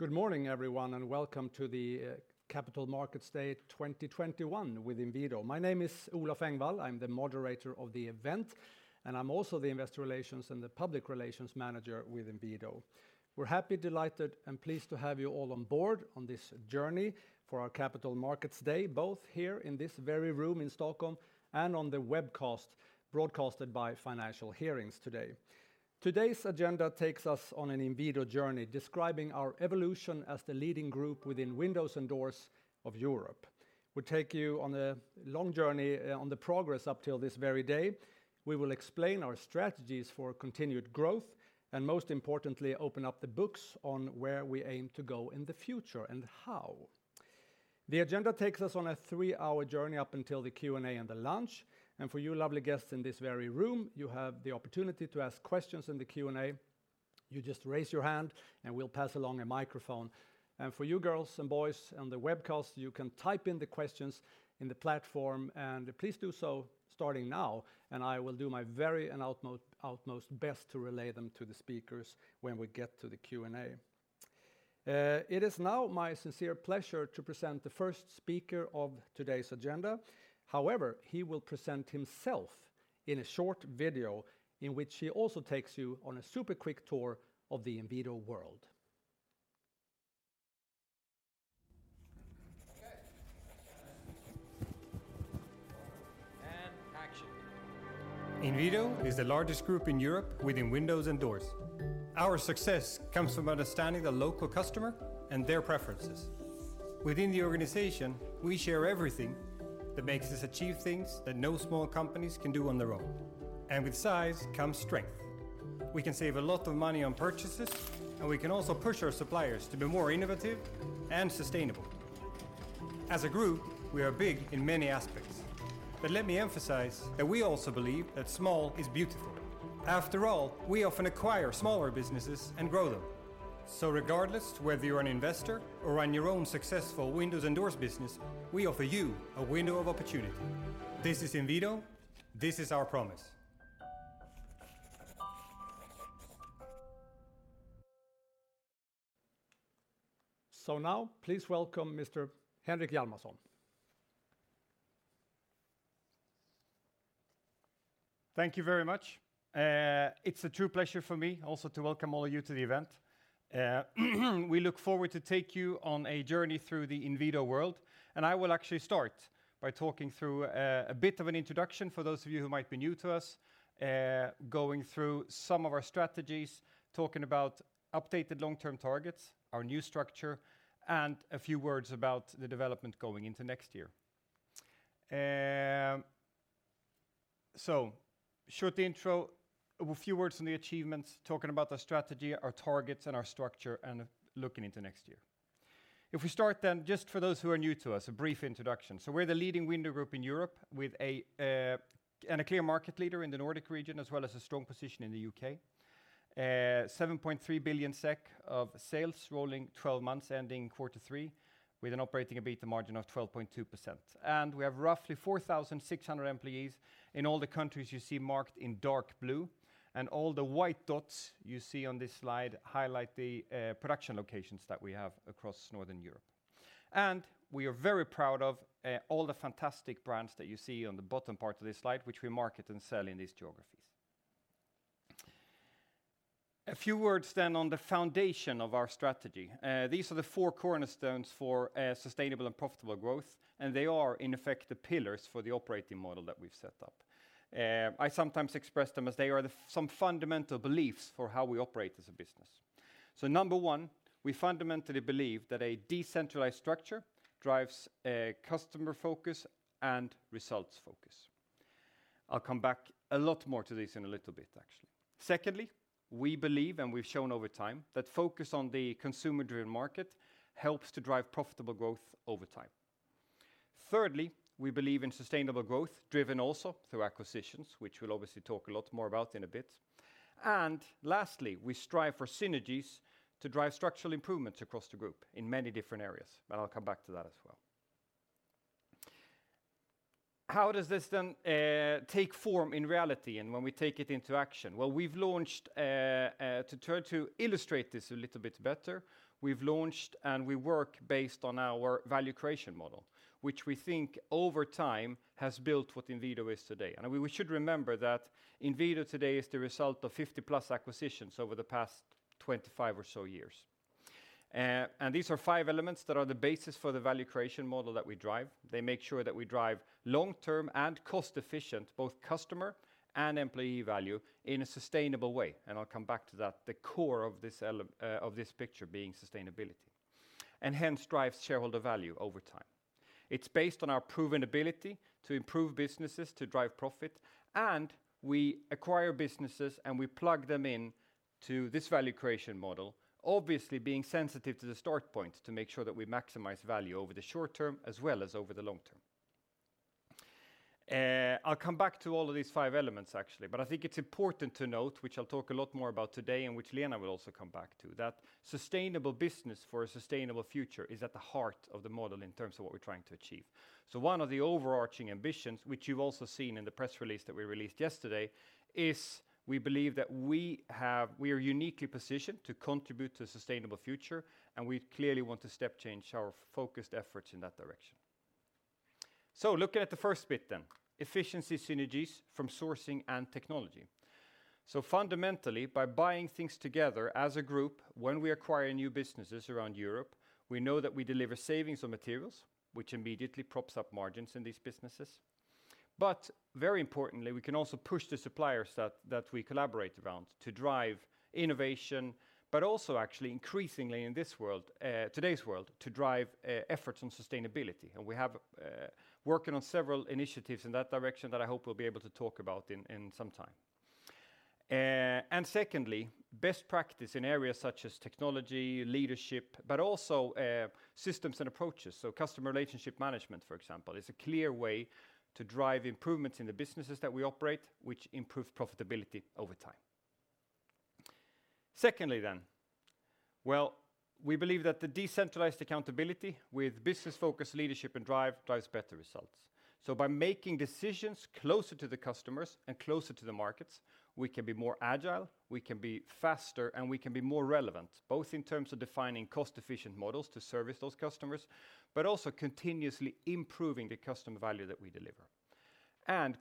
Good morning, everyone, and welcome to the Capital Markets Day 2021 with Inwido. My name is Olof Engvall. I'm the moderator of the event, and I'm also the Investor Relations and Public Relations Manager with Inwido. We're happy, delighted, and pleased to have you all on board on this journey for our Capital Markets Day, both here in this very room in Stockholm and on the webcast broadcasted by Financial Hearings today. Today's agenda takes us on an Inwido journey describing our evolution as the leading group within windows and doors of Europe. We take you on a long journey on the progress up till this very day. We will explain our strategies for continued growth, and most importantly, open up the books on where we aim to go in the future and how. The agenda takes us on a three-hour journey up until the Q&A and the lunch. For you lovely guests in this very room, you have the opportunity to ask questions in the Q&A. You just raise your hand, and we'll pass along a microphone. For you girls and boys on the webcast, you can type in the questions in the platform, and please do so starting now, and I will do my very and outmost best to relay them to the speakers when we get to the Q&A. It is now my sincere pleasure to present the first speaker of today's agenda. However, he will present himself in a short video in which he also takes you on a super quick tour of the Inwido world. Okay. Action. Inwido is the largest group in Europe within windows and doors. Our success comes from understanding the local customer and their preferences. Within the organization, we share everything that makes us achieve things that no small companies can do on their own. With size comes strength. We can save a lot of money on purchases, and we can also push our suppliers to be more innovative and sustainable. As a group, we are big in many aspects. Let me emphasize that we also believe that small is beautiful. After all, we often acquire smaller businesses and grow them. Regardless, whether you're an investor or run your own successful windows and doors business, we offer you a window of opportunity. This is Inwido. This is our promise. Now, please welcome Mr. Henrik Hjalmarsson. Thank you very much. It's a true pleasure for me also to welcome all of you to the event. We look forward to take you on a journey through the Inwido world. I will actually start by talking through a bit of an introduction for those of you who might be new to us, going through some of our strategies, talking about updated long-term targets, our new structure, and a few words about the development going into next year. So short intro, a few words on the achievements, talking about the strategy, our targets, and our structure, and looking into next year. If we start then, just for those who are new to us, a brief introduction. We're the leading window group in Europe and a clear market leader in the Nordic region, as well as a strong position in the U.K. 7.3 billion SEK of sales rolling twelve months, ending quarter three, with an operating EBITDA margin of 12.2%. We have roughly 4,600 employees in all the countries you see marked in dark blue, and all the white dots you see on this slide highlight the production locations that we have across Northern Europe. We are very proud of all the fantastic brands that you see on the bottom part of this slide, which we market and sell in these geographies. A few words then on the foundation of our strategy. These are the four cornerstones for sustainable and profitable growth, and they are, in effect, the pillars for the operating model that we've set up. I sometimes express them as some fundamental beliefs for how we operate as a business. Number one, we fundamentally believe that a decentralized structure drives a customer focus and results focus. I'll come back a lot more to this in a little bit, actually. Secondly, we believe, and we've shown over time, that focus on the consumer-driven market helps to drive profitable growth over time. Thirdly, we believe in sustainable growth driven also through acquisitions, which we'll obviously talk a lot more about in a bit. Lastly, we strive for synergies to drive structural improvements across the group in many different areas, but I'll come back to that as well. How does this then take form in reality and when we take it into action? Well, to try to illustrate this a little bit better, we've launched, and we work based on our value creation model, which we think over time has built what Inwido is today. We should remember that Inwido today is the result of 50+ acquisitions over the past 25 or so years. These are five elements that are the basis for the value creation model that we drive. They make sure that we drive long-term and cost-efficient, both customer and employee value in a sustainable way. I'll come back to that, the core of this picture being sustainability, and hence drives shareholder value over time. It's based on our proven ability to improve businesses, to drive profit, and we acquire businesses, and we plug them into this value creation model, obviously being sensitive to the start point to make sure that we maximize value over the short term as well as over the long term. I'll come back to all of these five elements actually. I think it's important to note, which I'll talk a lot more about today and which Lena will also come back to, that sustainable business for a sustainable future is at the heart of the model in terms of what we're trying to achieve. One of the overarching ambitions, which you've also seen in the press release that we released yesterday, is that we believe we are uniquely positioned to contribute to a sustainable future, and we clearly want to step change our focused efforts in that direction. Looking at the first bit then, efficiency synergies from sourcing and technology. Fundamentally, by buying things together as a group, when we acquire new businesses around Europe, we know that we deliver savings on materials, which immediately props up margins in these businesses. Very importantly, we can also push the suppliers that we collaborate around to drive innovation, but also actually increasingly in today's world, to drive efforts on sustainability. We have been working on several initiatives in that direction that I hope we'll be able to talk about in some time. Secondly, best practice in areas such as technology, leadership, but also, systems and approaches. Customer relationship management, for example, is a clear way to drive improvements in the businesses that we operate, which improve profitability over time. Secondly, we believe that the decentralized accountability with business-focused leadership and drive drives better results. By making decisions closer to the customers and closer to the markets, we can be more agile, we can be faster, and we can be more relevant, both in terms of defining cost-efficient models to service those customers, but also continuously improving the customer value that we deliver.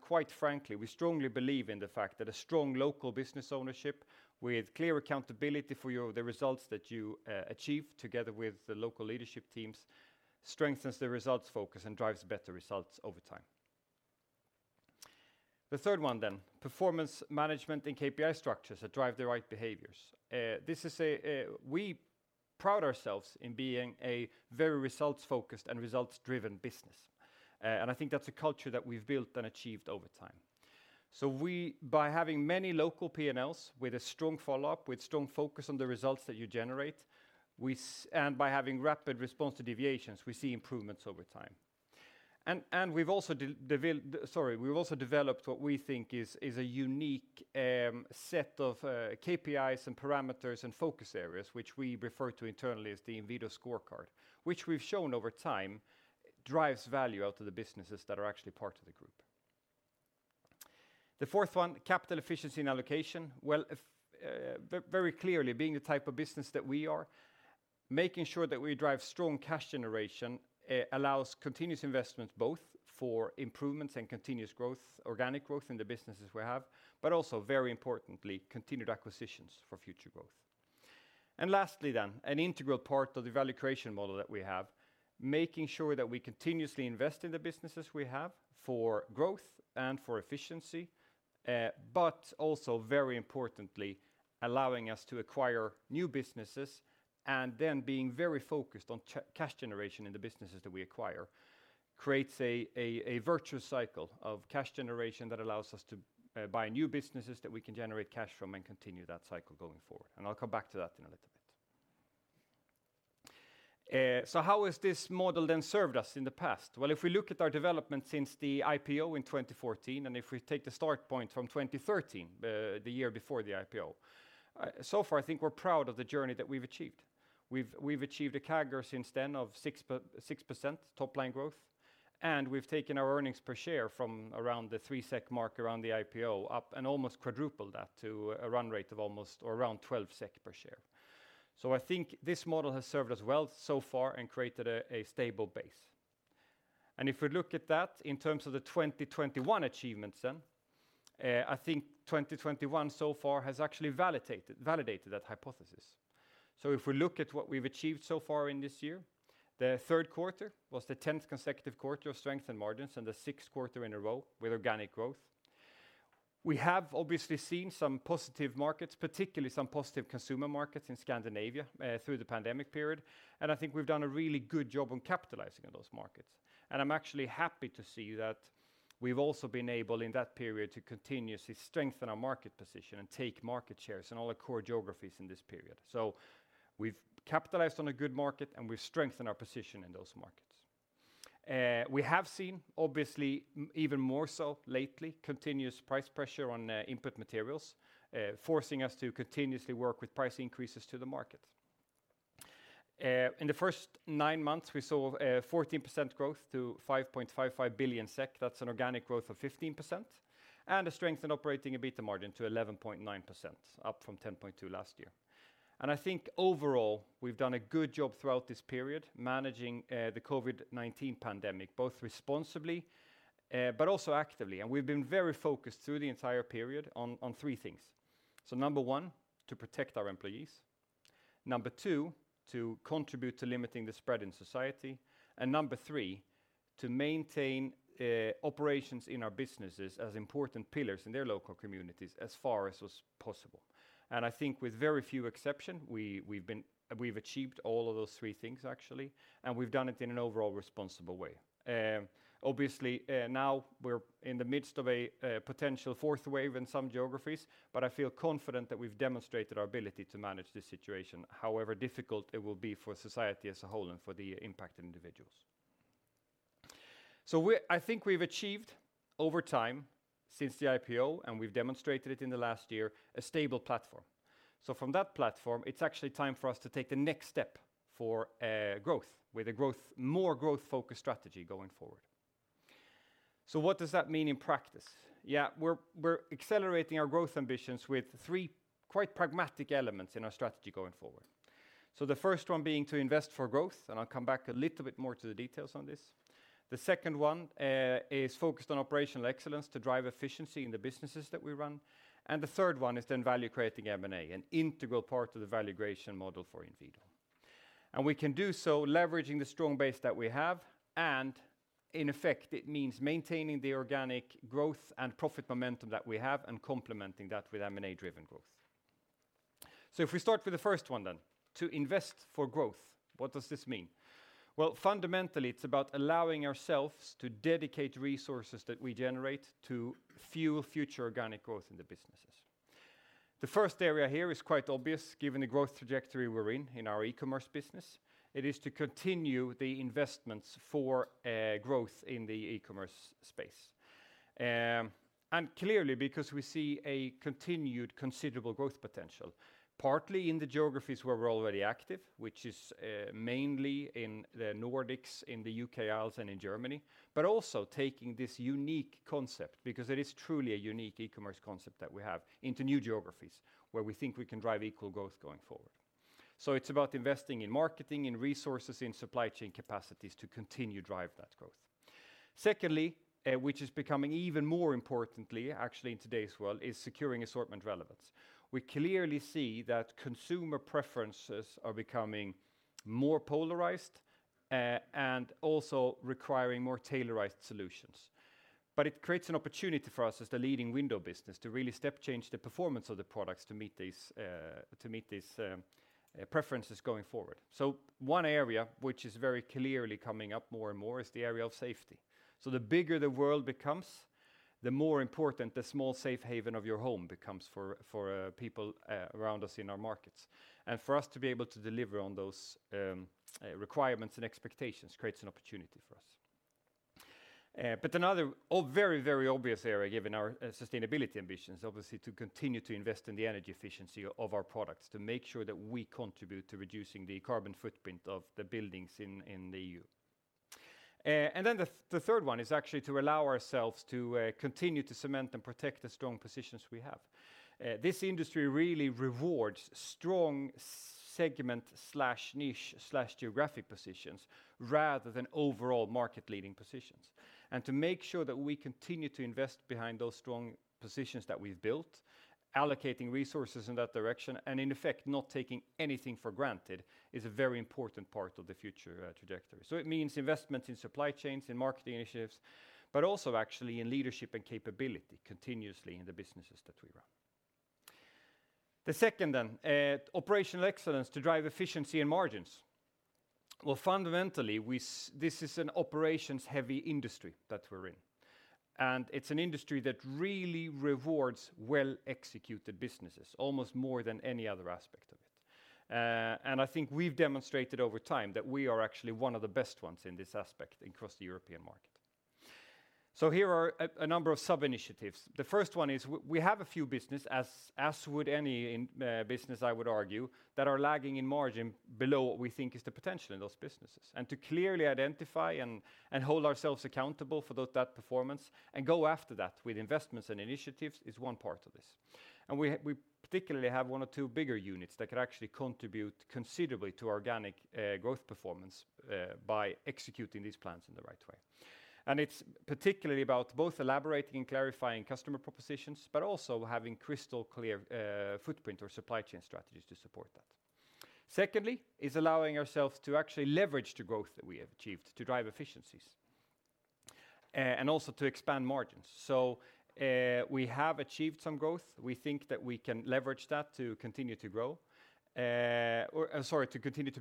Quite frankly, we strongly believe in the fact that a strong local business ownership with clear accountability for the results that you achieve together with the local leadership teams strengthens the results focus and drives better results over time. The third one, performance management and KPI structures that drive the right behaviors. We pride ourselves in being a very results-focused and results-driven business. I think that's a culture that we've built and achieved over time. We, by having many local P&Ls with a strong follow-up, with strong focus on the results that you generate, and by having rapid response to deviations, we see improvements over time. We've also developed what we think is a unique set of KPIs and parameters and focus areas, which we refer to internally as the Inwido Scorecard, which we've shown over time drives value out to the businesses that are actually part of the group. The fourth one, capital efficiency and allocation. Well, very clearly, being the type of business that we are, making sure that we drive strong cash generation allows continuous investment, both for improvements and continuous growth, organic growth in the businesses we have, but also very importantly, continued acquisitions for future growth. Lastly, an integral part of the value creation model that we have, making sure that we continuously invest in the businesses we have for growth and for efficiency, but also very importantly, allowing us to acquire new businesses and then being very focused on cash generation in the businesses that we acquire creates a virtuous cycle of cash generation that allows us to buy new businesses that we can generate cash from and continue that cycle going forward. I'll come back to that in a little bit. How has this model then served us in the past? Well, if we look at our development since the IPO in 2014 and if we take the start point from 2013, the year before the IPO, so far, I think we're proud of the journey that we've achieved. We've achieved a CAGR since then of 6% top-line growth, and we've taken our earnings per share from around the 3 SEK mark around the IPO up and almost quadrupled that to a run rate of almost or around 12 SEK per share. I think this model has served us well so far and created a stable base. If we look at that in terms of the 2021 achievements then, I think 2021 so far has actually validated that hypothesis. If we look at what we've achieved so far in this year, the third quarter was the tenth consecutive quarter of strength and margins and the sixth quarter in a row with organic growth. We have obviously seen some positive markets, particularly some positive consumer markets in Scandinavia, through the pandemic period, and I think we've done a really good job on capitalizing on those markets. I'm actually happy to see that we've also been able in that period to continuously strengthen our market position and take market shares in all the core geographies in this period. We've capitalized on a good market, and we've strengthened our position in those markets. We have seen, obviously, even more so lately, continuous price pressure on input materials, forcing us to continuously work with price increases to the market. In the first nine months, we saw 14% growth to 5.55 billion SEK. That's an organic growth of 15%, and a strength in operating EBITDA margin to 11.9%, up from 10.2% last year. I think overall, we've done a good job throughout this period managing the COVID-19 pandemic, both responsibly, but also actively. We've been very focused through the entire period on three things. Number one, to protect our employees. Number two, to contribute to limiting the spread in society. Number three, to maintain operations in our businesses as important pillars in their local communities as far as was possible. I think with very few exceptions, we've achieved all of those three things actually, and we've done it in an overall responsible way. Obviously, now we're in the midst of a potential fourth wave in some geographies, but I feel confident that we've demonstrated our ability to manage this situation however difficult it will be for society as a whole and for the impacted individuals. I think we've achieved over time since the IPO, and we've demonstrated it in the last year, a stable platform. From that platform, it's actually time for us to take the next step for growth, with a more growth-focused strategy going forward. What does that mean in practice? Yeah, we're accelerating our growth ambitions with three quite pragmatic elements in our strategy going forward. The first one being to invest for growth, and I'll come back a little bit more to the details on this. The second one is focused on operational excellence to drive efficiency in the businesses that we run, and the third one is then value-creating M&A, an integral part of the value creation model for Inwido. We can do so leveraging the strong base that we have, and in effect it means maintaining the organic growth and profit momentum that we have and complementing that with M&A-driven growth. If we start with the first one then, to invest for growth, what does this mean? Well, fundamentally, it's about allowing ourselves to dedicate resources that we generate to fuel future organic growth in the businesses. The first area here is quite obvious given the growth trajectory we're in in our e-commerce business. It is to continue the investments for growth in the e-commerce space. Clearly, because we see a continued considerable growth potential, partly in the geographies where we're already active, which is mainly in the Nordics, in the UK Isles, and in Germany, but also taking this unique concept, because it is truly a unique e-commerce concept that we have, into new geographies where we think we can drive equal growth going forward. It's about investing in marketing, in resources, in supply chain capacities to continue to drive that growth. Secondly, which is becoming even more importantly actually in today's world, is securing assortment relevance. We clearly see that consumer preferences are becoming more polarized, and also requiring more tailored solutions. It creates an opportunity for us as the leading window business to really step change the performance of the products to meet these preferences going forward. One area which is very clearly coming up more and more is the area of safety. The bigger the world becomes, the more important the small safe haven of your home becomes for people around us in our markets. For us to be able to deliver on those requirements and expectations creates an opportunity for us. But another very, very obvious area, given our sustainability ambitions, obviously to continue to invest in the energy efficiency of our products, to make sure that we contribute to reducing the carbon footprint of the buildings in the EU. Then the third one is actually to allow ourselves to continue to cement and protect the strong positions we have. This industry really rewards strong segment/niche/geographic positions rather than overall market-leading positions. To make sure that we continue to invest behind those strong positions that we've built, allocating resources in that direction, and in effect not taking anything for granted, is a very important part of the future trajectory. It means investments in supply chains, in marketing initiatives, but also actually in leadership and capability continuously in the businesses that we run. The second then, operational excellence to drive efficiency and margins. Well, fundamentally, this is an operations-heavy industry that we're in, and it's an industry that really rewards well-executed businesses almost more than any other aspect of it. And I think we've demonstrated over time that we are actually one of the best ones in this aspect across the European market. Here are a number of sub-initiatives. The first one is we have a few business, as would any in, business, I would argue, that are lagging in margin below what we think is the potential in those businesses. To clearly identify and hold ourselves accountable for that performance and go after that with investments and initiatives is one part of this. We particularly have one or two bigger units that could actually contribute considerably to organic growth performance by executing these plans in the right way. It's particularly about both elaborating and clarifying customer propositions, but also having crystal clear footprint or supply chain strategies to support that. Secondly is allowing ourselves to actually leverage the growth that we have achieved to drive efficiencies and also to expand margins. We have achieved some growth. We think that we can leverage that to continue to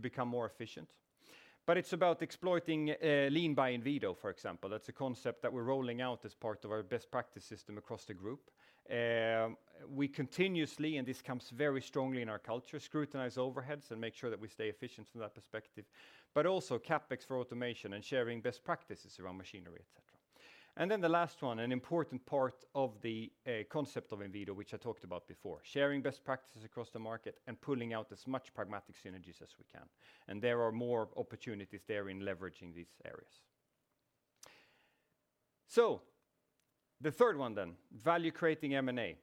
become more efficient. It's about exploiting Lean by Inwido, for example. That's a concept that we're rolling out as part of our best practice system across the group. We continuously, and this comes very strongly in our culture, scrutinize overheads and make sure that we stay efficient from that perspective, but also CapEx for automation and sharing best practices around machinery, etc. The last one, an important part of the concept of Inwido, which I talked about before, sharing best practices across the market and pulling out as much pragmatic synergies as we can. There are more opportunities there in leveraging these areas. The third one, value-creating M&A.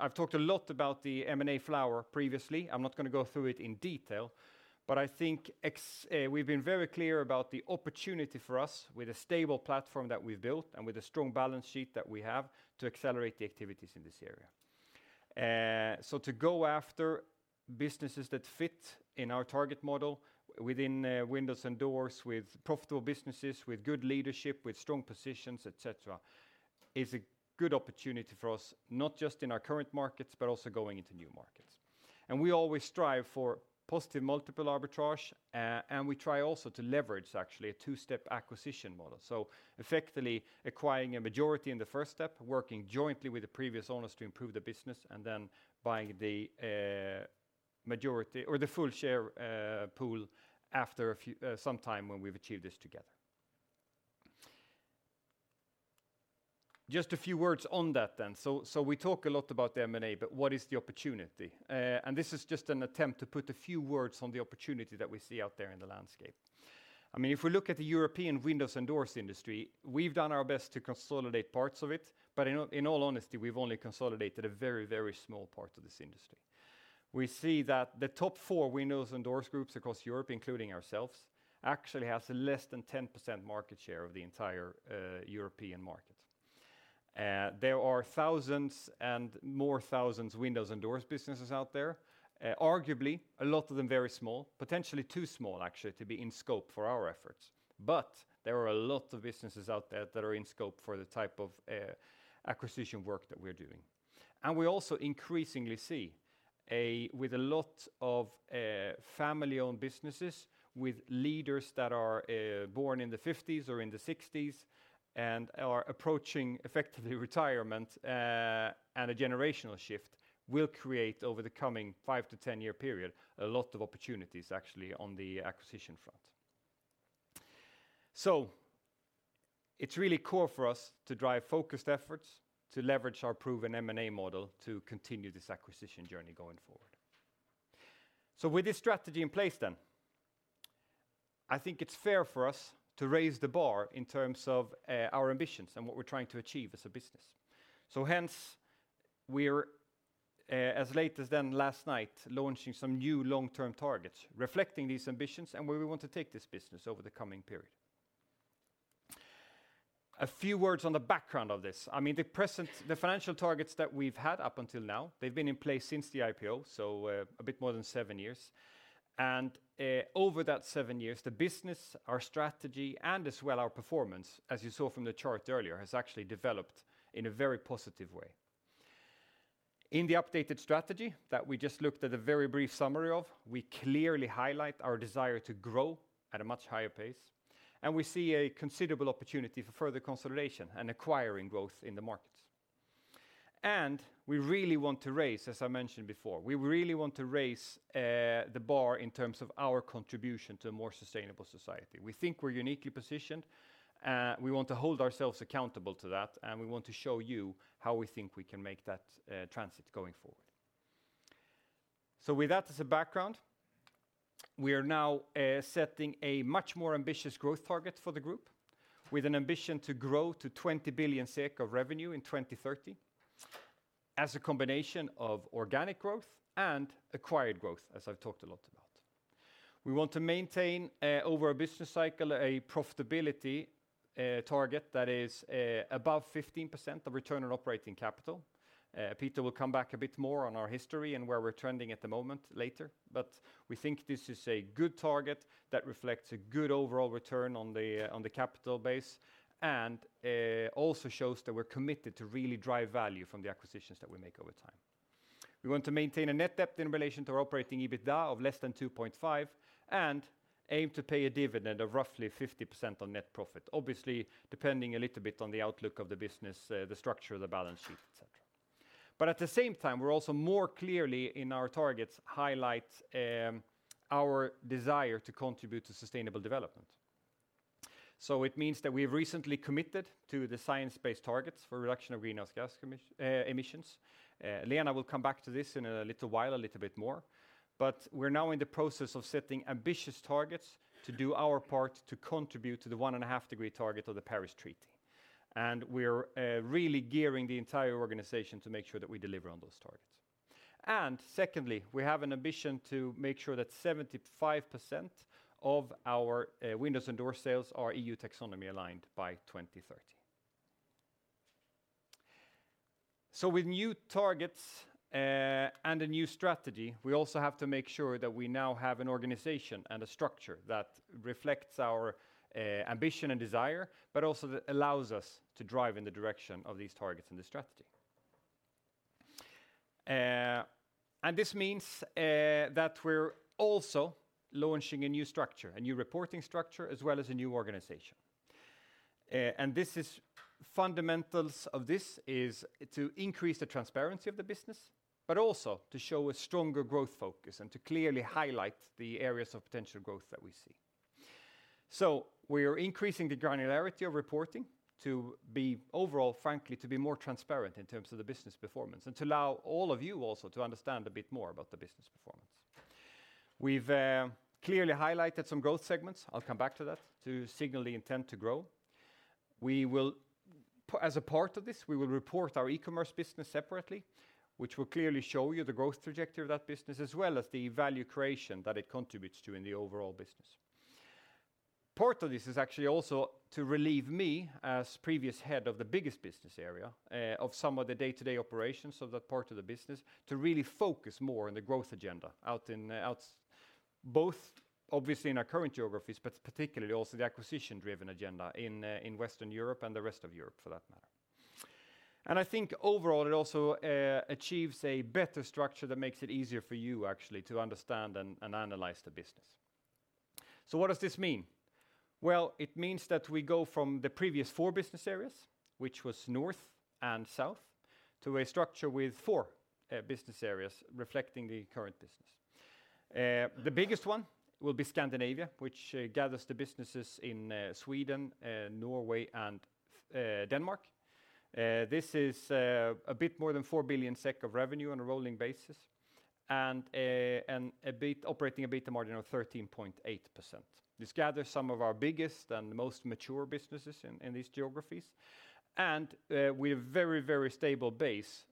I've talked a lot about the M&A flower previously. I'm not gonna go through it in detail, but I think we've been very clear about the opportunity for us with a stable platform that we've built and with a strong balance sheet that we have to accelerate the activities in this area. So to go after businesses that fit in our target model within windows and doors with profitable businesses, with good leadership, with strong positions, et cetera, is a good opportunity for us, not just in our current markets, but also going into new markets. We always strive for positive multiple arbitrage, and we try also to leverage actually a two-step acquisition model. Effectively acquiring a majority in the first step, working jointly with the previous owners to improve the business, and then buying the majority or the full share pool after some time when we've achieved this together. Just a few words on that then. We talk a lot about the M&A, but what is the opportunity? This is just an attempt to put a few words on the opportunity that we see out there in the landscape. I mean, if we look at the European windows and doors industry, we've done our best to consolidate parts of it, but in all honesty, we've only consolidated a very, very small part of this industry. We see that the top four windows and doors groups across Europe, including ourselves, actually has less than 10% market share of the entire European market. There are thousands and more thousands windows and doors businesses out there. Arguably, a lot of them very small, potentially too small actually to be in scope for our efforts. But there are a lot of businesses out there that are in scope for the type of acquisition work that we're doing. We also increasingly see, with a lot of family-owned businesses with leaders that are born in the 1950s or in the 1960s and are approaching effectively retirement, and a generational shift will create over the coming 5- to 10-year period, a lot of opportunities actually on the acquisition front. It's really core for us to drive focused efforts to leverage our proven M&A model to continue this acquisition journey going forward. With this strategy in place then, I think it's fair for us to raise the bar in terms of our ambitions and what we're trying to achieve as a business. Hence, we're as late as then last night launching some new long-term targets reflecting these ambitions, and where we want to take this business over the coming period. A few words on the background of this. I mean, the present financial targets that we've had up until now, they've been in place since the IPO, so a bit more than seven years. Over that seven years, the business, our strategy, and as well, our performance, as you saw from the chart earlier, has actually developed in a very positive way. In the updated strategy that we just looked at a very brief summary of, we clearly highlight our desire to grow at a much higher pace, and we see a considerable opportunity for further consolidation and acquiring growth in the markets. We really want to raise, as I mentioned before, the bar in terms of our contribution to a more sustainable society. We think we're uniquely positioned, we want to hold ourselves accountable to that, and we want to show you how we think we can make that transition going forward. With that as a background, we are now setting a much more ambitious growth target for the group with an ambition to grow to 20 billion SEK of revenue in 2030 as a combination of organic growth and acquired growth, as I've talked a lot about. We want to maintain over a business cycle a profitability target that is above 15% return on operating capital. Peter will come back a bit more on our history and where we're trending at the moment later. We think this is a good target that reflects a good overall return on the capital base and also shows that we're committed to really drive value from the acquisitions that we make over time. We want to maintain a net debt in relation to our operating EBITDA of less than 2.5 and aim to pay a dividend of roughly 50% on net profit. Obviously, depending a little bit on the outlook of the business, the structure of the balance sheet, et cetera. At the same time, we're also more clearly in our targets, highlight, our desire to contribute to sustainable development. It means that we've recently committed to the Science Based Targets initiative for reduction of greenhouse gas emissions. Lena will come back to this in a little while, a little bit more. We're now in the process of setting ambitious targets to do our part to contribute to the 1.5-degree target of the Paris Agreement. We're really gearing the entire organization to make sure that we deliver on those targets. Secondly, we have an ambition to make sure that 75% of our windows and doors sales are EU Taxonomy aligned by 2030. With new targets and a new strategy, we also have to make sure that we now have an organization and a structure that reflects our ambition and desire, but also that allows us to drive in the direction of these targets and the strategy. This means that we're also launching a new structure, a new reporting structure, as well as a new organization. The fundamentals of this is to increase the transparency of the business, but also to show a stronger growth focus and to clearly highlight the areas of potential growth that we see. We are increasing the granularity of reporting to be overall, frankly, to be more transparent in terms of the business performance and to allow all of you also to understand a bit more about the business performance. We've clearly highlighted some growth segments, I'll come back to that, to signal the intent to grow. As a part of this, we will report our e-commerce business separately, which will clearly show you the growth trajectory of that business, as well as the value creation that it contributes to in the overall business. Part of this is actually also to relieve me as previous head of the biggest business area of some of the day-to-day operations of that part of the business to really focus more on the growth agenda out in both obviously in our current geographies, but particularly also the acquisition-driven agenda in Western Europe and the rest of Europe, for that matter. I think overall, it also achieves a better structure that makes it easier for you actually to understand and analyze the business. What does this mean? It means that we go from the previous four business areas, which was North and South, to a structure with four business areas reflecting the current business. The biggest one will be Scandinavia, which gathers the businesses in Sweden, Norway, and Denmark. This is a bit more than 4 billion SEK of revenue on a rolling basis and a bit operating EBITDA margin of 13.8%. This gathers some of our biggest and most mature businesses in these geographies, and we have very stable base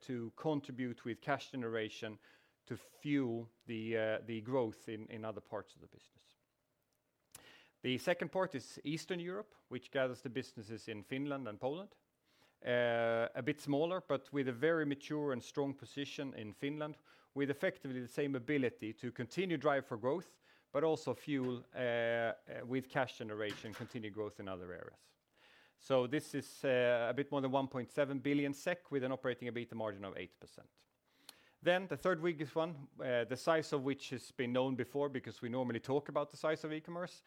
to contribute with cash generation to fuel the growth in other parts of the business. The second part is Eastern Europe, which gathers the businesses in Finland and Poland. A bit smaller, but with a very mature and strong position in Finland, with effectively the same ability to continue drive for growth, but also fuel with cash generation, continued growth in other areas. This is a bit more than 1.7 billion SEK with an operating EBITDA margin of 8%. The third biggest one, the size of which has been known before because we normally talk about the size of e-commerce,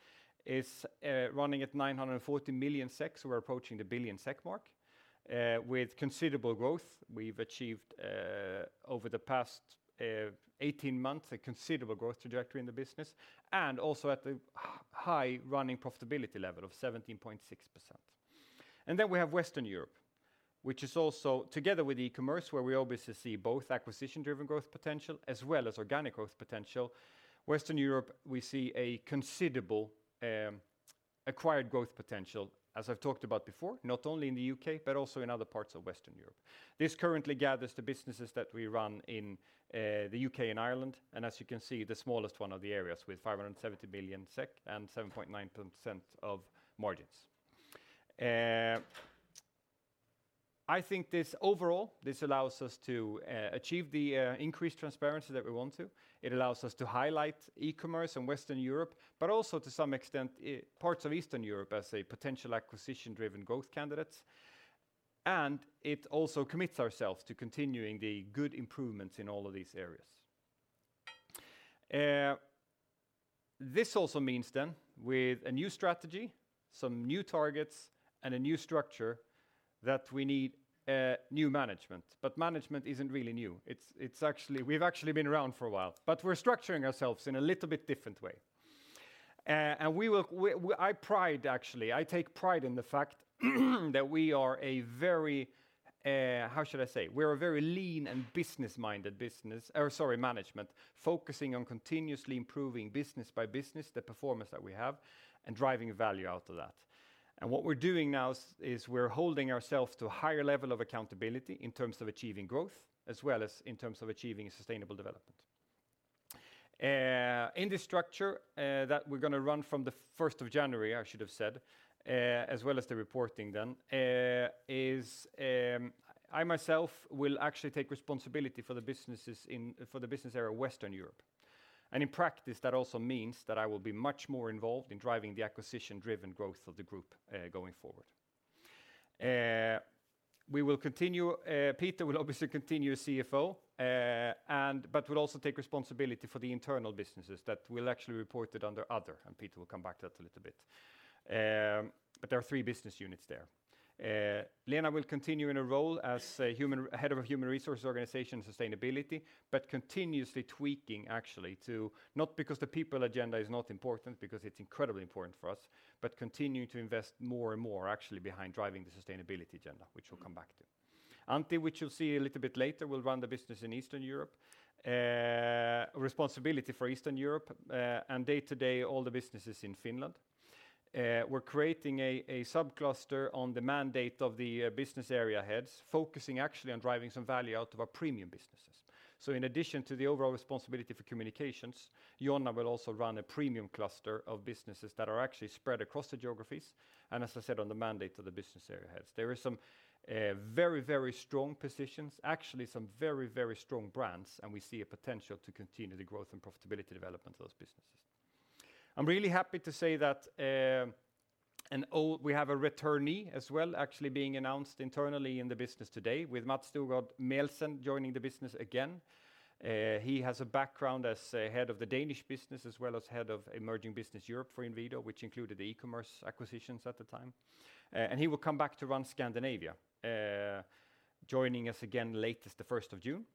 is running at 940 million SEK, so we're approaching the 1 billion SEK mark with considerable growth. We've achieved over the past 18 months a considerable growth trajectory in the business and also at the high running profitability level of 17.6%. We have Western Europe, which is also together with e-commerce, where we obviously see both acquisition-driven growth potential as well as organic growth potential. Western Europe, we see a considerable acquired growth potential, as I've talked about before, not only in the U.K., but also in other parts of Western Europe. This currently gathers the businesses that we run in the U.K. and Ireland, and as you can see, the smallest one of the areas with 570 million SEK and 7.9% of margins. I think this overall, this allows us to achieve the increased transparency that we want to. It allows us to highlight e-commerce in Western Europe, but also to some extent, parts of Eastern Europe as a potential acquisition-driven growth candidate. It also commits ourselves to continuing the good improvements in all of these areas. This also means then with a new strategy, some new targets and a new structure that we need a new management, but management isn't really new. It's actually we've actually been around for a while, but we're structuring ourselves in a little bit different way. I take pride in the fact that we are a very lean and business-minded business, or sorry, management, focusing on continuously improving business by business, the performance that we have, and driving value out of that. What we're doing now is we're holding ourselves to a higher level of accountability in terms of achieving growth as well as in terms of achieving sustainable development. In the structure that we're gonna run from the first of January, I should have said, as well as the reporting then, is, I myself will actually take responsibility for the businesses for the business area, Western Europe. In practice, that also means that I will be much more involved in driving the acquisition-driven growth of the group, going forward. We will continue. Peter will obviously continue as CFO and will also take responsibility for the internal businesses that will actually report it under other, and Peter will come back to that a little bit. There are three business units there. Lena will continue in a role as head of Human Resources, Organization & Sustainability, continuously tweaking actually to, not because the people agenda is not important, because it's incredibly important for us, but continuing to invest more and more actually behind driving the sustainability agenda, which we'll come back to. Antti, which you'll see a little bit later, will run the business in Eastern Europe with responsibility for Eastern Europe and day-to-day all the businesses in Finland. We're creating a sub-cluster on the mandate of the business area heads, focusing actually on driving some value out of our premium businesses. In addition to the overall responsibility for communications, Jonna will also run a premium cluster of businesses that are actually spread across the geographies, and as I said, on the mandate of the business area heads. There is some very strong positions, actually some very strong brands, and we see a potential to continue the growth and profitability development of those businesses. I'm really happy to say that we have a returnee as well actually being announced internally in the business today with Mads Storgaard Mehlsen joining the business again. He has a background as head of the Danish business as well as head of Emerging Business Europe for Inwido, which included the e-commerce acquisitions at the time. He will come back to run Scandinavia, joining us again as of the first of June.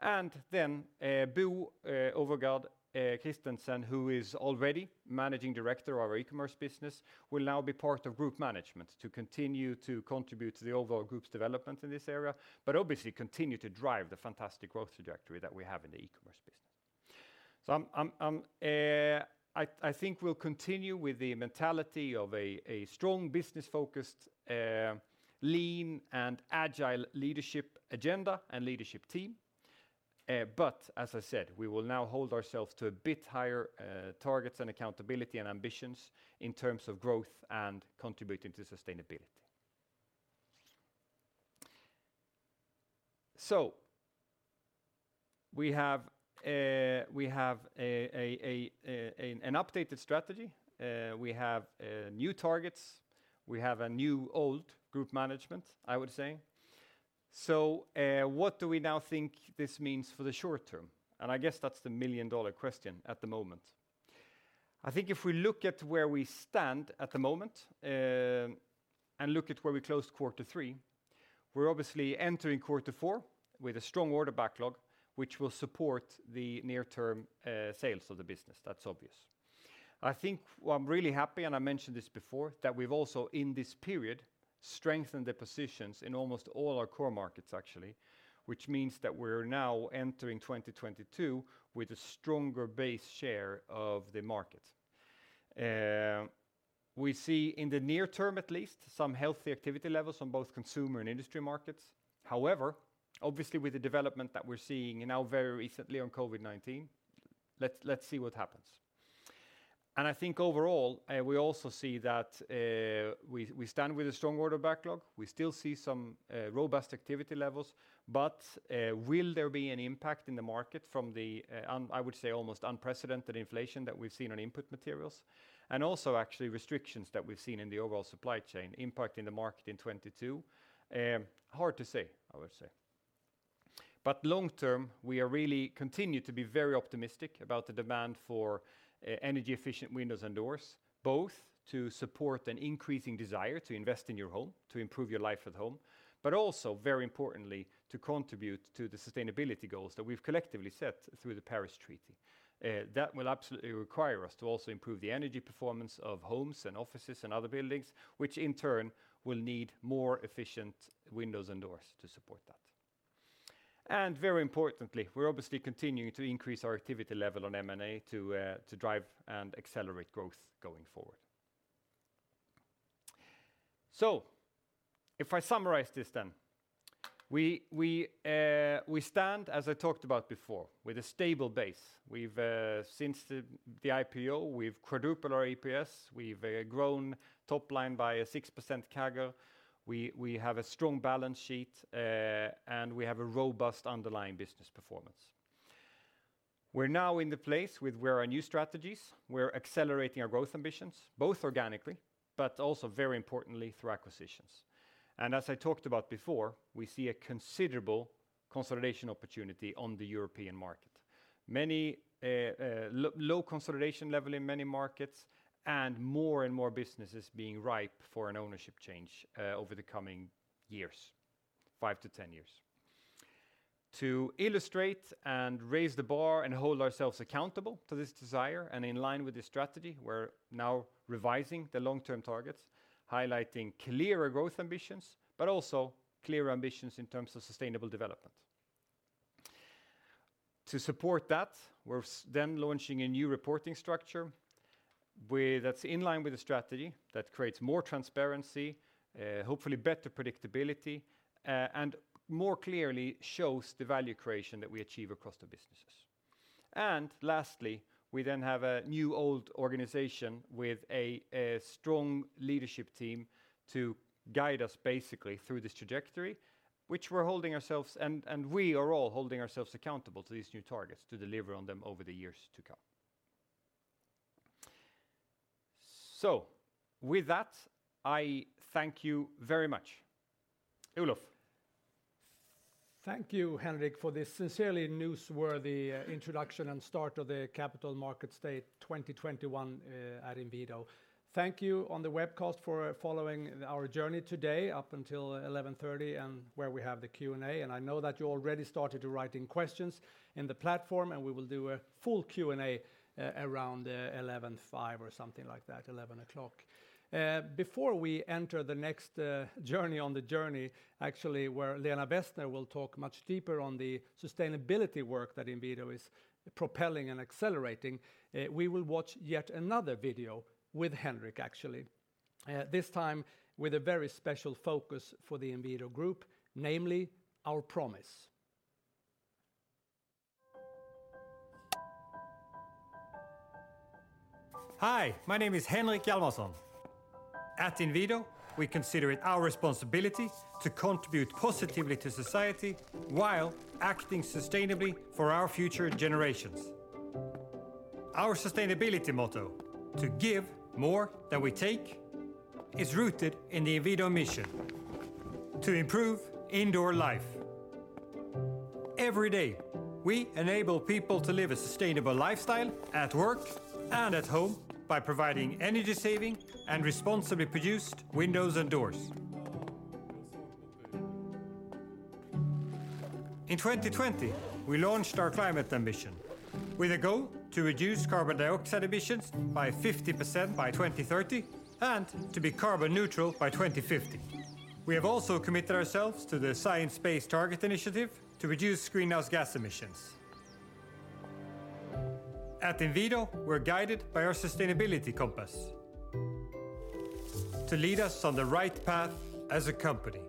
Bo Overgaard Christensen, who is already managing director of our e-commerce business, will now be part of group management to continue to contribute to the overall group's development in this area, but obviously continue to drive the fantastic growth trajectory that we have in the e-commerce business. I think we'll continue with the mentality of a strong business-focused, lean and agile leadership agenda and leadership team. As I said, we will now hold ourselves to a bit higher targets and accountability and ambitions in terms of growth and contributing to sustainability. We have an updated strategy. We have new targets. We have a new old group management, I would say. What do we now think this means for the short term? I guess that's the million-dollar question at the moment. I think if we look at where we stand at the moment and look at where we closed quarter three, we're obviously entering quarter four with a strong order backlog, which will support the near-term sales of the business. That's obvious. I think I'm really happy, and I mentioned this before, that we've also, in this period, strengthened the positions in almost all our core markets, actually, which means that we're now entering 2022 with a stronger base share of the market. We see in the near term at least some healthy activity levels on both consumer and industry markets. However, obviously with the development that we're seeing now very recently on COVID-19, let's see what happens. I think overall, we also see that, we stand with a strong order backlog. We still see some robust activity levels, but, will there be an impact in the market from the, I would say, almost unprecedented inflation that we've seen on input materials and also actually restrictions that we've seen in the overall supply chain impacting the market in 2022? Hard to say, I would say. Long term, we really continue to be very optimistic about the demand for energy efficient windows and doors, both to support an increasing desire to invest in your home, to improve your life at home, but also, very importantly, to contribute to the sustainability goals that we've collectively set through the Paris Agreement. That will absolutely require us to also improve the energy performance of homes and offices and other buildings, which in turn will need more efficient windows and doors to support that. Very importantly, we're obviously continuing to increase our activity level on M&A to drive and accelerate growth going forward. If I summarize this then, we stand, as I talked about before, with a stable base. We've since the IPO quadrupled our EPS, we've grown top line by a 6% CAGR, we have a strong balance sheet, and we have a robust underlying business performance. We're now in a place where our new strategies, we're accelerating our growth ambitions, both organically, but also very importantly through acquisitions. As I talked about before, we see a considerable consolidation opportunity on the European market. Many low consolidation level in many markets and more and more businesses being ripe for an ownership change over the coming years, five to 10 years. To illustrate and raise the bar and hold ourselves accountable to this desire, in line with this strategy, we're now revising the long-term targets, highlighting clearer growth ambitions, but also clearer ambitions in terms of sustainable development. To support that, we're launching a new reporting structure where that's in line with the strategy that creates more transparency, hopefully better predictability, and more clearly shows the value creation that we achieve across the businesses. Lastly, we have a new old organization with a strong leadership team to guide us basically through this trajectory, which we are all holding ourselves accountable to these new targets to deliver on them over the years to come. With that, I thank you very much. Olof. Thank you, Henrik, for this sincerely newsworthy introduction and start of the Capital Markets Day 2021 at Inwido. Thank you on the webcast for following our journey today up until 11:30 AM and where we have the Q&A. I know that you already started writing questions in the platform, and we will do a full Q&A around 11:05 AM or something like that, 11:00 AM. Before we enter the next journey on the journey, actually, where Lena Wessner will talk much deeper on the sustainability work that Inwido is propelling and accelerating, we will watch yet another video with Henrik, actually. This time with a very special focus for the Inwido Group, namely Our Promise. Hi, my name is Henrik Hjalmarsson. At Inwido, we consider it our responsibility to contribute positively to society while acting sustainably for our future generations. Our sustainability motto, to give more than we take, is rooted in the Inwido mission to improve indoor life. Every day, we enable people to live a sustainable lifestyle at work and at home by providing energy saving and responsibly produced windows and doors. In 2020, we launched our climate ambition with a goal to reduce carbon dioxide emissions by 50% by 2030 and to be carbon neutral by 2050. We have also committed ourselves to the Science Based Targets initiative to reduce greenhouse gas emissions. At Inwido, we're guided by our sustainability compass to lead us on the right path as a company.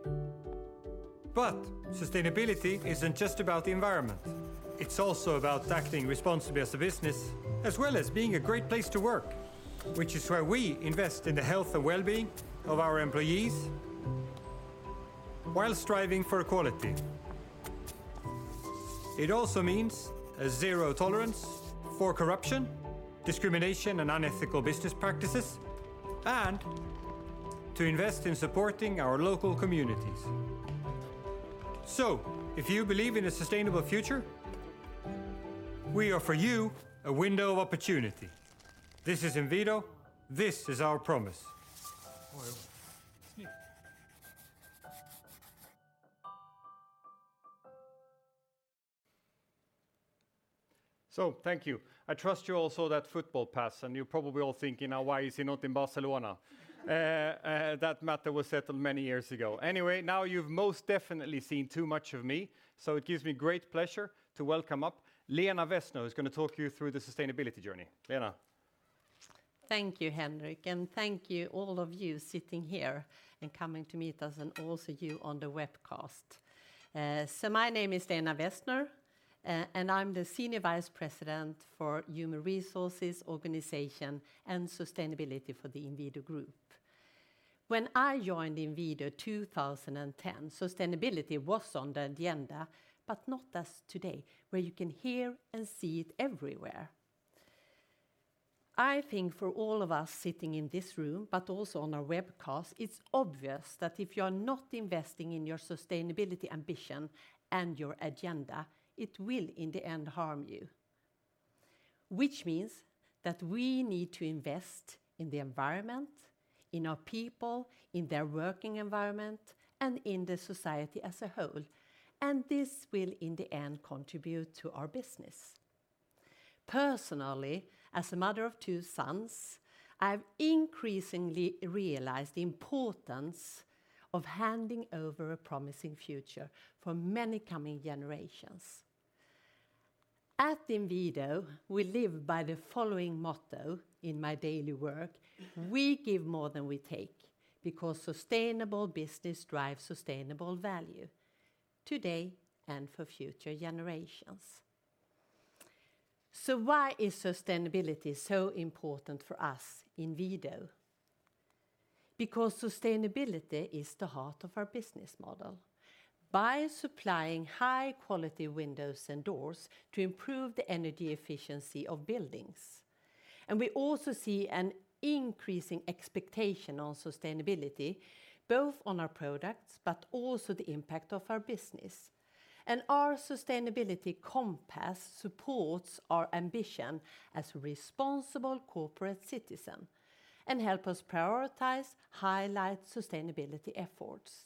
Sustainability isn't just about the environment. It's also about acting responsibly as a business as well as being a great place to work, which is why we invest in the health and well-being of our employees while striving for equality. It also means a zero tolerance for corruption, discrimination, and unethical business practices, and to invest in supporting our local communities. If you believe in a sustainable future, we offer you a window of opportunity. This is Inwido, this is our promise. Thank you. I trust you all saw that football pass, and you're probably all thinking now, "Why is he not in Barcelona?" That matter was settled many years ago. Anyway, now you've most definitely seen too much of me, so it gives me great pleasure to welcome up Lena Wessner, who's gonna talk you through the sustainability journey. Lena. Thank you, Henrik, and thank you, all of you sitting here and coming to meet us, and also you on the webcast. My name is Lena Wessner, and I'm the Senior Vice President for human resources, organization, and sustainability for the Inwido Group. When I joined Inwido in 2010, sustainability was on the agenda, but not as today, where you can hear and see it everywhere. I think for all of us sitting in this room, but also on our webcast, it's obvious that if you're not investing in your sustainability ambition and your agenda, it will, in the end, harm you. Which means that we need to invest in the environment, in our people, in their working environment, and in the society as a whole, and this will, in the end, contribute to our business. Personally, as a mother of two sons, I've increasingly realized the importance of handing over a promising future for many coming generations. At Inwido, we live by the following motto in my daily work: We give more than we take, because sustainable business drives sustainable value, today and for future generations. Why is sustainability so important for us in Inwido? Because sustainability is the heart of our business model. By supplying high-quality windows and doors to improve the energy efficiency of buildings, and we also see an increasing expectation on sustainability, both on our products, but also the impact of our business. Our sustainability compass supports our ambition as responsible corporate citizen and help us prioritize, highlight sustainability efforts.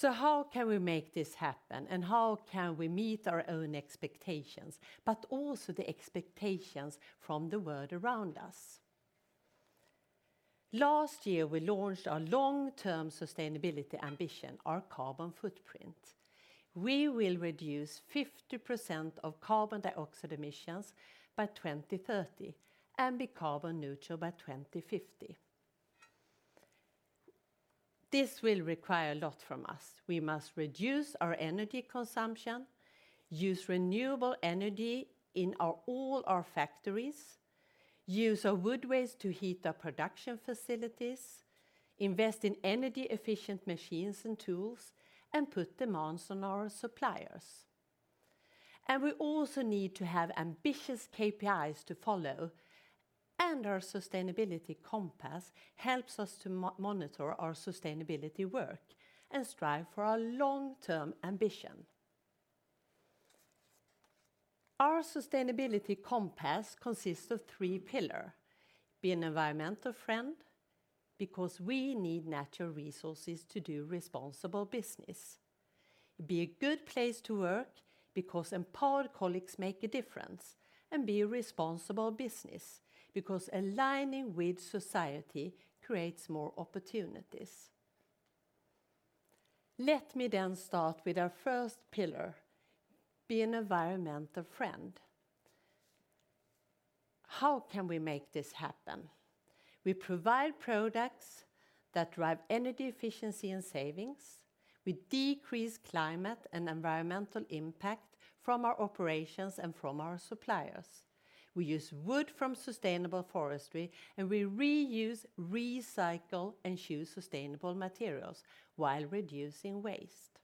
How can we make this happen, and how can we meet our own expectations, but also the expectations from the world around us? Last year, we launched our long-term sustainability ambition, our carbon footprint. We will reduce 50% of carbon dioxide emissions by 2030 and be carbon neutral by 2050. This will require a lot from us. We must reduce our energy consumption, use renewable energy in all our factories, use our wood waste to heat our production facilities, invest in energy-efficient machines and tools, and put demands on our suppliers. We also need to have ambitious KPIs to follow, and our Sustainability Compass helps us to monitor our sustainability work and strive for our long-term ambition. Our Sustainability Compass consists of three pillars: Be an environmental friend, because we need natural resources to do responsible business. Be a good place to work, because empowered colleagues make a difference. Be a responsible business, because aligning with society creates more opportunities. Let me start with our first pillar, be an environmental friend. How can we make this happen? We provide products that drive energy efficiency and savings. We decrease climate and environmental impact from our operations and from our suppliers. We use wood from sustainable forestry, and we reuse, recycle, and choose sustainable materials while reducing waste.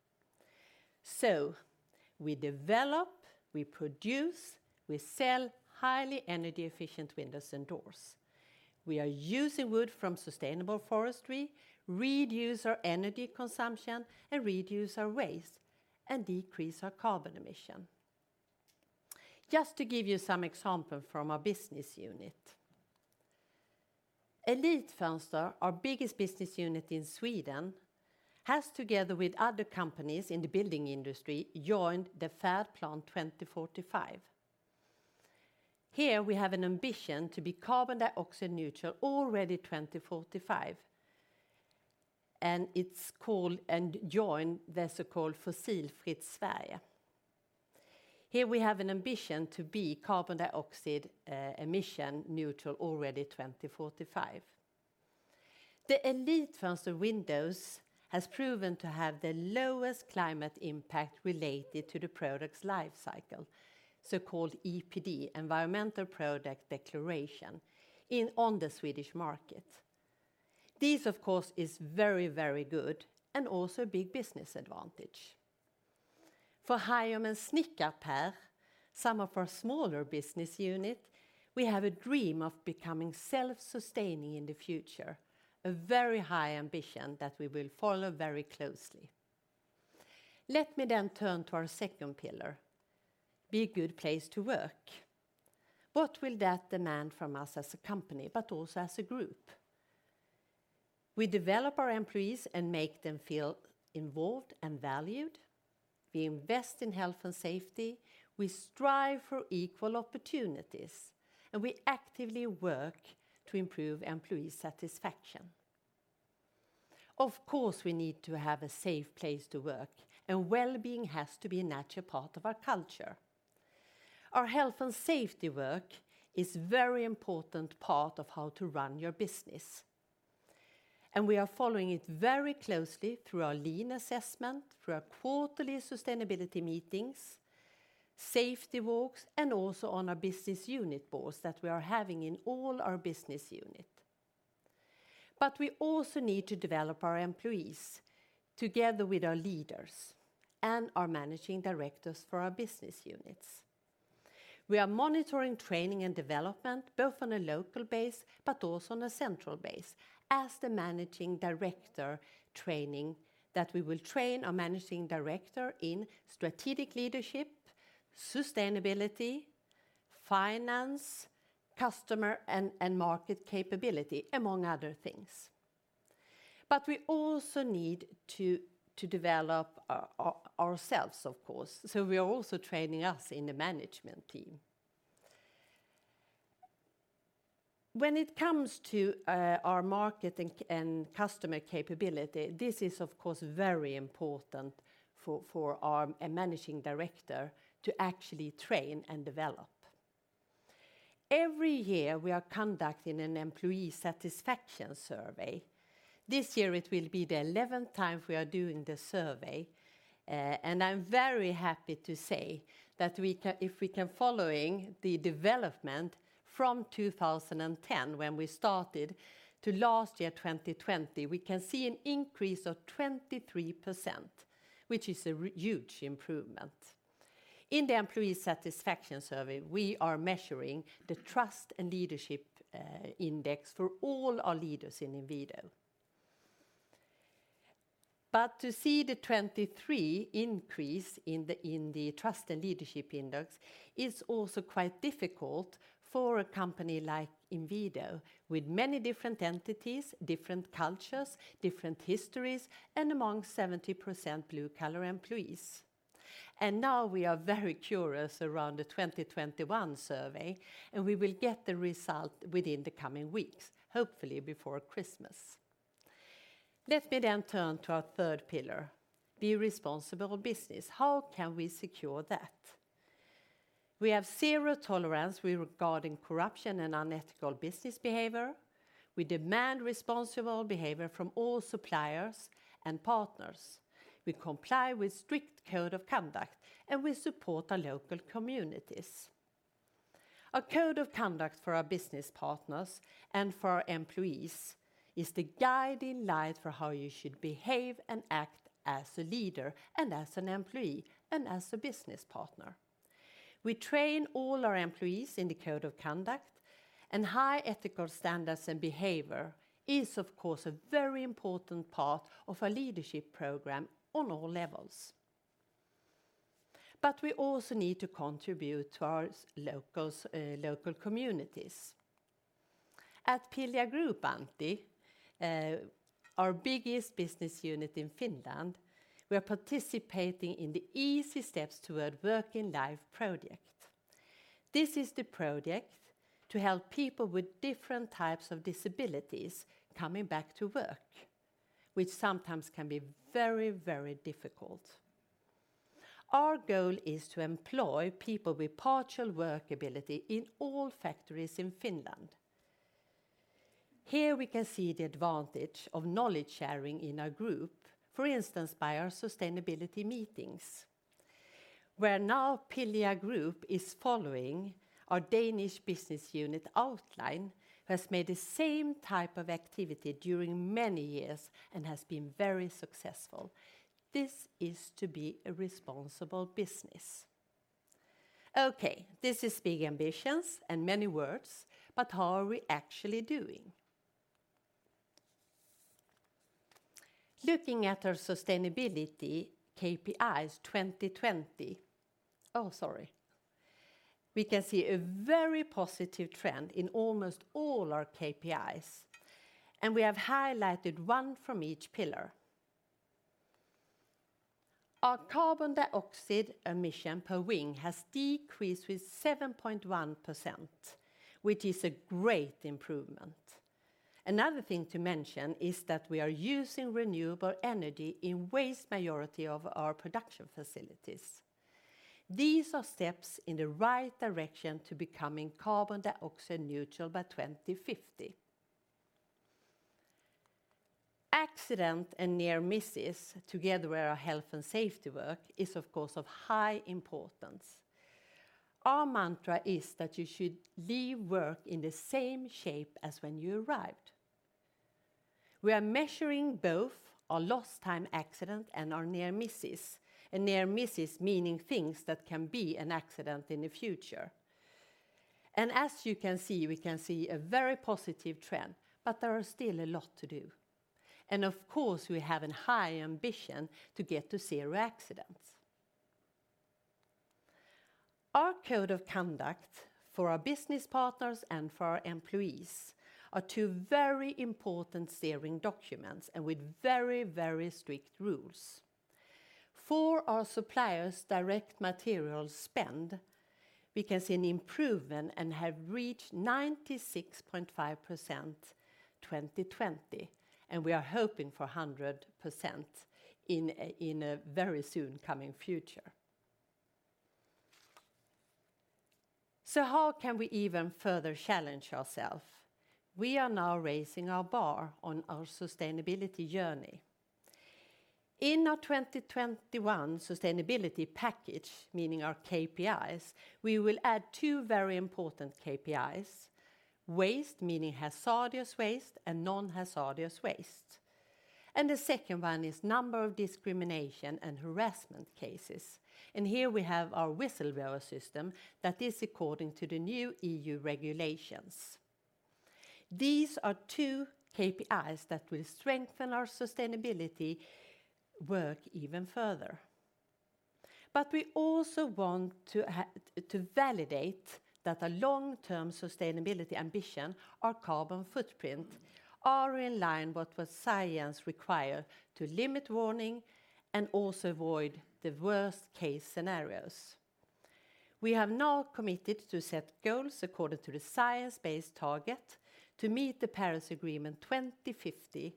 We develop, we produce, we sell highly energy-efficient windows and doors. We are using wood from sustainable forestry, reduce our energy consumption, and reduce our waste, and decrease our carbon emission. Just to give you some example from our business unit. Elitfönster, our biggest business unit in Sweden, has together with other companies in the building industry joined the Färdplan 2045. Here, we have an ambition to be carbon dioxide neutral already 2045 and joined the so-called Fossilfritt Sverige. We have an ambition to be carbon dioxide emission neutral already 2045. The Elitfönster windows has proven to have the lowest climate impact related to the product's life cycle, so-called EPD, environmental product declaration, in, on the Swedish market. These of course, is very, very good and also a big business advantage. For Hajom and SnickarPer, some of our smaller business unit, we have a dream of becoming self-sustaining in the future, a very high ambition that we will follow very closely. Let me then turn to our second pillar, be a good place to work. What will that demand from us as a company, but also as a group? We develop our employees and make them feel involved and valued. We invest in health and safety. We strive for equal opportunities, and we actively work to improve employee satisfaction. Of course, we need to have a safe place to work, and wellbeing has to be a natural part of our culture. Our health and safety work is very important part of how to run your business, and we are following it very closely through our lean assessment, through our quarterly sustainability meetings, safety walks, and also on our business unit boards that we are having in all our business unit. We also need to develop our employees together with our leaders and our managing directors for our business units. We are monitoring training and development, both on a local basis, but also on a central basis as the managing director training that we will train our managing director in strategic leadership, sustainability, finance, customer and market capability, among other things. We also need to develop ourselves, of course, so we are also training us in the management team. When it comes to our market and customer capability, this is of course very important for our managing director to actually train and develop. Every year, we are conducting an employee satisfaction survey. This year, it will be the eleventh time we are doing the survey, and I'm very happy to say that following the development from 2010 when we started to last year, 2020, we can see an increase of 23%, which is a huge improvement. In the employee satisfaction survey, we are measuring the trust and leadership index for all our leaders in Inwido. To see the 23% increase in the trust and leadership index is also quite difficult for a company like Inwido, with many different entities, different cultures, different histories, and among 70% blue-collar employees. Now we are very curious around the 2021 survey, and we will get the result within the coming weeks, hopefully before Christmas. Let me turn to our third pillar, be responsible business. How can we secure that? We have zero tolerance regarding corruption and unethical business behavior. We demand responsible behavior from all suppliers and partners. We comply with strict code of conduct, and we support our local communities. A code of conduct for our business partners and for our employees is the guiding light for how you should behave and act as a leader and as an employee and as a business partner. We train all our employees in the code of conduct, and high ethical standards and behavior is, of course, a very important part of our leadership program on all levels. We also need to contribute to our local communities. At Pihla Group, Antti, our biggest business unit in Finland, we are participating in the Easy Steps Toward Working Life project. This is the project to help people with different types of disabilities coming back to work, which sometimes can be very, very difficult. Our goal is to employ people with partial work ability in all factories in Finland. Here we can see the advantage of knowledge sharing in our group, for instance, by our sustainability meetings, where now Pihla Group is following our Danish business unit, Outline, has made the same type of activity during many years and has been very successful. This is to be a responsible business. Okay, this is big ambitions and many words, but how are we actually doing? Looking at our sustainability KPIs 2020, oh, sorry, we can see a very positive trend in almost all our KPIs, and we have highlighted one from each pillar. Our carbon dioxide emission per wing has decreased with 7.1%, which is a great improvement. Another thing to mention is that we are using renewable energy in vast majority of our production facilities. These are steps in the right direction to becoming carbon dioxide neutral by 2050. Accident and near misses together with our health and safety work is of course of high importance. Our mantra is that you should leave work in the same shape as when you arrived. We are measuring both our lost time accident and our near misses, and near misses meaning things that can be an accident in the future. As you can see, we can see a very positive trend, but there are still a lot to do. Of course, we have a high ambition to get to zero accidents. Our code of conduct for our business partners and for our employees are two very important steering documents and with very, very strict rules. For our suppliers direct material spend, we can see an improvement and have reached 96.5% 2020, and we are hoping for 100% in a very soon coming future. How can we even further challenge ourselves? We are now raising our bar on our sustainability journey. In our 2021 sustainability package, meaning our KPIs, we will add two very important KPIs, waste, meaning hazardous waste and non-hazardous waste. The second one is number of discrimination and harassment cases. Here we have our whistleblower system that is according to the new EU regulations. These are two KPIs that will strengthen our sustainability work even further. We also want to validate that a long-term sustainability ambition, our carbon footprint, are in line with what science would require to limit warming and also avoid the worst-case scenarios. We have now committed to set goals according to the science-based targets to meet the Paris Agreement 2050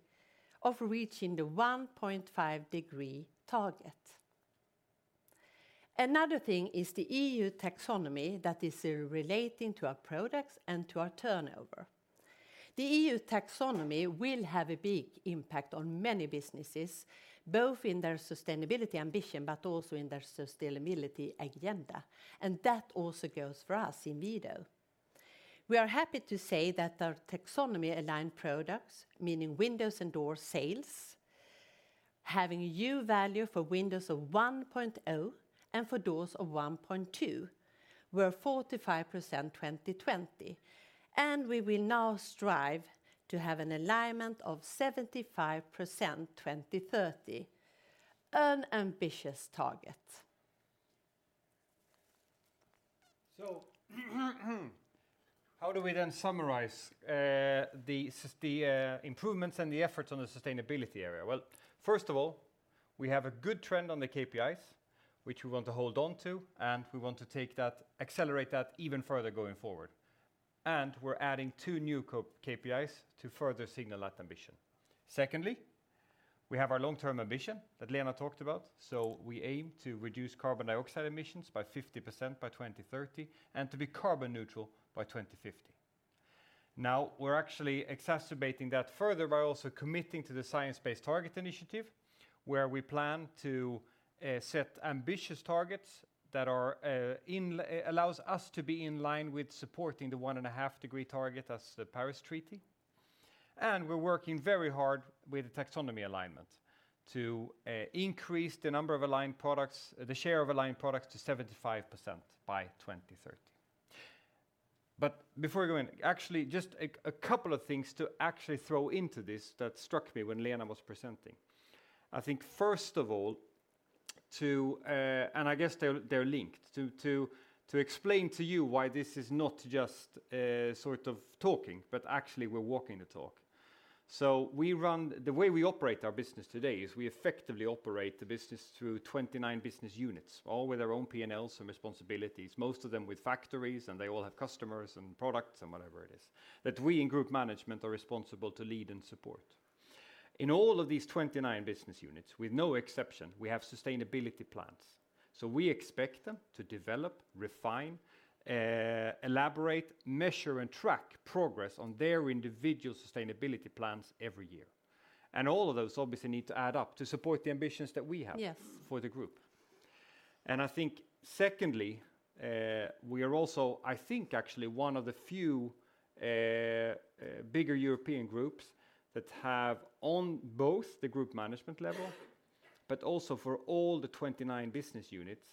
of reaching the 1.5-degree target. Another thing is the EU Taxonomy that is relating to our products and to our turnover. The EU Taxonomy will have a big impact on many businesses, both in their sustainability ambition, but also in their sustainability agenda. That also goes for us in Inwido. We are happy to say that our taxonomy aligned products, meaning windows and door sales, having a U-value for windows of 1.0 and for doors of 1.2, were 45% 2020. We will now strive to have an alignment of 75%, 2030, an ambitious target. How do we then summarize the improvements and the efforts on the sustainability area? Well, first of all, we have a good trend on the KPIs which we want to hold on to and we want to take that, accelerate that even further going forward. We're adding two new KPIs to further signal that ambition. Secondly, we have our long-term ambition that Lena talked about, so we aim to reduce carbon dioxide emissions by 50% by 2030 and to be carbon neutral by 2050. Now we're actually accelerating that further by also committing to the Science Based Targets initiative where we plan to set ambitious targets that allows us to be in line with supporting the 1.5-degree target as the Paris Agreement. We're working very hard with the taxonomy alignment to increase the number of aligned products, the share of aligned products to 75% by 2030. Actually just a couple of things to actually throw into this that struck me when Lena was presenting. I think first of all, and I guess they're linked, to explain to you why this is not just sort of talking, but actually we're walking the talk. The way we operate our business today is we effectively operate the business through 29 business units, all with their own P&Ls and responsibilities, most of them with factories and they all have customers and products and whatever it is, that we in group management are responsible to lead and support. In all of these 29 business units, with no exception, we have sustainability plans. We expect them to develop, refine, elaborate, measure and track progress on their individual sustainability plans every year. All of those obviously need to add up to support the ambitions that we have. Yes. For the group. I think secondly, we are also, I think actually one of the few bigger European groups that have on both the group management level but also for all the 29 business units,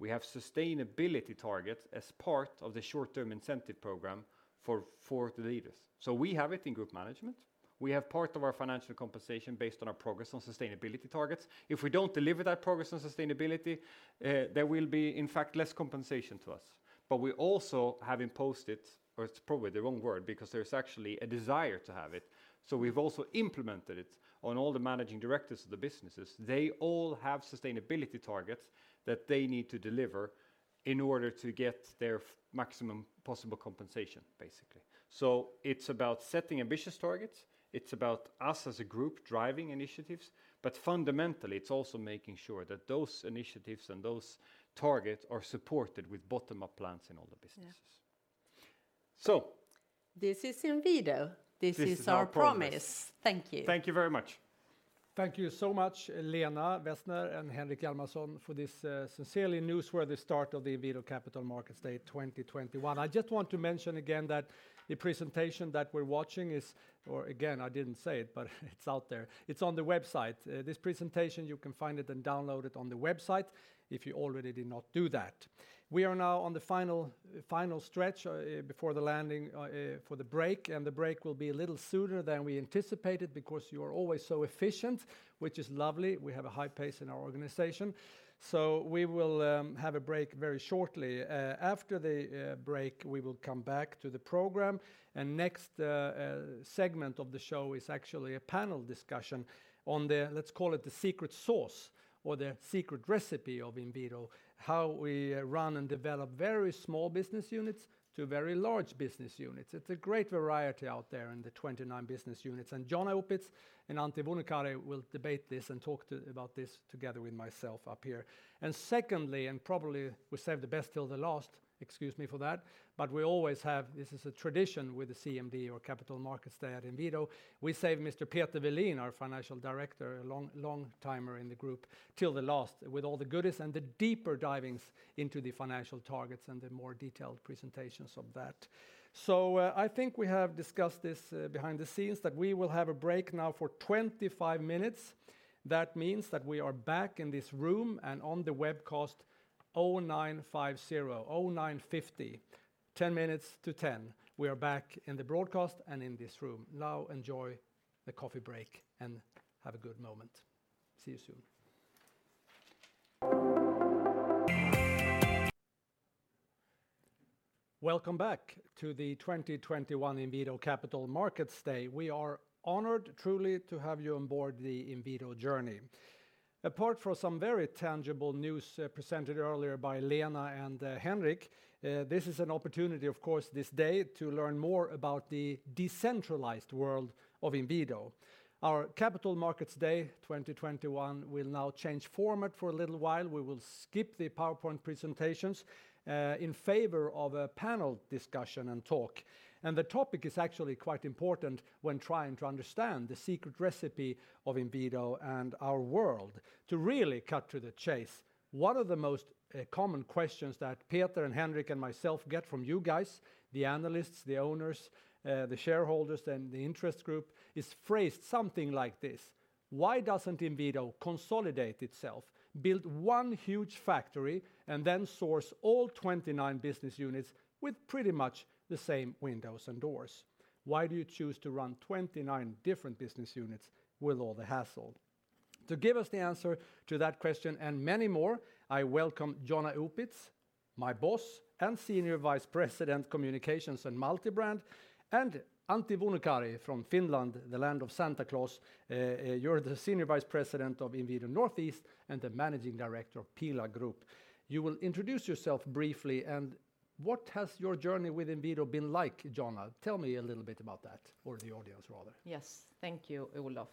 we have sustainability targets as part of the short-term incentive program for the leaders. We have it in group management. We have part of our financial compensation based on our progress on sustainability targets. If we don't deliver that progress on sustainability, there will be in fact less compensation to us. We also have imposed it, or it's probably the wrong word because there's actually a desire to have it. We've also implemented it on all the managing directors of the businesses. They all have sustainability targets that they need to deliver in order to get their maximum possible compensation basically. It's about setting ambitious targets. It's about us as a group driving initiatives. Fundamentally, it's also making sure that those initiatives and those targets are supported with bottom-up plans in all the businesses. This is Inwido. This is our promise. Thank you. Thank you very much. Thank you so much, Lena Wessner and Henrik Hjalmarsson for this sincerely newsworthy start of the Inwido Capital Markets Day 2021. I just want to mention again that the presentation that we're watching. I didn't say it, but it's out there. It's on the website. This presentation, you can find it and download it on the website if you already did not do that. We are now on the final stretch before the landing for the break, and the break will be a little sooner than we anticipated because you are always so efficient, which is lovely. We have a high pace in our organization. We will have a break very shortly. After the break, we will come back to the program, and next segment of the show is actually a panel discussion on the, let's call it the secret sauce or the secret recipe of Inwido, how we run and develop very small business units to very large business units. It's a great variety out there in the 29 business units, and Jonna Opitz and Antti Vuonokari will debate this and talk about this together with myself up here. Secondly, and probably we saved the best till the last, excuse me for that, but we always have, this is a tradition with the CMD or Capital Markets Day at Inwido, we save Mr. Peter Welin, our financial director, a long, long timer in the group, till the last with all the goodies and the deeper divings into the financial targets and the more detailed presentations of that. I think we have discussed this behind the scenes that we will have a break now for 25 minutes. That means that we are back in this room and on the webcast 0950, 0950, 10 minutes to 10. We are back in the broadcast and in this room. Now enjoy the coffee break and have a good moment. See you soon. Welcome back to the 2021 Inwido Capital Markets Day. We are honored truly to have you on board the Inwido journey. Apart from some very tangible news presented earlier by Lena and Henrik, this is an opportunity of course this day to learn more about the decentralized world of Inwido. Our Capital Markets Day 2021 will now change format for a little while. We will skip the PowerPoint presentations in favor of a panel discussion and talk. The topic is actually quite important when trying to understand the secret recipe of Inwido and our world. To really cut to the chase, one of the most common questions that Peter, and Henrik, and myself get from you guys, the analysts, the owners, the shareholders, and the interest group is phrased something like this: Why doesn't Inwido consolidate itself, build one huge factory, and then source all 29 business units with pretty much the same windows and doors? Why do you choose to run 29 different business units with all the hassle? To give us the answer to that question and many more, I welcome Jonna Opitz, my boss and Senior Vice President Communications and Multi-brand, and Antti Vuonokari from Finland, the land of Santa Claus. You're the Senior Vice President of Inwido Northeast and the Managing Director of Pihla Group. You will introduce yourself briefly, and what has your journey with Inwido been like, Jonna? Tell me a little bit about that or the audience rather. Yes. Thank you, Olof.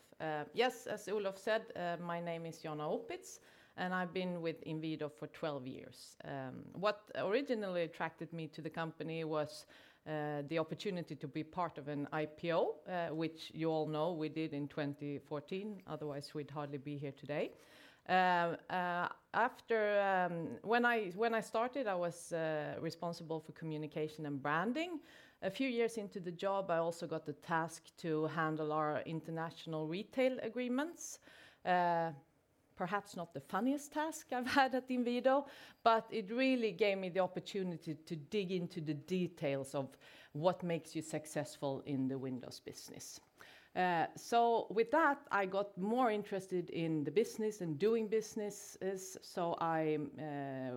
Yes, as Olof said, my name is Jonna Opitz, and I've been with Inwido for 12 years. What originally attracted me to the company was the opportunity to be part of an IPO, which you all know we did in 2014, otherwise we'd hardly be here today. When I started, I was responsible for communication and branding. A few years into the job, I also got the task to handle our international retail agreements. Perhaps not the funniest task I've had at Inwido, but it really gave me the opportunity to dig into the details of what makes you successful in the windows business. With that, I got more interested in the business and doing businesses. I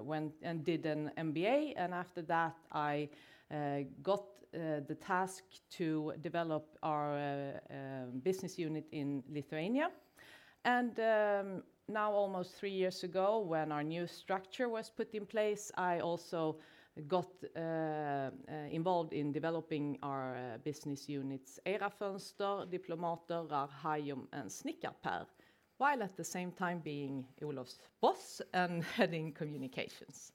went and did an MBA, and after that, I got the task to develop our business unit in Lithuania. Now almost three years ago, when our new structure was put in place, I also got involved in developing our business units ERA Fönster, Diplomat, Råå, and SnickarPer, while at the same time being Olof's boss and heading communications.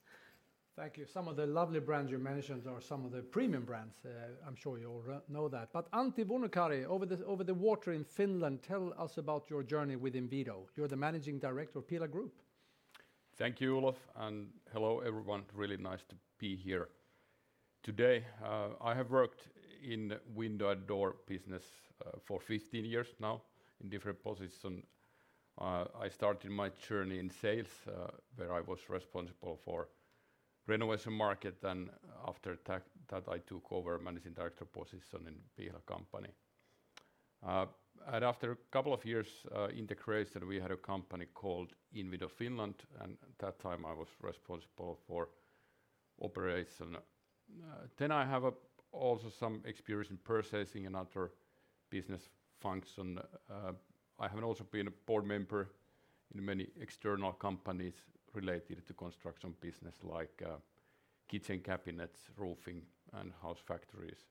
Thank you. Some of the lovely brands you mentioned are some of the premium brands. I'm sure you all know that. Antti Vuonokari, over the water in Finland, tell us about your journey with Inwido. You're the managing director of Pihla Group. Thank you, Olof, and hello, everyone. Really nice to be here today. I have worked in window and door business for 15 years now in different position. I started my journey in sales, where I was responsible for renovation market, and after that, I took over managing director position in Pihla company. After a couple of years, in the creation, we had a company called Inwido Finland, and at that time, I was responsible for operation. Then I have also some experience in purchasing another business function. I have also been a board member in many external companies related to construction business like kitchen cabinets, roofing, and house factories.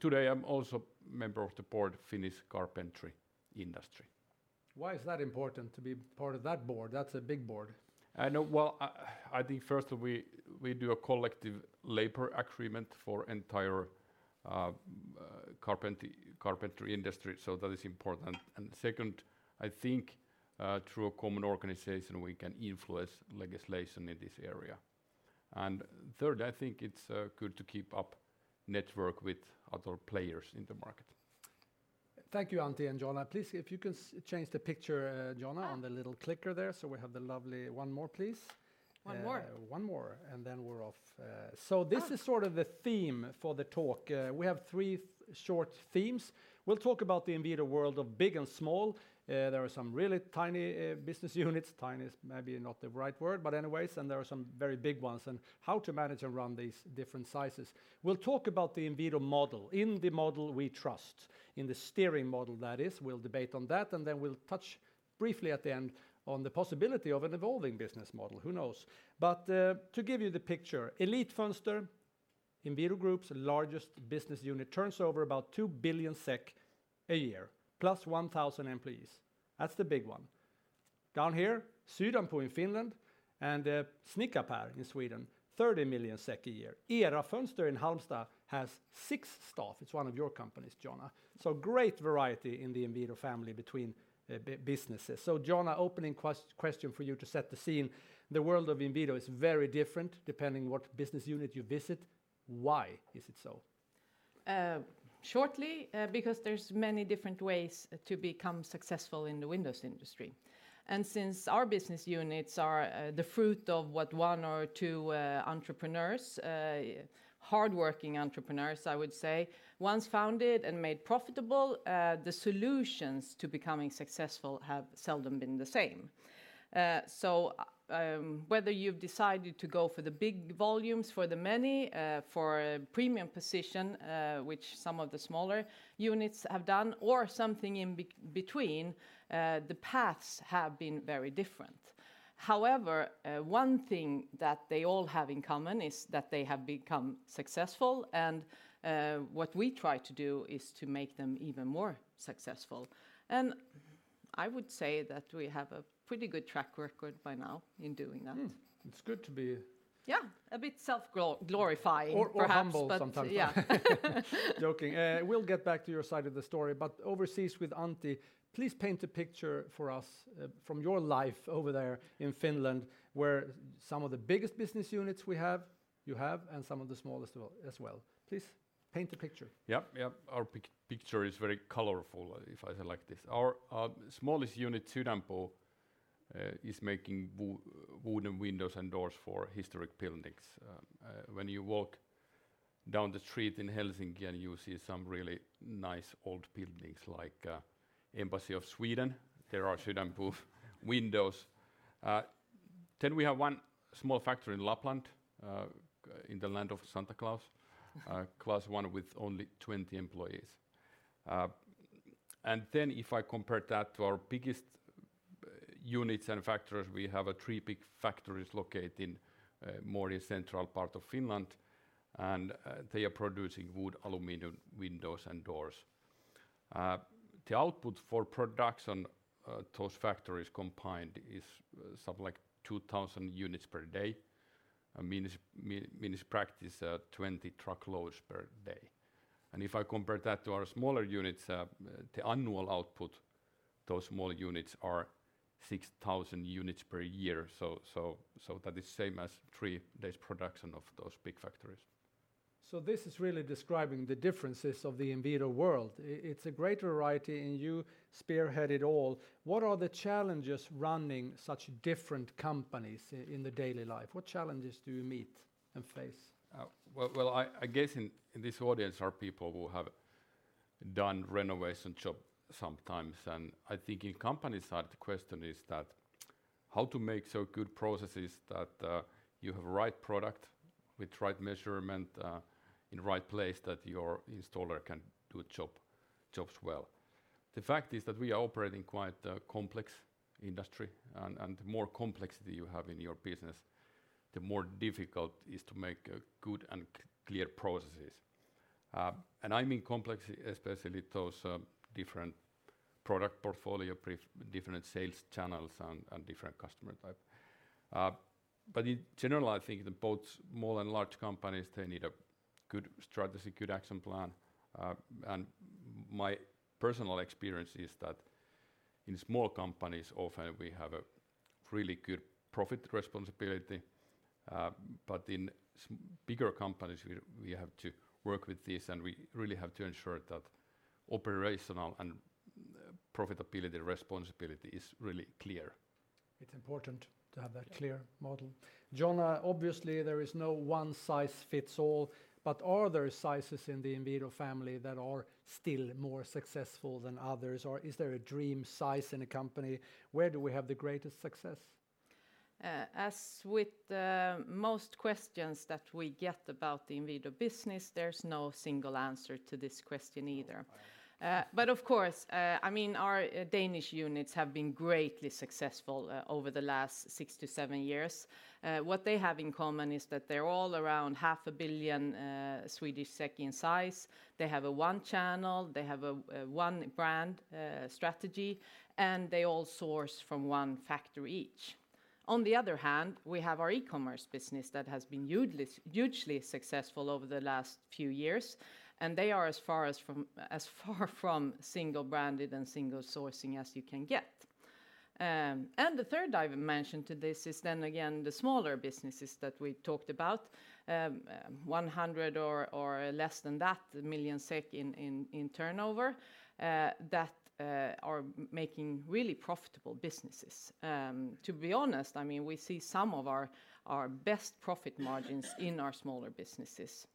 Today I'm also member of the board Finnish Carpentry Industry. Why is that important to be part of that board? That's a big board. I know. Well, I think first we do a collective labor agreement for entire carpentry industry, so that is important. Second, I think through a common organization, we can influence legislation in this area. Third, I think it's good to keep up network with other players in the market. Thank you, Antti and Jonna. Please, if you can change the picture, Jonna, on the little clicker there, so we have the lovely. One more, please. One more. One more, and then we're off. Oh. This is sort of the theme for the talk. We have three short themes. We'll talk about the Inwido world of big and small. There are some really tiny business units. Tiny is maybe not the right word, but anyways, and there are some very big ones, and how to manage and run these different sizes. We'll talk about the Inwido model, in the model we trust, in the steering model, that is. We'll debate on that, and then we'll touch briefly at the end on the possibility of an evolving business model. Who knows? To give you the picture, Elitfönster, Inwido Group's largest business unit, turns over about 2 billion SEK a year, plus 1,000 employees. That's the big one. Down here, Sydänpuu in Finland and SnickarPer in Sweden, 30 million SEK a year. ERA Fönster in Halmstad has six staff. It's one of your companies, Jonna. Great variety in the Inwido family between businesses. Jonna, opening question for you to set the scene. The world of Inwido is very different depending what business unit you visit. Why is it so? Shortly, because there are many different ways to become successful in the windows industry. Since our business units are the fruit of what one or two entrepreneurs, hardworking entrepreneurs, I would say, once founded and made profitable, the solutions to becoming successful have seldom been the same. Whether you've decided to go for the big volumes for the many, for a premium position, which some of the smaller units have done, or something in between, the paths have been very different. However, one thing that they all have in common is that they have become successful, and what we try to do is to make them even more successful. I would say that we have a pretty good track record by now in doing that. Mm. It's good to be. Yeah, a bit self-glorifying perhaps. Humble sometimes. But. Yeah. Joking. We'll get back to your side of the story. Overseas with Antti, please paint a picture for us from your life over there in Finland, where some of the biggest business units you have, and some of the smallest as well. Please paint a picture. Yep, yep. Our picture is very colorful, if I say like this. Our smallest unit, Sydänpuu, is making wooden windows and doors for historic buildings. When you walk down the street in Helsinki and you see some really nice old buildings like the Embassy of Sweden, there are Sydänpuu windows. We have one small factory in Lapland, in the land of Santa Claus, classic one with only 20 employees. If I compare that to our biggest units and factories, we have three big factories located in the more central part of Finland, and they are producing wood, aluminum windows and doors. The output for production, those factories combined is something like 2,000 units per day, means in practice 20 truckloads per day. If I compare that to our smaller units, the annual output, those small units are 6,000 units per year. That is same as three days production of those big factories. This is really describing the differences of the Inwido world. It, it's a great variety, and you spearhead it all. What are the challenges running such different companies in the daily life? What challenges do you meet and face? Well, I guess in this audience are people who have done renovation job sometimes, and I think in company side, the question is that how to make so good processes that you have right product with right measurement in right place that your installer can do a job well. The fact is that we are operating quite a complex industry and the more complexity you have in your business, the more difficult is to make good and clear processes. I mean complex especially those different product portfolio, different sales channels and different customer type. In general, I think that both small and large companies, they need a good strategy, good action plan. My personal experience is that in small companies, often we have a really good profit responsibility, but in bigger companies, we have to work with this, and we really have to ensure that operational and profitability responsibility is really clear. It's important to have that clear model. Jonna, obviously there is no one size fits all, but are there sizes in the Inwido family that are still more successful than others, or is there a dream size in a company? Where do we have the greatest success? As with the most questions that we get about the Inwido business, there's no single answer to this question either. Of course, I mean, our Danish units have been greatly successful over the last 6-7 years. What they have in common is that they're all around half a billion SEK in size. They have a one channel, they have a one brand strategy, and they all source from one factory each. On the other hand, we have our e-commerce business that has been hugely successful over the last few years, and they are as far as from, as far from single branded and single sourcing as you can get. The third I will mention to this is then again, the smaller businesses that we talked about, 100 million or less in turnover, that are making really profitable businesses. To be honest, I mean, we see some of our best profit margins in our smaller businesses.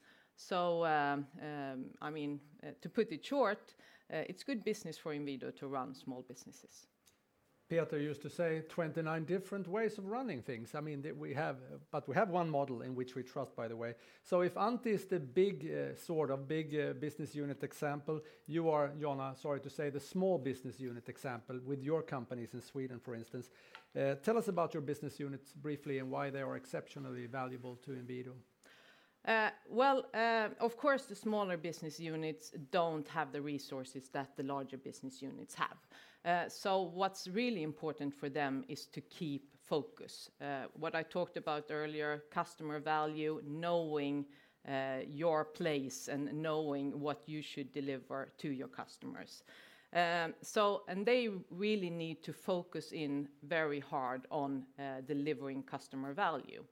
I mean, to put it short, it's good business for Inwido to run small businesses. Peter used to say 29 different ways of running things. I mean, we have, but we have one model in which we trust, by the way. If Antti is the big, sort of big, business unit example, you are Jonna, sorry to say, the small business unit example with your companies in Sweden, for instance. Tell us about your business units briefly and why they are exceptionally valuable to Inwido. Well, of course, the smaller business units don't have the resources that the larger business units have. What's really important for them is to keep focus. What I talked about earlier, customer value, knowing your place, and knowing what you should deliver to your customers. They really need to focus in very hard on delivering customer value.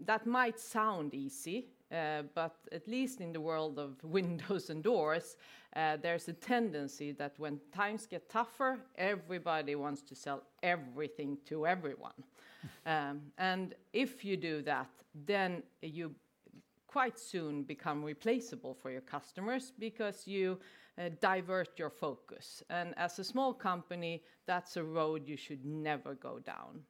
That might sound easy, but at least in the world of windows and doors, there's a tendency that when times get tougher, everybody wants to sell everything to everyone. If you do that, then you quite soon become replaceable for your customers because you divert your focus. As a small company, that's a road you should never go down.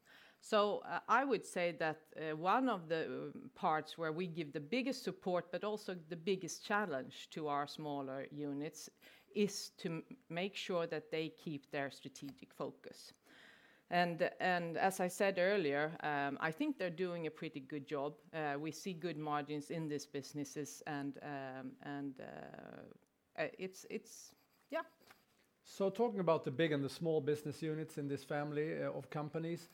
I would say that one of the parts where we give the biggest support, but also the biggest challenge to our smaller units is to make sure that they keep their strategic focus. As I said earlier, I think they're doing a pretty good job. We see good margins in these businesses and it's yeah. Talking about the big and the small business units in this family of companies,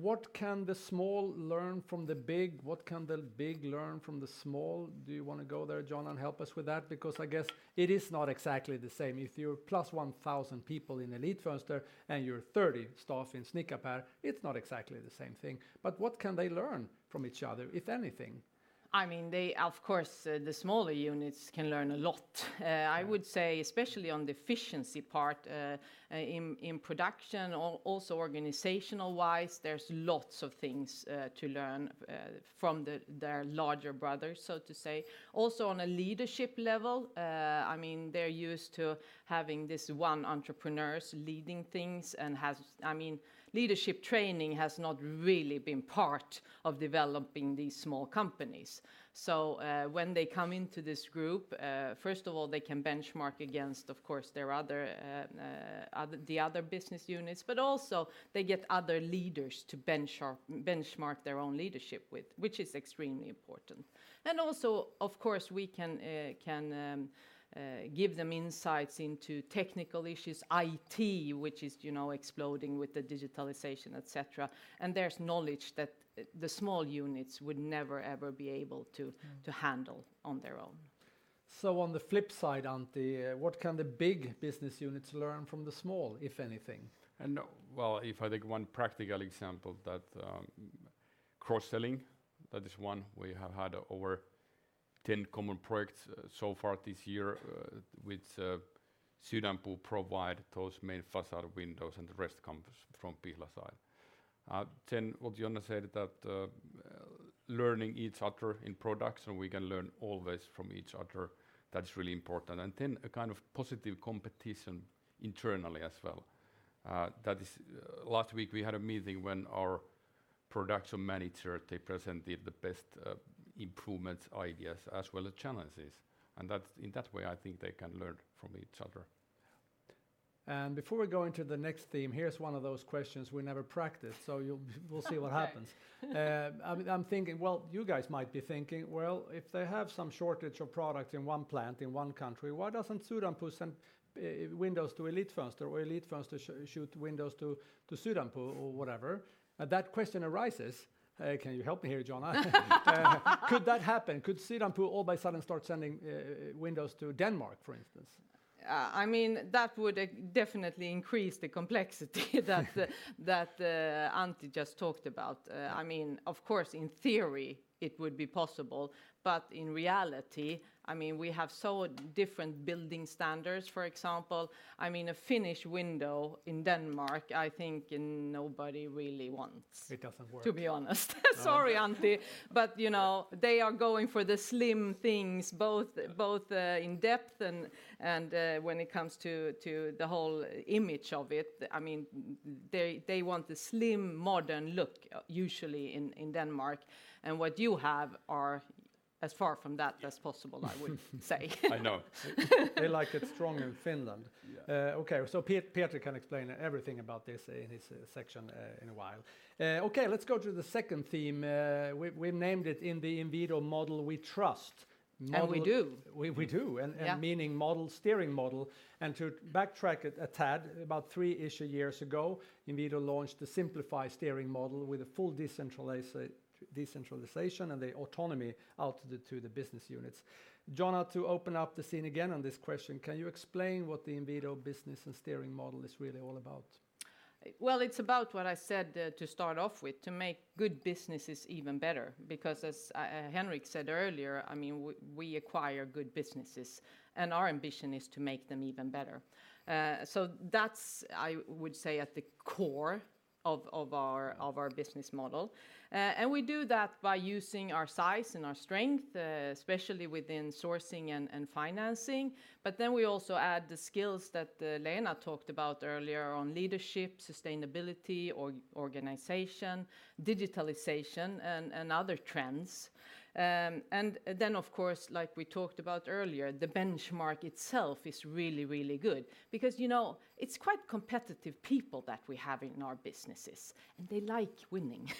what can the small learn from the big? What can the big learn from the small? Do you wanna go there, Jonna, and help us with that? Because I guess it is not exactly the same. If you're plus 1,000 people in Elitfönster, and you're 30 staff in SnickarPer, it's not exactly the same thing. But what can they learn from each other, if anything? I mean, they of course, the smaller units can learn a lot. I would say especially on the efficiency part, in production, also organizational-wise, there's lots of things to learn from their larger brothers, so to say. Also, on a leadership level, I mean, they're used to having this one entrepreneurs leading things and I mean, leadership training has not really been part of developing these small companies. When they come into this group, first of all, they can benchmark against, of course, their other business units, but also they get other leaders to benchmark their own leadership with, which is extremely important. Also, of course, we can give them insights into technical issues, IT, which is, you know, exploding with the digitalization, et cetera. There's knowledge that the small units would never, ever be able to handle on their own. On the flip side, Antti, what can the big business units learn from the small, if anything? Well, if I take one practical example that cross-selling, that is one. We have had over 10 common projects so far this year with Sydänpuu provide those main facade windows, and the rest comes from Pihl. What Jonna said, that learning each other in production, we can learn always from each other. That is really important. A kind of positive competition internally as well. That is, last week we had a meeting when our production manager, they presented the best improvements, ideas, as well as challenges. In that way, I think they can learn from each other. Before we go into the next theme, here's one of those questions we never practiced. We'll see what happens. Okay. I'm thinking, well, you guys might be thinking, well, if they have some shortage of product in one plant, in one country, why doesn't Sydänpuu send windows to Elitfönster or Elitfönster ship windows to Sydänpuu or whatever? That question arises. Can you help me here, Jonna? Could that happen? Could Sydänpuu all of a sudden start sending windows to Denmark, for instance? I mean, that would definitely increase the complexity that Antti just talked about. I mean, of course, in theory, it would be possible, but in reality, I mean, we have so different building standards, for example. I mean, a Finnish window in Denmark, I think, nobody really wants. It doesn't work. To be honest. Sorry, Antti. You know, they are going for the slim things both in depth and when it comes to the whole image of it. I mean, they want the slim, modern look usually in Denmark. As far from that as possible, I would say. I know. They like it strong in Finland. Yeah. Petri can explain everything about this in his section in a while. Let's go to the second theme. We named it, "In the Inwido model we trust. We do. We do. Yeah. Meaning model, steering model. To backtrack it a tad, about three-ish years ago, Inwido launched the Simplify steering model with a full decentralization, and the autonomy out to the business units. Jonna, to open up the scene again on this question, can you explain what the Inwido business and steering model is really all about? Well, it's about what I said to start off with, to make good businesses even better. Because as Henrik said earlier, I mean, we acquire good businesses, and our ambition is to make them even better. That's, I would say, at the core of our business model. We do that by using our size and our strength, especially within sourcing and financing, but then we also add the skills that Lena talked about earlier on leadership, sustainability, organization, digitalization, and other trends. Of course, like we talked about earlier, the benchmark itself is really good, because you know, it's quite competitive people that we have in our businesses, and they like winning.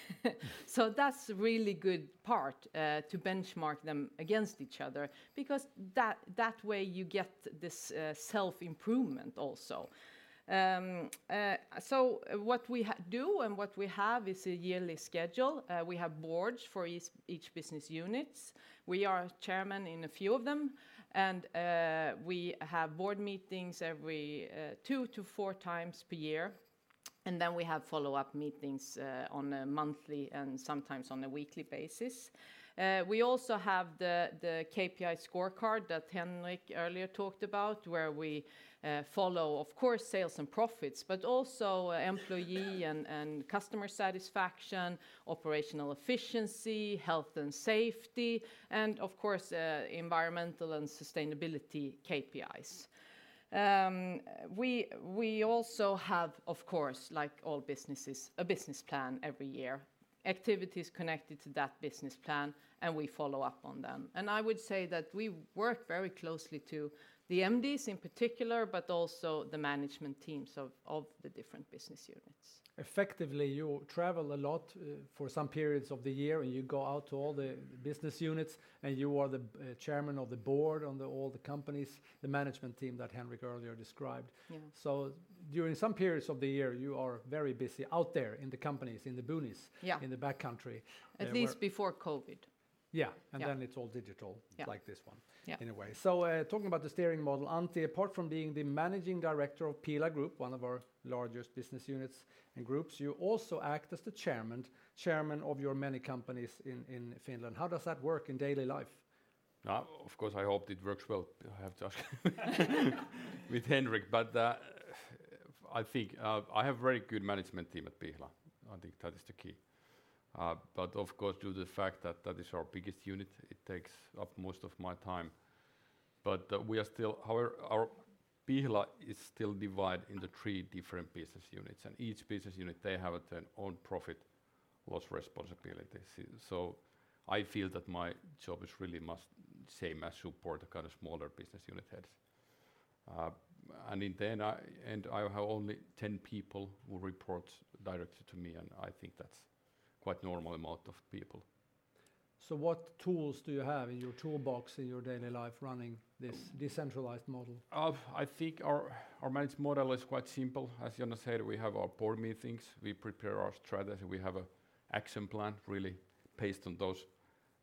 That's really good part to benchmark them against each other, because that way you get this self-improvement also. What we do and what we have is a yearly schedule. We have boards for each business units. We are chairman in a few of them, and we have board meetings every two to four times per year, and then we have follow-up meetings on a monthly and sometimes on a weekly basis. We also have the KPI scorecard that Henrik earlier talked about, where we follow, of course, sales and profits, but also employee and customer satisfaction, operational efficiency, health and safety, and of course environmental and sustainability KPIs. We also have, of course, like all businesses, a business plan every year, activities connected to that business plan, and we follow up on them. I would say that we work very closely with the MDs in particular, but also the management teams of the different business units. Effectively, you travel a lot for some periods of the year, and you go out to all the business units, and you are the chairman of the board on all the companies, the management team that Henrik earlier described. Yeah. During some periods of the year, you are very busy out there in the companies, in the boonies. Yeah. In the back country. At least before COVID. Yeah. Yeah. It's all digital. Yeah. Like this one. Yeah. In a way. Talking about the steering model, Antti, apart from being the managing director of Pihla Group, one of our largest business units and groups, you also act as the chairman of your many companies in Finland. How does that work in daily life? Of course, I hope it works well. I have talks with Henrik, but I think I have very good management team at Pihla. I think that is the key. Of course, due to the fact that that is our biggest unit, it takes up most of my time. We are still. Our Pihla is still divided into three different business units, and each business unit, they have their own profit and loss responsibilities. I feel that my job is really much the same as to support the kind of smaller business unit heads. Then I have only 10 people who report directly to me, and I think that's quite normal amount of people. What tools do you have in your toolbox in your daily life running this decentralized model? I think our management model is quite simple. As Jonna said, we have our board meetings. We prepare our strategy. We have an action plan really based on those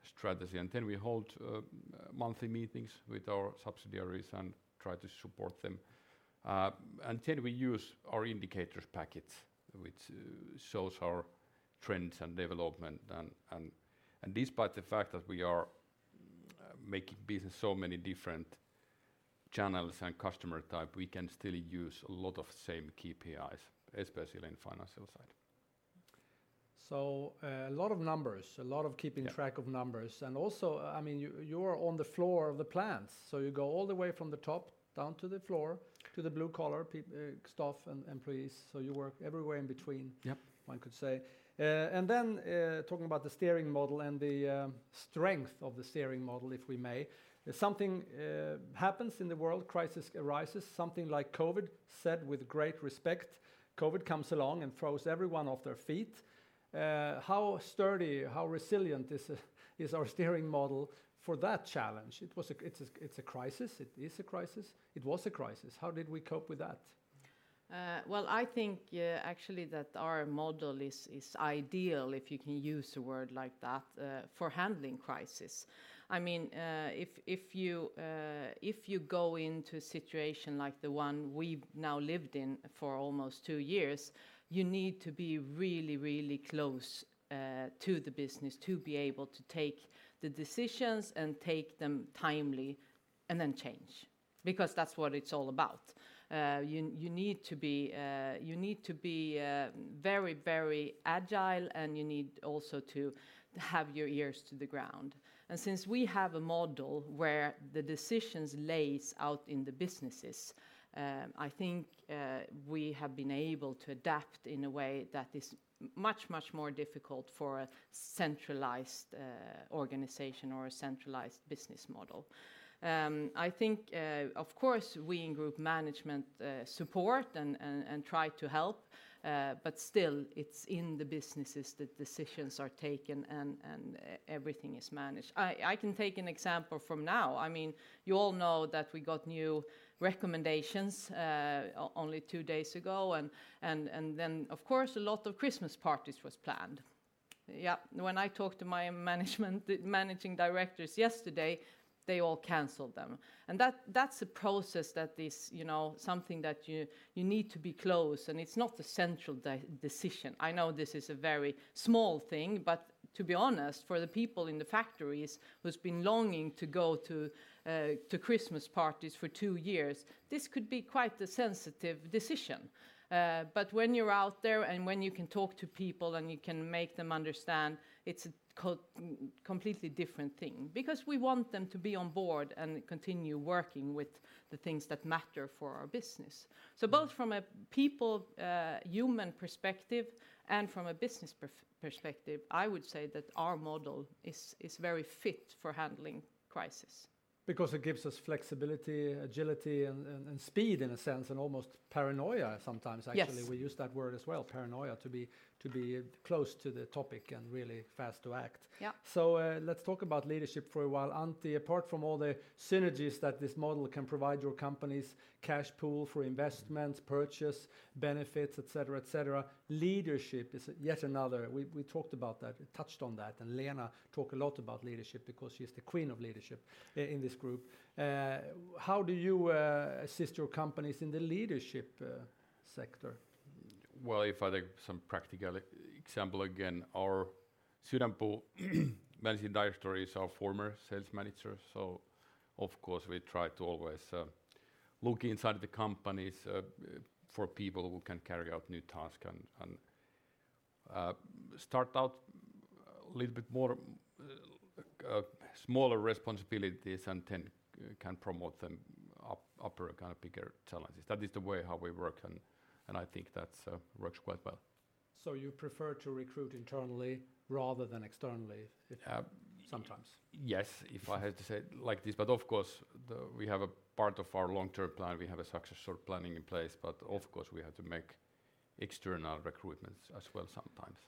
strategies, and then we hold monthly meetings with our subsidiaries and try to support them. Then we use our indicators package, which shows our trends and development. Despite the fact that we are making business in so many different channels and customer types, we can still use a lot of same KPIs, especially in financial side. A lot of numbers, a lot of keeping track. Yeah. Of numbers. Also, I mean, you're on the floor of the plants, so you go all the way from the top down to the floor, to the blue collar staff and employees, so you work everywhere in between. Yep. One could say. Talking about the steering model and the strength of the steering model, if we may, something happens in the world, crisis arises, something like COVID, said with great respect, COVID comes along and throws everyone off their feet. How sturdy, how resilient is our steering model for that challenge? It was a crisis. It's a crisis. It is a crisis. It was a crisis. How did we cope with that? Well, I think, actually that our model is ideal, if you can use a word like that, for handling crisis. I mean, if you go into a situation like the one we've now lived in for almost two years, you need to be really close to the business to be able to take the decisions and take them timely, and then change. Because that's what it's all about. You need to be very agile, and you need also to have your ears to the ground. Since we have a model where the decisions lays out in the businesses, I think we have been able to adapt in a way that is much more difficult for a centralized organization or a centralized business model. I think, of course, we in group management support and try to help, but still, it's in the businesses the decisions are taken and everything is managed. I can take an example from now. I mean, you all know that we got new recommendations only two days ago, and then, of course, a lot of Christmas parties was planned. Yeah. When I talked to my managing directors yesterday, they all canceled them, and that's a process that is, you know, something that you need to be close, and it's not a central decision. I know this is a very small thing, but to be honest, for the people in the factories who's been longing to go to Christmas parties for two years, this could be quite the sensitive decision. When you're out there, and when you can talk to people, and you can make them understand, it's a completely different thing. Because we want them to be on board and continue working with the things that matter for our business. Both from a people, human perspective and from a business perspective, I would say that our model is very fit for handling crisis. Because it gives us flexibility, agility, and speed, in a sense, and almost paranoia sometimes, actually. Yes. We use that word as well, paranoia, to be close to the topic and really fast to act. Yeah. Let's talk about leadership for a while. Antti, apart from all the synergies that this model can provide your company's cash pool for investments, purchase, benefits, et cetera, et cetera, leadership is yet another. We talked about that. We touched on that, and Lena talk a lot about leadership because she's the queen of leadership in this group. How do you assist your companies in the leadership sector? Well, if I take some practical example again, our Sydänpuu managing director is our former sales manager, so of course, we try to always look inside the companies for people who can carry out new task and start out a little bit more smaller responsibilities and then can promote them up upper kind of bigger challenges. That is the way how we work, and I think that's works quite well. You prefer to recruit internally rather than externally if? Sometimes. Yes, if I had to say it like this, but of course, we have a part of our long-term plan, we have a successor planning in place, but of course, we have to make external recruitments as well sometimes.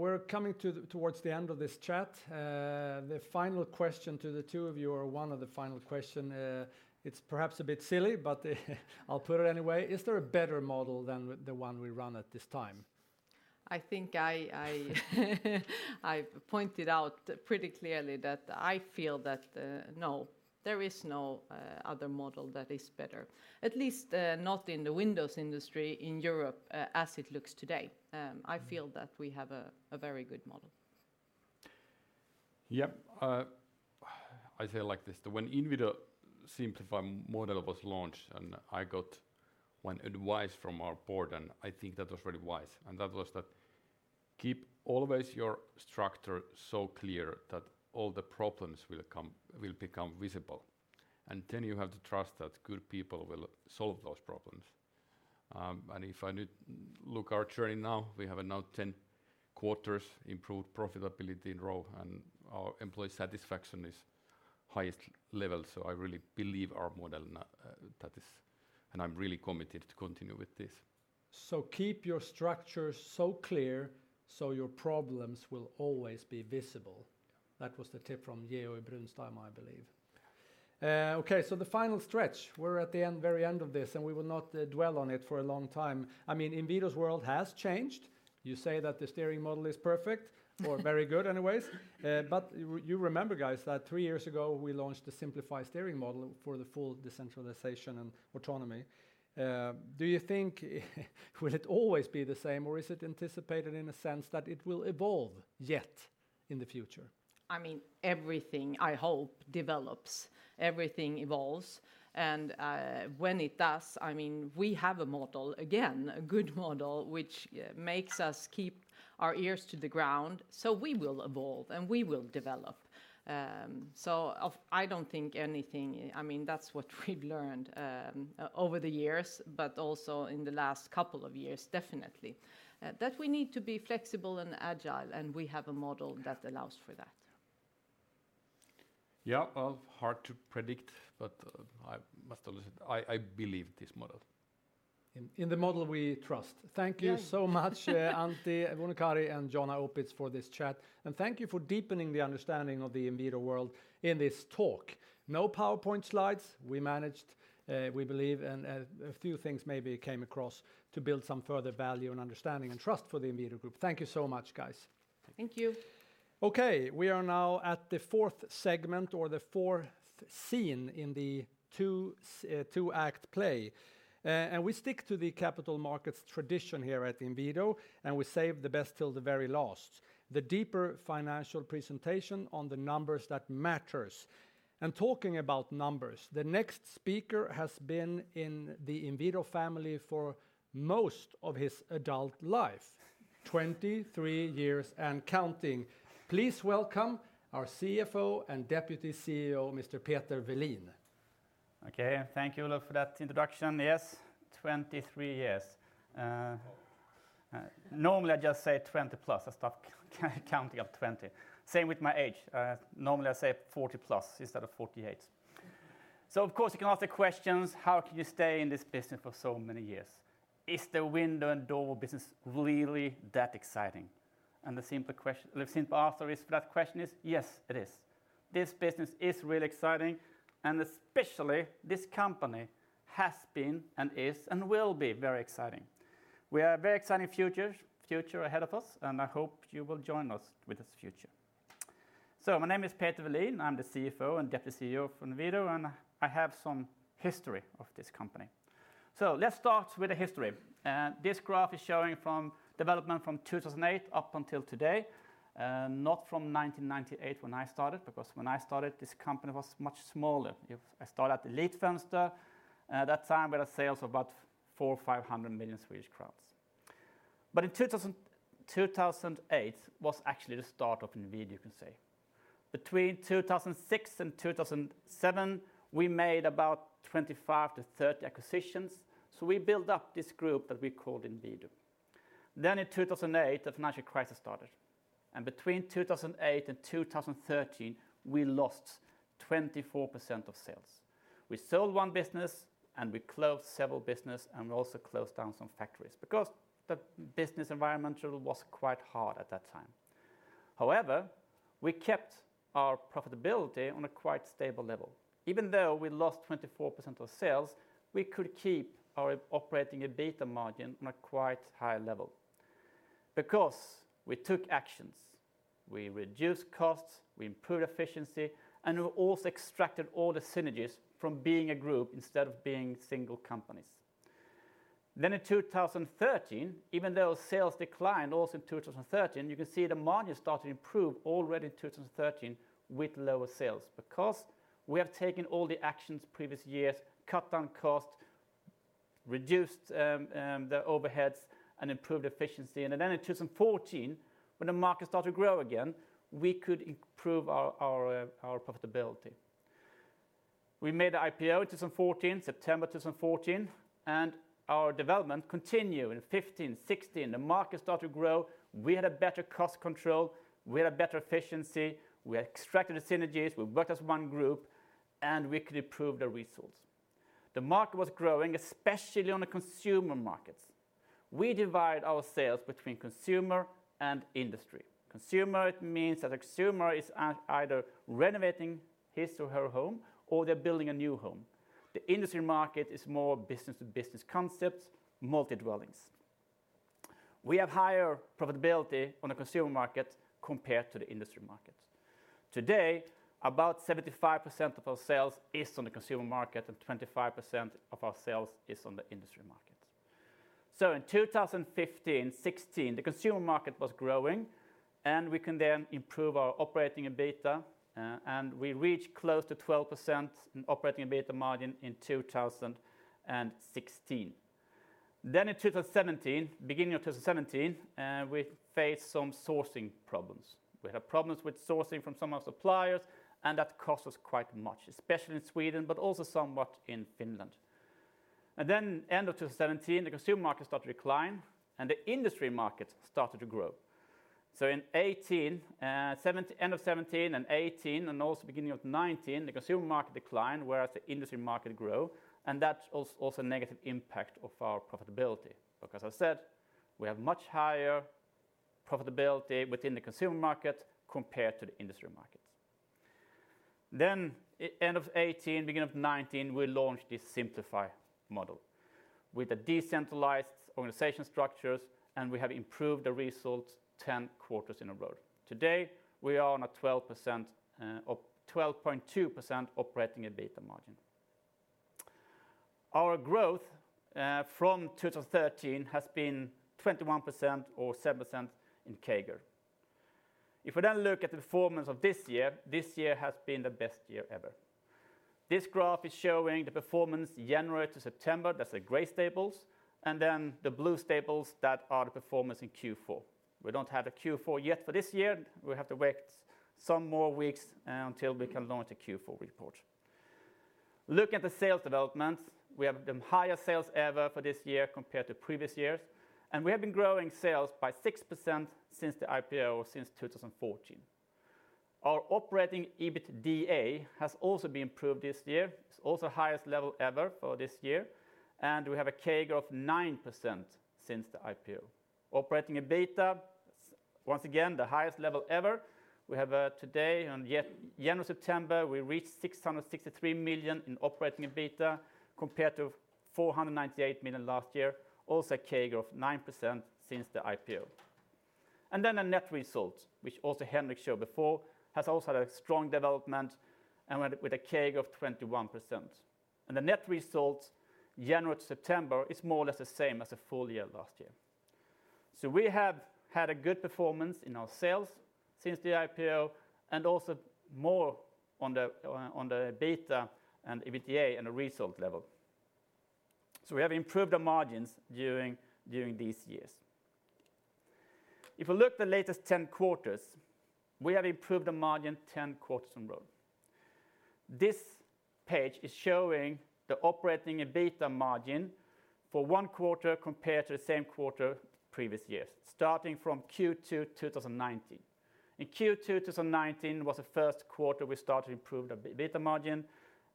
We're coming towards the end of this chat. The final question to the two of you, or one of the final question, it's perhaps a bit silly, but I'll put it anyway. Is there a better model than the one we run at this time? I've pointed out pretty clearly that I feel that, no, there is no other model that is better, at least not in the windows industry in Europe as it looks today. I feel that we have a very good model. Yep. I say it like this, that when Inwido Simplify model was launched, and I got one advice from our board, and I think that was really wise, and that was that, "Keep always your structure so clear that all the problems will become visible, and then you have to trust that good people will solve those problems." If I now look at our journey now, we have now 10 quarters improved profitability in a row, and our employee satisfaction is at the highest level, so I really believe our model now, and I'm really committed to continue with this. Keep your structure so clear so your problems will always be visible. Yeah. That was the tip from Georg Brunstam, I believe. Okay, the final stretch. We're at the end, very end of this, and we will not dwell on it for a long time. I mean, Inwido's world has changed. You say that the steering model is perfect or very good anyways. You remember, guys, that three years ago, we launched the Simplify steering model for the full decentralization and autonomy. Do you think will it always be the same, or is it anticipated in a sense that it will evolve yet in the future? I mean, everything, I hope, develops. Everything evolves, and when it does, I mean, we have a model, again, a good model, which makes us keep our ears to the ground, so we will evolve, and we will develop. I don't think anything, I mean, that's what we've learned over the years but also in the last couple of years, definitely, that we need to be flexible and agile, and we have a model that allows for that. Yeah. Hard to predict, but, I must admit, I believe this model. In the model we trust. Yeah. Thank you so much, Antti Vuonokari and Jonna Opitz for this chat, and thank you for deepening the understanding of the Inwido group in this talk. No PowerPoint slides. We managed, we believe, and, a few things maybe came across to build some further value and understanding and trust for the Inwido group. Thank you so much, guys. Thank you. Okay, we are now at the fourth segment or the fourth scene in the two-act play. We stick to the capital markets tradition here at Inwido, and we save the best till the very last. The deeper financial presentation on the numbers that matters. Talking about numbers, the next speaker has been in the Inwido family for most of his adult life, 23 years and counting. Please welcome our CFO and Deputy CEO, Mr. Peter Welin. Okay. Thank you, Olof, for that introduction. Yes, 23 years. Normally, I just say 20-plus. I stop counting at 20. Same with my age. Normally, I say 40-plus instead of 48. Of course, you can ask the questions: How can you stay in this business for so many years? Is the window and door business really that exciting? The simpler question, the simple answer is, for that question is, yes, it is. This business is really exciting, and especially this company has been, and is, and will be very exciting. We have a very exciting future ahead of us, and I hope you will join us with this future. My name is Peter Welin. I'm the CFO and Deputy CEO for Inwido, and I have some history of this company. Let's start with the history. This graph is showing from development from 2008 up until today, not from 1998 when I started, because when I started, this company was much smaller. When I started at Elitfönster, at that time, we had sales of about 400 or 500 million Swedish crowns. 2008 was actually the start of Inwido, you can say. Between 2006 and 2007, we made about 25-30 acquisitions, so we built up this group that we called Inwido. In 2008, the financial crisis started, and between 2008 and 2013, we lost 24% of sales. We sold one business, and we closed several businesses, and we also closed down some factories because the business environment was quite hard at that time. However, we kept our profitability on a quite stable level. Even though we lost 24% of sales, we could keep our operating EBITDA margin on a quite high level because we took actions, we reduced costs, we improved efficiency, and we also extracted all the synergies from being a group instead of being single companies. In 2013, even though sales declined also in 2013, you can see the margin started to improve already in 2013 with lower sales because we have taken all the actions previous years, cut down cost, reduced the overheads, and improved efficiency. In 2014, when the market started to grow again, we could improve our profitability. We made the IPO in 2014, September 2014, and our development continued in 2015, 2016. The market started to grow. We had a better cost control, we had a better efficiency, we extracted the synergies, we worked as one group, and we could improve the results. The market was growing, especially on the consumer markets. We divide our sales between consumer and industry. Consumer, it means that a consumer is either renovating his or her home or they're building a new home. The industry market is more business-to-business concepts, multi-dwellings. We have higher profitability on the consumer market compared to the industry market. Today, about 75% of our sales is on the consumer market, and 25% of our sales is on the industry market. In 2015, 2016, the consumer market was growing, and we can then improve our operating EBITDA, and we reached close to 12% in operating EBITDA margin in 2016. In 2017, beginning of 2017, we faced some sourcing problems. We had problems with sourcing from some of our suppliers, and that cost us quite much, especially in Sweden, but also somewhat in Finland. End of 2017, the consumer market started to decline, and the industry market started to grow. End of 2017 and 2018, and also beginning of 2019, the consumer market declined, whereas the industry market grew, and that also negative impact on our profitability. Because I said we have much higher profitability within the consumer market compared to the industry market. End of 2018, beginning of 2019, we launched this Simplify model with the decentralized organizational structures, and we have improved the results 10 quarters in a row. Today, we are on a 12% or 12.2% operating EBITDA margin. Our growth from 2013 has been 21% or 7% in CAGR. If we then look at the performance of this year, this year has been the best year ever. This graph is showing the performance January to September. That's the gray bars. Then the blue bars, that are the performance in Q4. We don't have the Q4 yet for this year. We have to wait some more weeks until we can launch the Q4 report. Look at the sales developments. We have the highest sales ever for this year compared to previous years, and we have been growing sales by 6% since the IPO, since 2014. Our operating EBITDA has also been improved this year. It's also highest level ever for this year, and we have a CAGR of 9% since the IPO. Operating EBITDA, once again, the highest level ever. We have today, on January to September, we reached 663 million in operating EBITDA compared to 498 million last year, also a CAGR of 9% since the IPO. The net result, which also Henrik showed before, has also had a strong development and went with a CAGR of 21%. The net result January to September is more or less the same as the full year last year. We have had a good performance in our sales since the IPO, and also more on the EBITDA and EBITDA and the result level. We have improved the margins during these years. If you look at the latest 10 quarters, we have improved the margin 10 quarters in a row. This page is showing the operating EBITDA margin for one quarter compared to the same quarter previous years, starting from Q2 2019. In Q2 2019 was the first quarter we started to improve the EBITDA margin,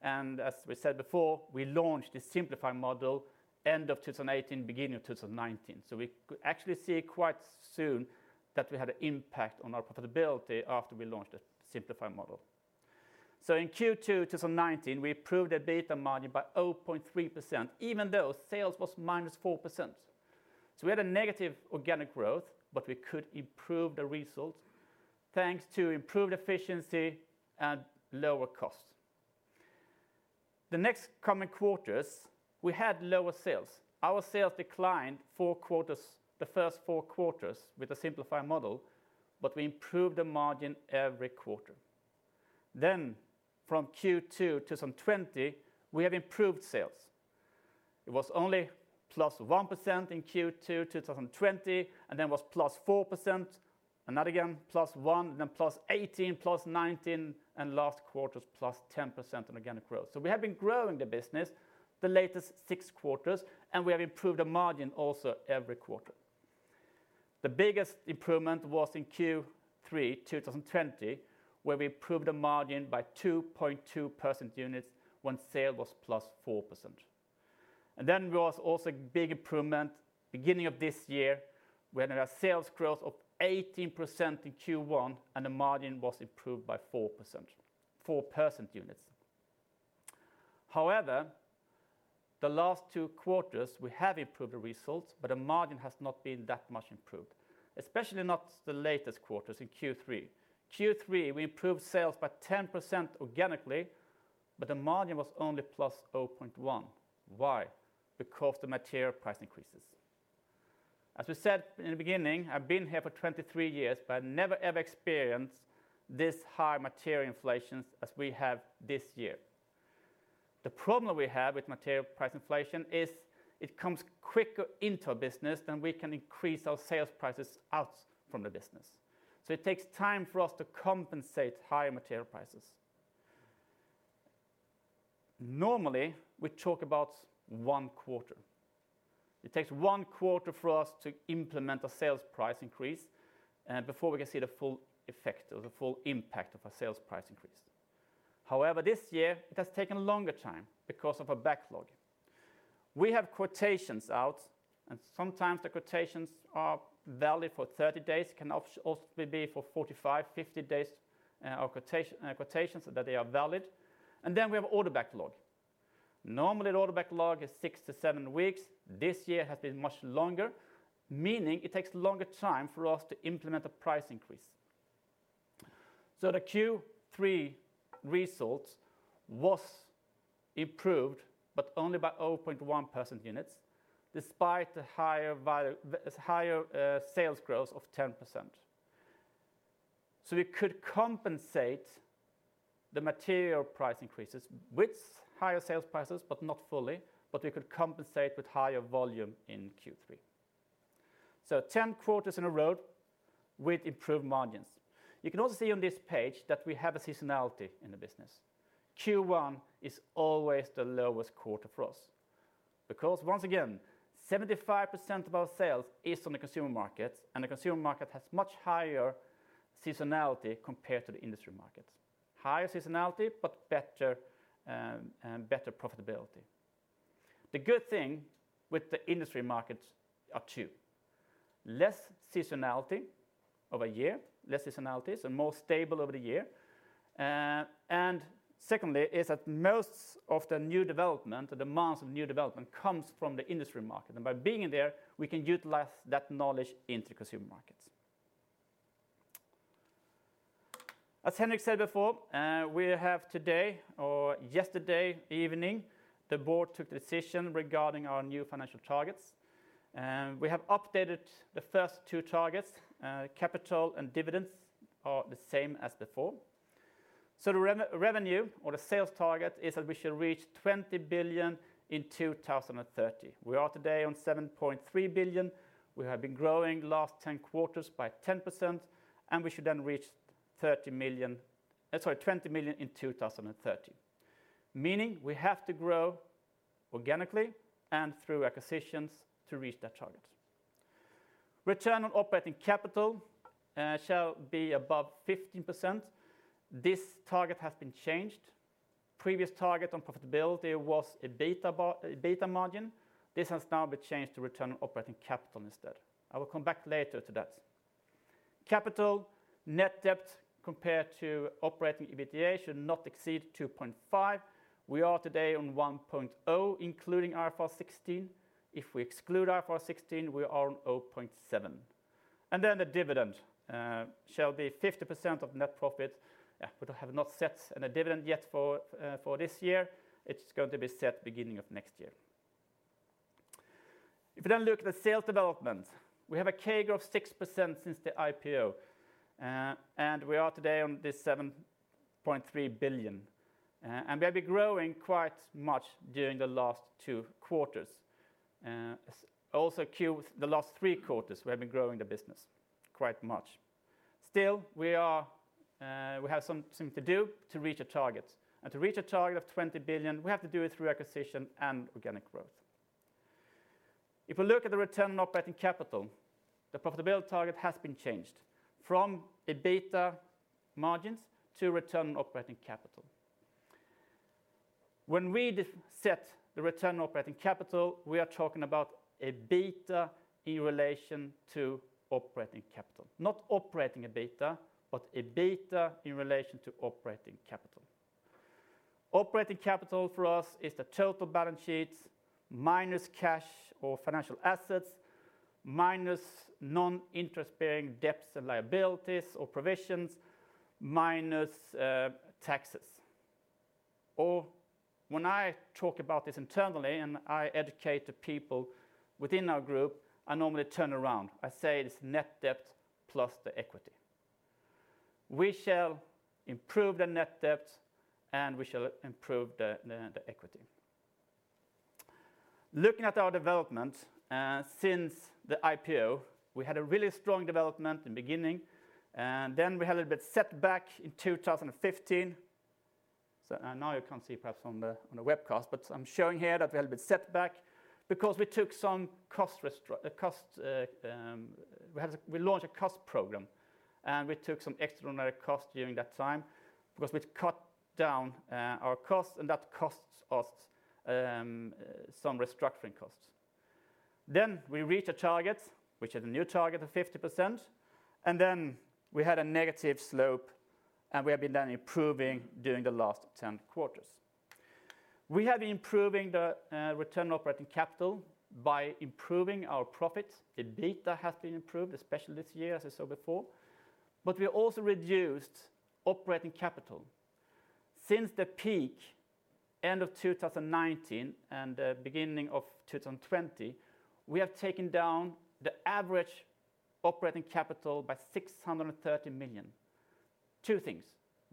and as we said before, we launched the Simplify model end of 2018, beginning of 2019. We could actually see quite soon that we had an impact on our profitability after we launched the Simplify model. In Q2 2019, we improved the EBITDA margin by 0.3%, even though sales was -4%. We had a negative organic growth, but we could improve the result thanks to improved efficiency and lower costs. The next coming quarters, we had lower sales. Our sales declined four quarters, the first four quarters with the Simplify model, but we improved the margin every quarter. From Q2 2020, we have improved sales. It was only +1% in Q2 2020, and then was +4%, and that again +1%, then +18%, +19%, and last quarter's +10% on organic growth. We have been growing the business the latest six quarters, and we have improved the margin also every quarter. The biggest improvement was in Q3 2020, where we improved the margin by 2.2 percentage points when sales was +4%. There was also big improvement beginning of this year when our sales growth of 18% in Q1, and the margin was improved by four percentage points. However, the last two quarters we have improved the results, but the margin has not been that much improved, especially not the latest quarters in Q3. Q3, we improved sales by 10% organically, but the margin was only +0.1%. Why? Because of the material price increases. As we said in the beginning, I've been here for 23 years, but I never ever experienced this high material inflation as we have this year. The problem we have with material price inflation is it comes quicker into our business than we can increase our sales prices out from the business. It takes time for us to compensate higher material prices. Normally, we talk about one quarter. It takes one quarter for us to implement a sales price increase, and before we can see the full effect or the full impact of a sales price increase. However, this year it has taken longer time because of a backlog. We have quotations out, and sometimes the quotations are valid for 30 days, can also be for 45, 50 days, our quotations that they are valid. We have order backlog. Normally, the order backlog is six to seven weeks. This year has been much longer, meaning it takes longer time for us to implement a price increase. Q3 results was improved, but only by 0.1 percent units, despite the higher sales growth of 10%. We could compensate the material price increases with higher sales prices, but not fully, we could compensate with higher volume in Q3. 10 quarters in a row with improved margins. You can also see on this page that we have a seasonality in the business. Q1 is always the lowest quarter for us because once again, 75% of our sales is on the consumer markets, and the consumer market has much higher seasonality compared to the industry markets. Higher seasonality, but better profitability. The good thing with the industry markets are two: less seasonality over year, so more stable over the year. Secondly is that most of the new development, the demands of new development comes from the industry market. By being in there, we can utilize that knowledge into consumer markets. As Henrik said before, today or yesterday evening, the board took the decision regarding our new financial targets. We have updated the first two targets, capital and dividends are the same as before. The revenue or the sales target is that we should reach 20 billion in 2030. We are today on 7.3 billion. We have been growing last 10 quarters by 10%, and we should then reach twenty billion in 2030. Meaning we have to grow organically and through acquisitions to reach that target. Return on operating capital shall be above 15%. This target has been changed. Previous target on profitability was EBITDA margin. This has now been changed to return on operating capital instead. I will come back later to that. Net debt compared to operating EBITDA should not exceed 2.5. We are today on 1.0 including IFRS 16. If we exclude IFRS 16, we are on 0.7. The dividend shall be 50% of net profit. But I have not set any dividend yet for this year. It's going to be set beginning of next year. If you then look at the sales development, we have a CAGR of 6% since the IPO. And we are today on this 7.3 billion. And we have been growing quite much during the last two quarters. The last three quarters, we have been growing the business quite much. Still, we have something to do to reach the target. To reach the target of 20 billion, we have to do it through acquisition and organic growth. If we look at the return on operating capital, the profitability target has been changed from EBITDA margins to return on operating capital. When we define the return on operating capital, we are talking about EBITDA in relation to operating capital, not operating EBITDA, but EBITDA in relation to operating capital. Operating capital for us is the total balance sheet minus cash or financial assets, minus non-interest-bearing debts and liabilities or provisions, minus taxes. When I talk about this internally, and I educate the people within our group, I normally turn around. I say it is net debt plus the equity. We shall improve the net debt, and we shall improve the equity. Looking at our development since the IPO, we had a really strong development in the beginning, and then we had a bit setback in 2015. You can't see perhaps on the webcast, but I'm showing here that we had a bit setback because we launched a cost program, and we took some extraordinary cost during that time because we'd cut down our costs, and that costs us some restructuring costs. We reach a target, which is a new target of 50%, and then we had a negative slope, and we have been improving during the last 10 quarters. We have been improving the return operating capital by improving our profits. EBITDA has been improved, especially this year, as I said before. We also reduced operating capital. Since the peak, end of 2019 and beginning of 2020, we have taken down the average operating capital by 630 million. Two things,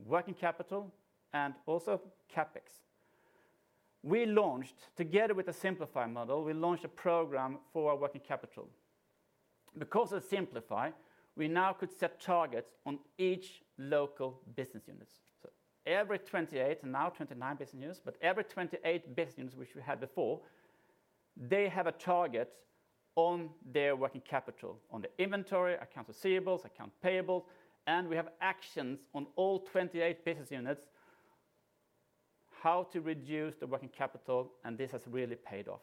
working capital and also CapEx. We launched, together with the Simplify model, a program for our working capital. Because of Simplify, we now could set targets on each local business units. Every 28, and now 29 business units, but every 28 business units which we had before, they have a target on their working capital, on the inventory, accounts receivables, accounts payables, and we have actions on all 28 business units how to reduce the working capital, and this has really paid off.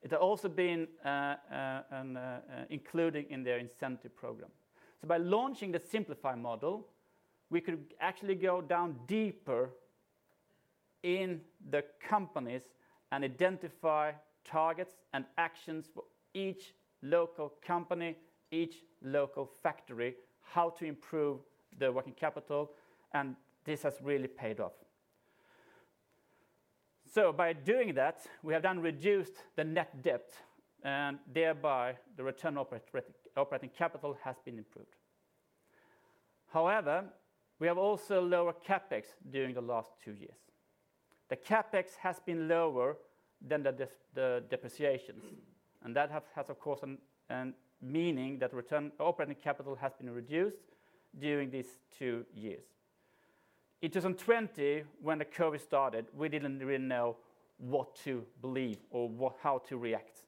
It has also been included in their incentive program. By launching the Simplify model, we could actually go down deeper in the companies and identify targets and actions for each local company, each local factory, how to improve their working capital, and this has really paid off. By doing that, we have then reduced the net debt, and thereby the return operating capital has been improved. However, we have also lower CapEx during the last two years. The CapEx has been lower than the depreciations, and that has of course meaning that return operating capital has been reduced during these two years. In 2020, when the COVID started, we didn't really know what to believe or how to react.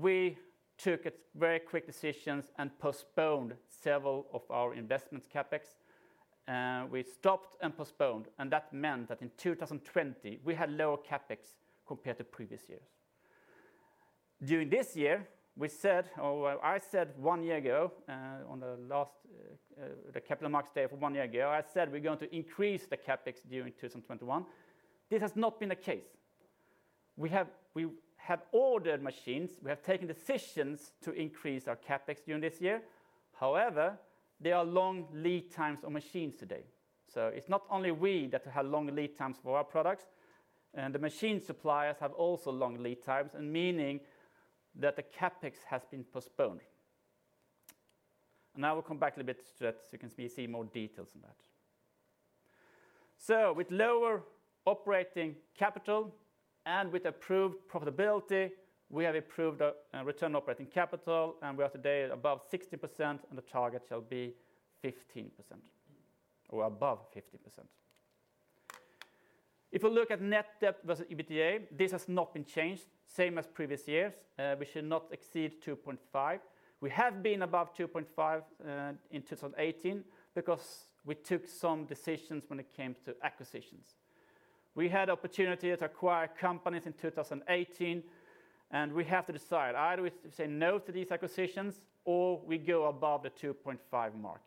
We took a very quick decisions and postponed several of our investments CapEx. We stopped and postponed, and that meant that in 2020, we had lower CapEx compared to previous years. One year ago on the last capital markets day one year ago, I said we're going to increase the CapEx during 2021. This has not been the case. We have ordered machines, we have taken decisions to increase our CapEx during this year. However, there are long lead times on machines today. It's not only we that have long lead times for our products, and the machine suppliers have also long lead times, meaning that the CapEx has been postponed. I will come back a little bit to that, so you can see more details on that. With lower operating capital and with improved profitability, we have improved our return operating capital, and we are today at above 60%, and the target shall be 15%, or above 50%. If you look at net debt versus EBITDA, this has not been changed, same as previous years. We should not exceed 2.5. We have been above 2.5 in 2018 because we took some decisions when it came to acquisitions. We had opportunity to acquire companies in 2018, and we have to decide either we say no to these acquisitions or we go above the 2.5 mark.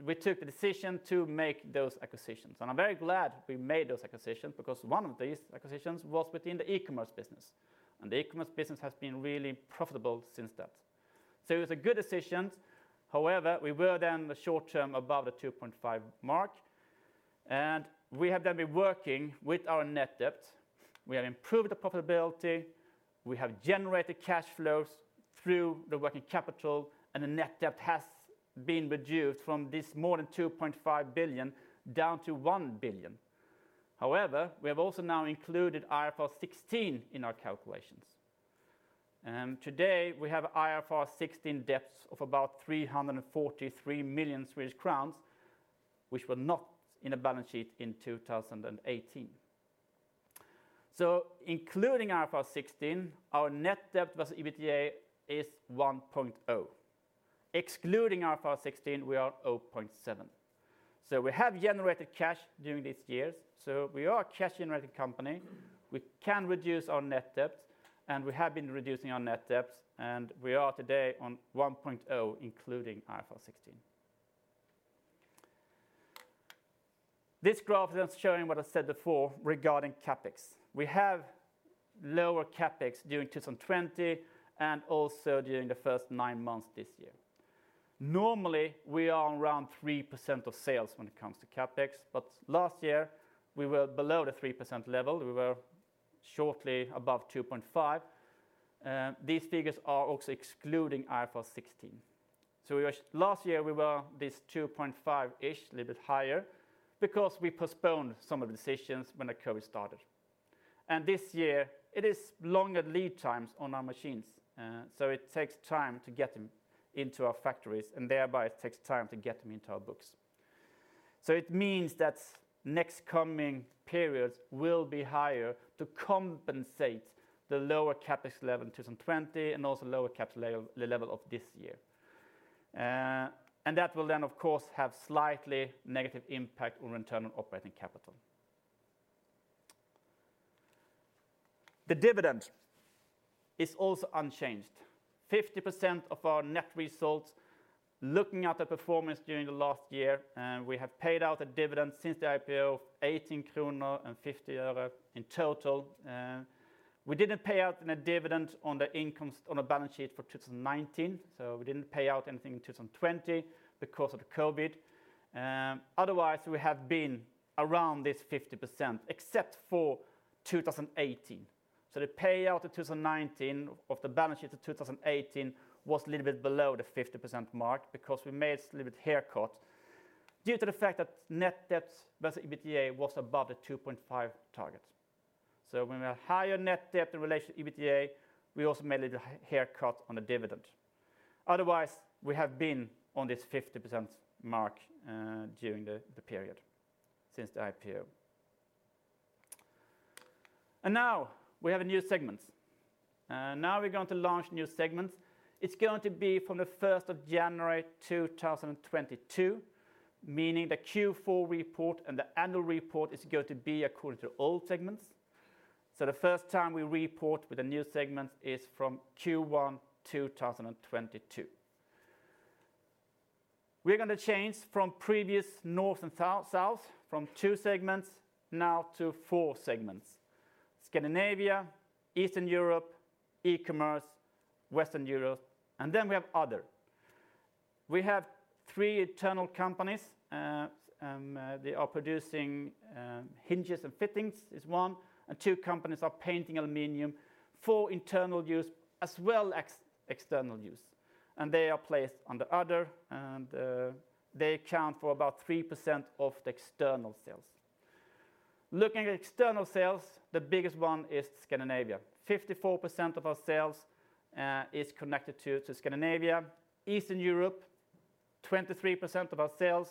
We took the decision to make those acquisitions. I'm very glad we made those acquisitions because one of these acquisitions was within the e-commerce business, and the e-commerce business has been really profitable since that. It was a good decision. However, we were then the short term above the 2.5 mark, and we have then been working with our net debt. We have improved the profitability, we have generated cash flows through the working capital, and the net debt has been reduced from this more than 2.5 billion down to 1 billion. However, we have also now included IFRS 16 in our calculations. Today we have IFRS 16 debts of about 343 million Swedish crowns, which were not in the balance sheet in 2018. Including IFRS 16, our net debt to EBITDA is 1.0. Excluding IFRS 16, we are 0.7. We have generated cash during these years, so we are a cash-generating company. We can reduce our net debt, and we have been reducing our net debt, and we are today on 1.0 including IFRS 16. This graph is showing what I said before regarding CapEx. We have lower CapEx during 2020 and also during the first nine months this year. Normally, we are around 3% of sales when it comes to CapEx, but last year we were below the 3% level. We were shortly above 2.5. These figures are also excluding IFRS 16. Last year, we were this 2.5-ish, a little bit higher, because we postponed some of the decisions when the COVID started. This year it is longer lead times on our machines, so it takes time to get them into our factories, and thereby it takes time to get them into our books. It means that next coming periods will be higher to compensate the lower CapEx level in 2020 and also lower capital level of this year. That will then of course have slightly negative impact on return on operating capital. The dividend is also unchanged. 50% of our net results, looking at the performance during the last year, we have paid out a dividend since the IPO of SEK 18.50 in total. We didn't pay out a dividend on the balance sheet for 2019, so we didn't pay out anything in 2020 because of the COVID-19. Otherwise, we have been around this 50%, except for 2018. The payout of 2019 of the balance sheet of 2018 was a little bit below the 50% mark because we made a little bit haircut due to the fact that net debt versus EBITDA was above the 2.5 target. When we have higher net debt in relation to EBITDA, we also made a little haircut on the dividend. Otherwise, we have been on this 50% mark during the period since the IPO. Now we have a new segment. Now we're going to launch new segment. It's going to be from the first of January 2022, meaning the Q4 report and the annual report is going to be according to old segments. The first time we report with the new segment is from Q1 2022. We're gonna change from previous north and south from two segments now to four segments, Scandinavia, Eastern Europe, e-commerce, Western Europe, and then we have Other. We have three internal companies, they are producing hinges and fittings is one, and two companies are painting aluminum for internal use as well as external use, and they are placed under Other, and they account for about 3% of the external sales. Looking at external sales, the biggest one is Scandinavia. 54% of our sales is connected to Scandinavia. Eastern Europe, 23% of our sales,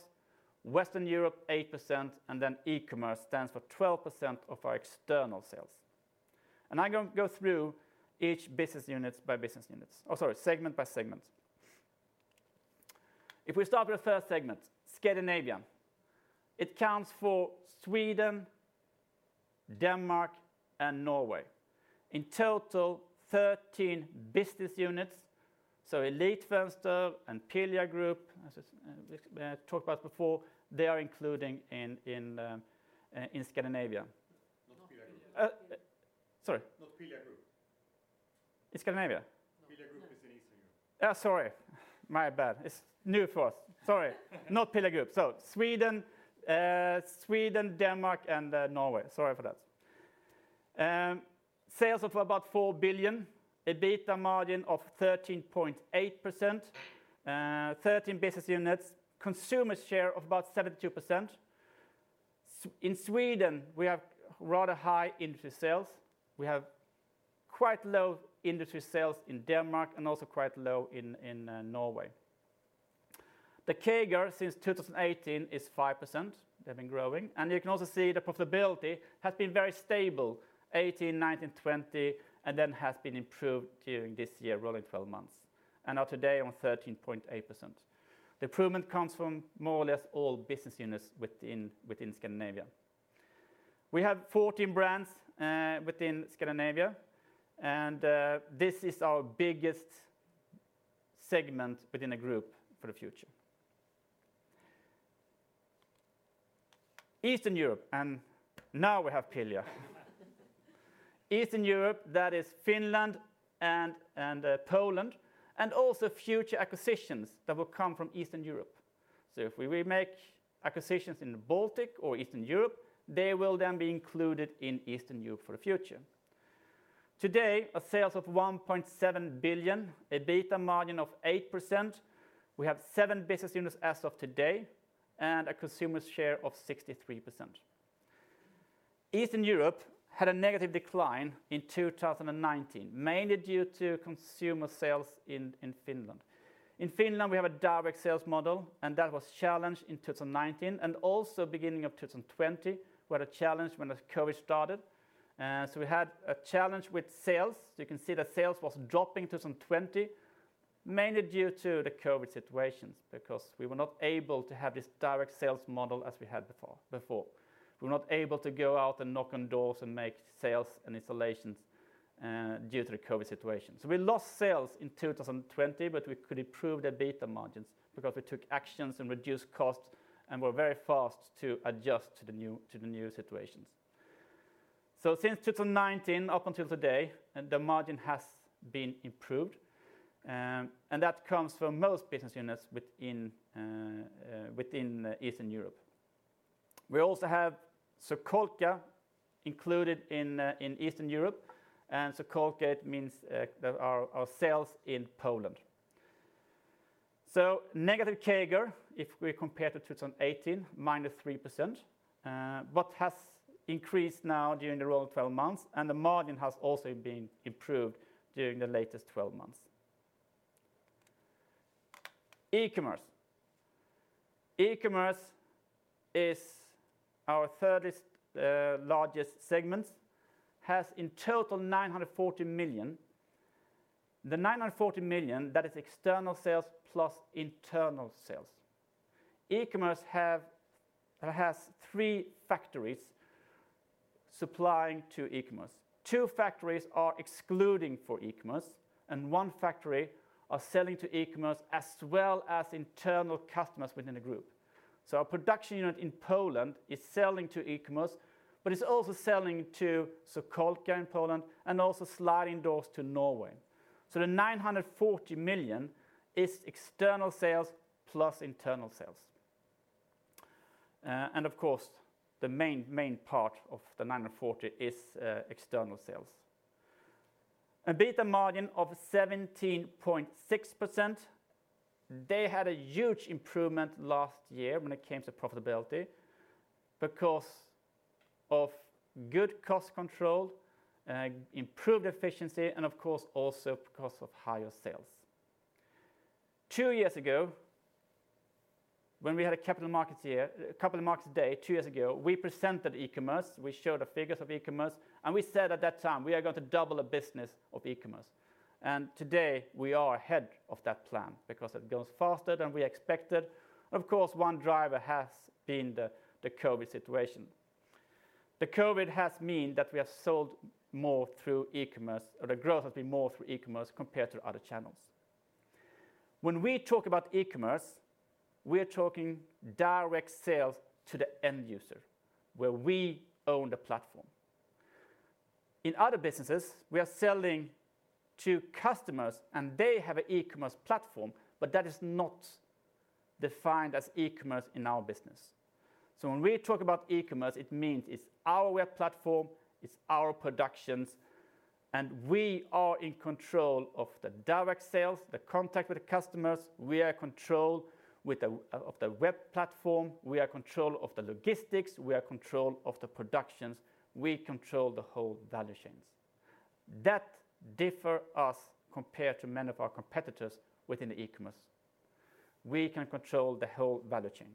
Western Europe, 8%, and then e-commerce stands for 12% of our external sales. I'm gonna go through each business units segment by segment. Oh, sorry. If we start with the first segment, Scandinavia, it accounts for Sweden, Denmark, and Norway. In total, 13 business units, so Elitfönster and Pihla Group, as I said talked about before, they are included in Scandinavia. Not Pihla Group. Sorry? Not Pihla Group. In Scandinavia? Pihla Group is in Eastern Europe. Yeah, sorry. My bad. It's new for us. Sorry. Not Pihla Group. Sweden, Denmark, and Norway. Sorry for that. Sales of about 4 billion, EBITDA margin of 13.8%, 13 business units, consumer share of about 72%. In Sweden, we have rather high industry sales. We have quite low industry sales in Denmark and also quite low in Norway. The CAGR since 2018 is 5%. They've been growing. You can also see the profitability has been very stable, 2018, 2019, 2020, and then has been improved during this year, rolling twelve months and are today on 13.8%. The improvement comes from more or less all business units within Scandinavia. We have 14 brands within Scandinavia, and this is our biggest segment within a group for the future. Eastern Europe, and now we have Pihla. Eastern Europe, that is Finland and Poland, and also future acquisitions that will come from Eastern Europe. If we make acquisitions in the Baltic or Eastern Europe, they will then be included in Eastern Europe for the future. Today, sales of 1.7 billion, an EBITDA margin of 8%. We have seven business units as of today, and a consumer share of 63%. Eastern Europe had a negative decline in 2019, mainly due to consumer sales in Finland. In Finland, we have a direct sales model, and that was challenged in 2019, and also beginning of 2020, we had a challenge when the COVID-19 started. We had a challenge with sales. You can see that sales was dropping 2020, mainly due to the COVID-19 situations, because we were not able to have this direct sales model as we had before. We were not able to go out and knock on doors and make sales and installations, due to the COVID-19 situation. We lost sales in 2020, but we could improve the EBITDA margins because we took actions and reduced costs and were very fast to adjust to the new situations. Since 2019, up until today, the margin has been improved, and that comes from most business units within Eastern Europe. We also have Sokółka included in Eastern Europe, and Sokółka, it means our sales in Poland. Negative CAGR, if we compare to 2018, -3%, but has increased now during the rolling twelve months, and the margin has also been improved during the latest twelve months. E-commerce. E-commerce is our third largest segment, has in total 940 million. The 940 million, that is external sales plus internal sales. E-commerce has three factories supplying to e-commerce. Two factories are excluding for e-commerce, and one factory are selling to e-commerce as well as internal customers within the group. Our production unit in Poland is selling to e-commerce, but it's also selling to Sokółka in Poland, and also sliding doors to Norway. The 940 million is external sales plus internal sales. Of course, the main part of the 940 is external sales. EBITDA margin of 17.6%. They had a huge improvement last year when it came to profitability because of good cost control, improved efficiency, and of course, also because of higher sales. Two years ago, when we had a capital markets day, we presented e-commerce, we showed the figures of e-commerce, and we said at that time, we are going to double the business of e-commerce. Today, we are ahead of that plan because it goes faster than we expected. Of course, one driver has been the COVID situation. The COVID has meant that we have sold more through e-commerce, or the growth has been more through e-commerce compared to other channels. When we talk about e-commerce, we are talking direct sales to the end user, where we own the platform. In other businesses, we are selling to customers, and they have an e-commerce platform, but that is not defined as e-commerce in our business. When we talk about e-commerce, it means it's our web platform, it's our productions, and we are in control of the direct sales, the contact with the customers. We are in control of the web platform, we are in control of the logistics, we are in control of the productions, we control the whole value chains. That differentiates us compared to many of our competitors within the e-commerce. We can control the whole value chain.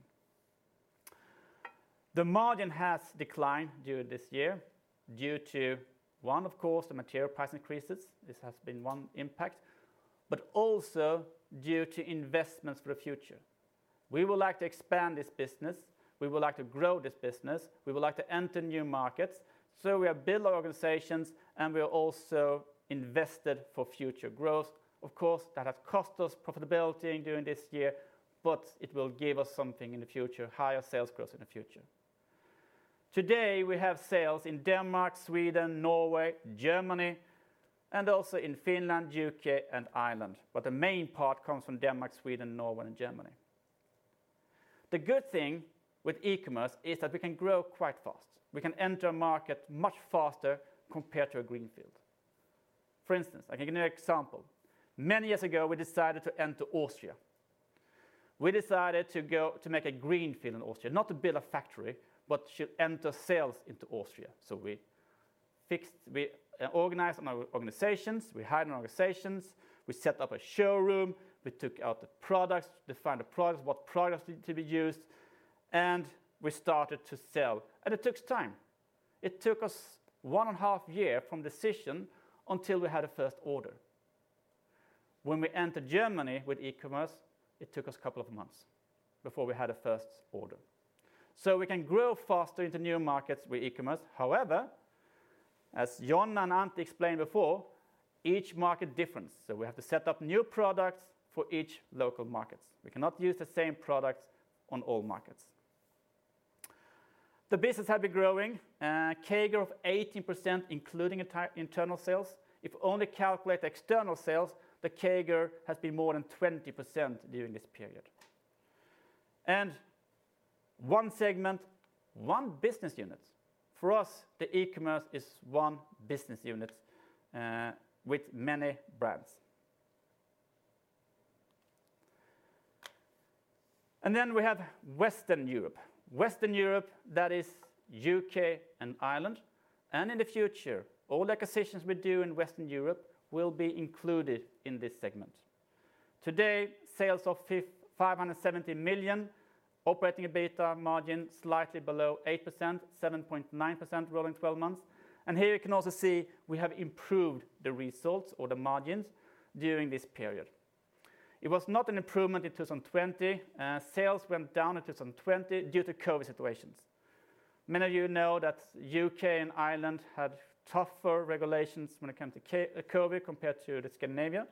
The margin has declined during this year due to one, of course, the material price increases. This has been one impact, but also due to investments for the future. We would like to expand this business. We would like to grow this business. We would like to enter new markets. We have built our organizations, and we are also invested for future growth. Of course, that has cost us profitability during this year, but it will give us something in the future, higher sales growth in the future. Today, we have sales in Denmark, Sweden, Norway, Germany, and also in Finland, U.K., and Ireland. The main part comes from Denmark, Sweden, Norway, and Germany. The good thing with e-commerce is that we can grow quite fast. We can enter a market much faster compared to a greenfield. For instance, I can give you an example. Many years ago, we decided to enter Austria. We decided to go to make a greenfield in Austria, not to build a factory, but should enter sales into Austria. We fixed, we organized our organizations, we hired our organizations, we set up a showroom, we took out the products, defined the products, what products need to be used, and we started to sell. It took us one and a half years from decision until we had a first order. When we entered Germany with e-commerce, it took us a couple of months before we had a first order. We can grow faster into new markets with e-commerce. However, as Johan and Antti explained before, each market is different. We have to set up new products for each local markets. We cannot use the same products on all markets. The business had been growing, CAGR of 18%, including entire internal sales. If we only calculate external sales, the CAGR has been more than 20% during this period. One segment, one business unit. For us, the e-commerce is one business unit with many brands. Then we have Western Europe. Western Europe, that is U.K. and Ireland. In the future, all acquisitions we do in Western Europe will be included in this segment. Today, sales of 570 million, operating EBITDA margin slightly below 8%, 7.9% rolling twelve months. Here you can also see we have improved the results or the margins during this period. It was not an improvement in 2020. Sales went down in 2020 due to COVID situations. Many of you know that U.K. and Ireland had tougher regulations when it came to COVID compared to Scandinavia.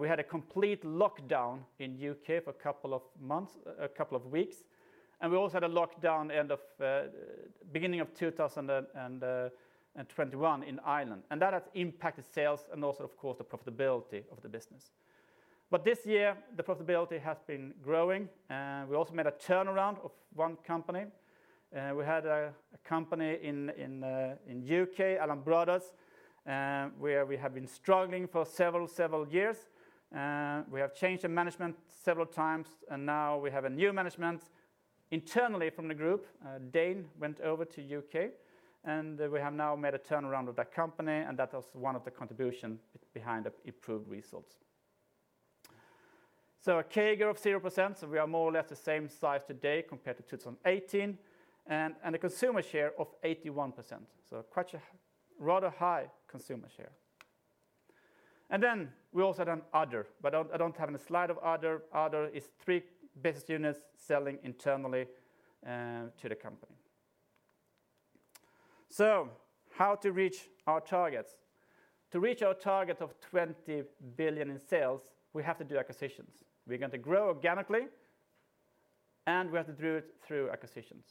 We had a complete lockdown in U.K. for a couple of months, a couple of weeks. We also had a lockdown end of beginning of 2021 in Ireland. That has impacted sales and also, of course, the profitability of the business. This year, the profitability has been growing, and we also made a turnaround of one company. We had a company in the U.K., Allen Brothers, where we have been struggling for several years. We have changed the management several times, and now we have a new management internally from the group. Dane went over to the U.K., and we have now made a turnaround of that company, and that was one of the contributions behind the improved results. A CAGR of 0%, so we are more or less the same size today compared to 2018. A consumer share of 81%, so quite a rather high consumer share. Then we also done other, but I don't have any slide of other. Other is three business units selling internally to the company. How to reach our targets? To reach our target of 20 billion in sales, we have to do acquisitions. We're going to grow organically, and we have to do it through acquisitions.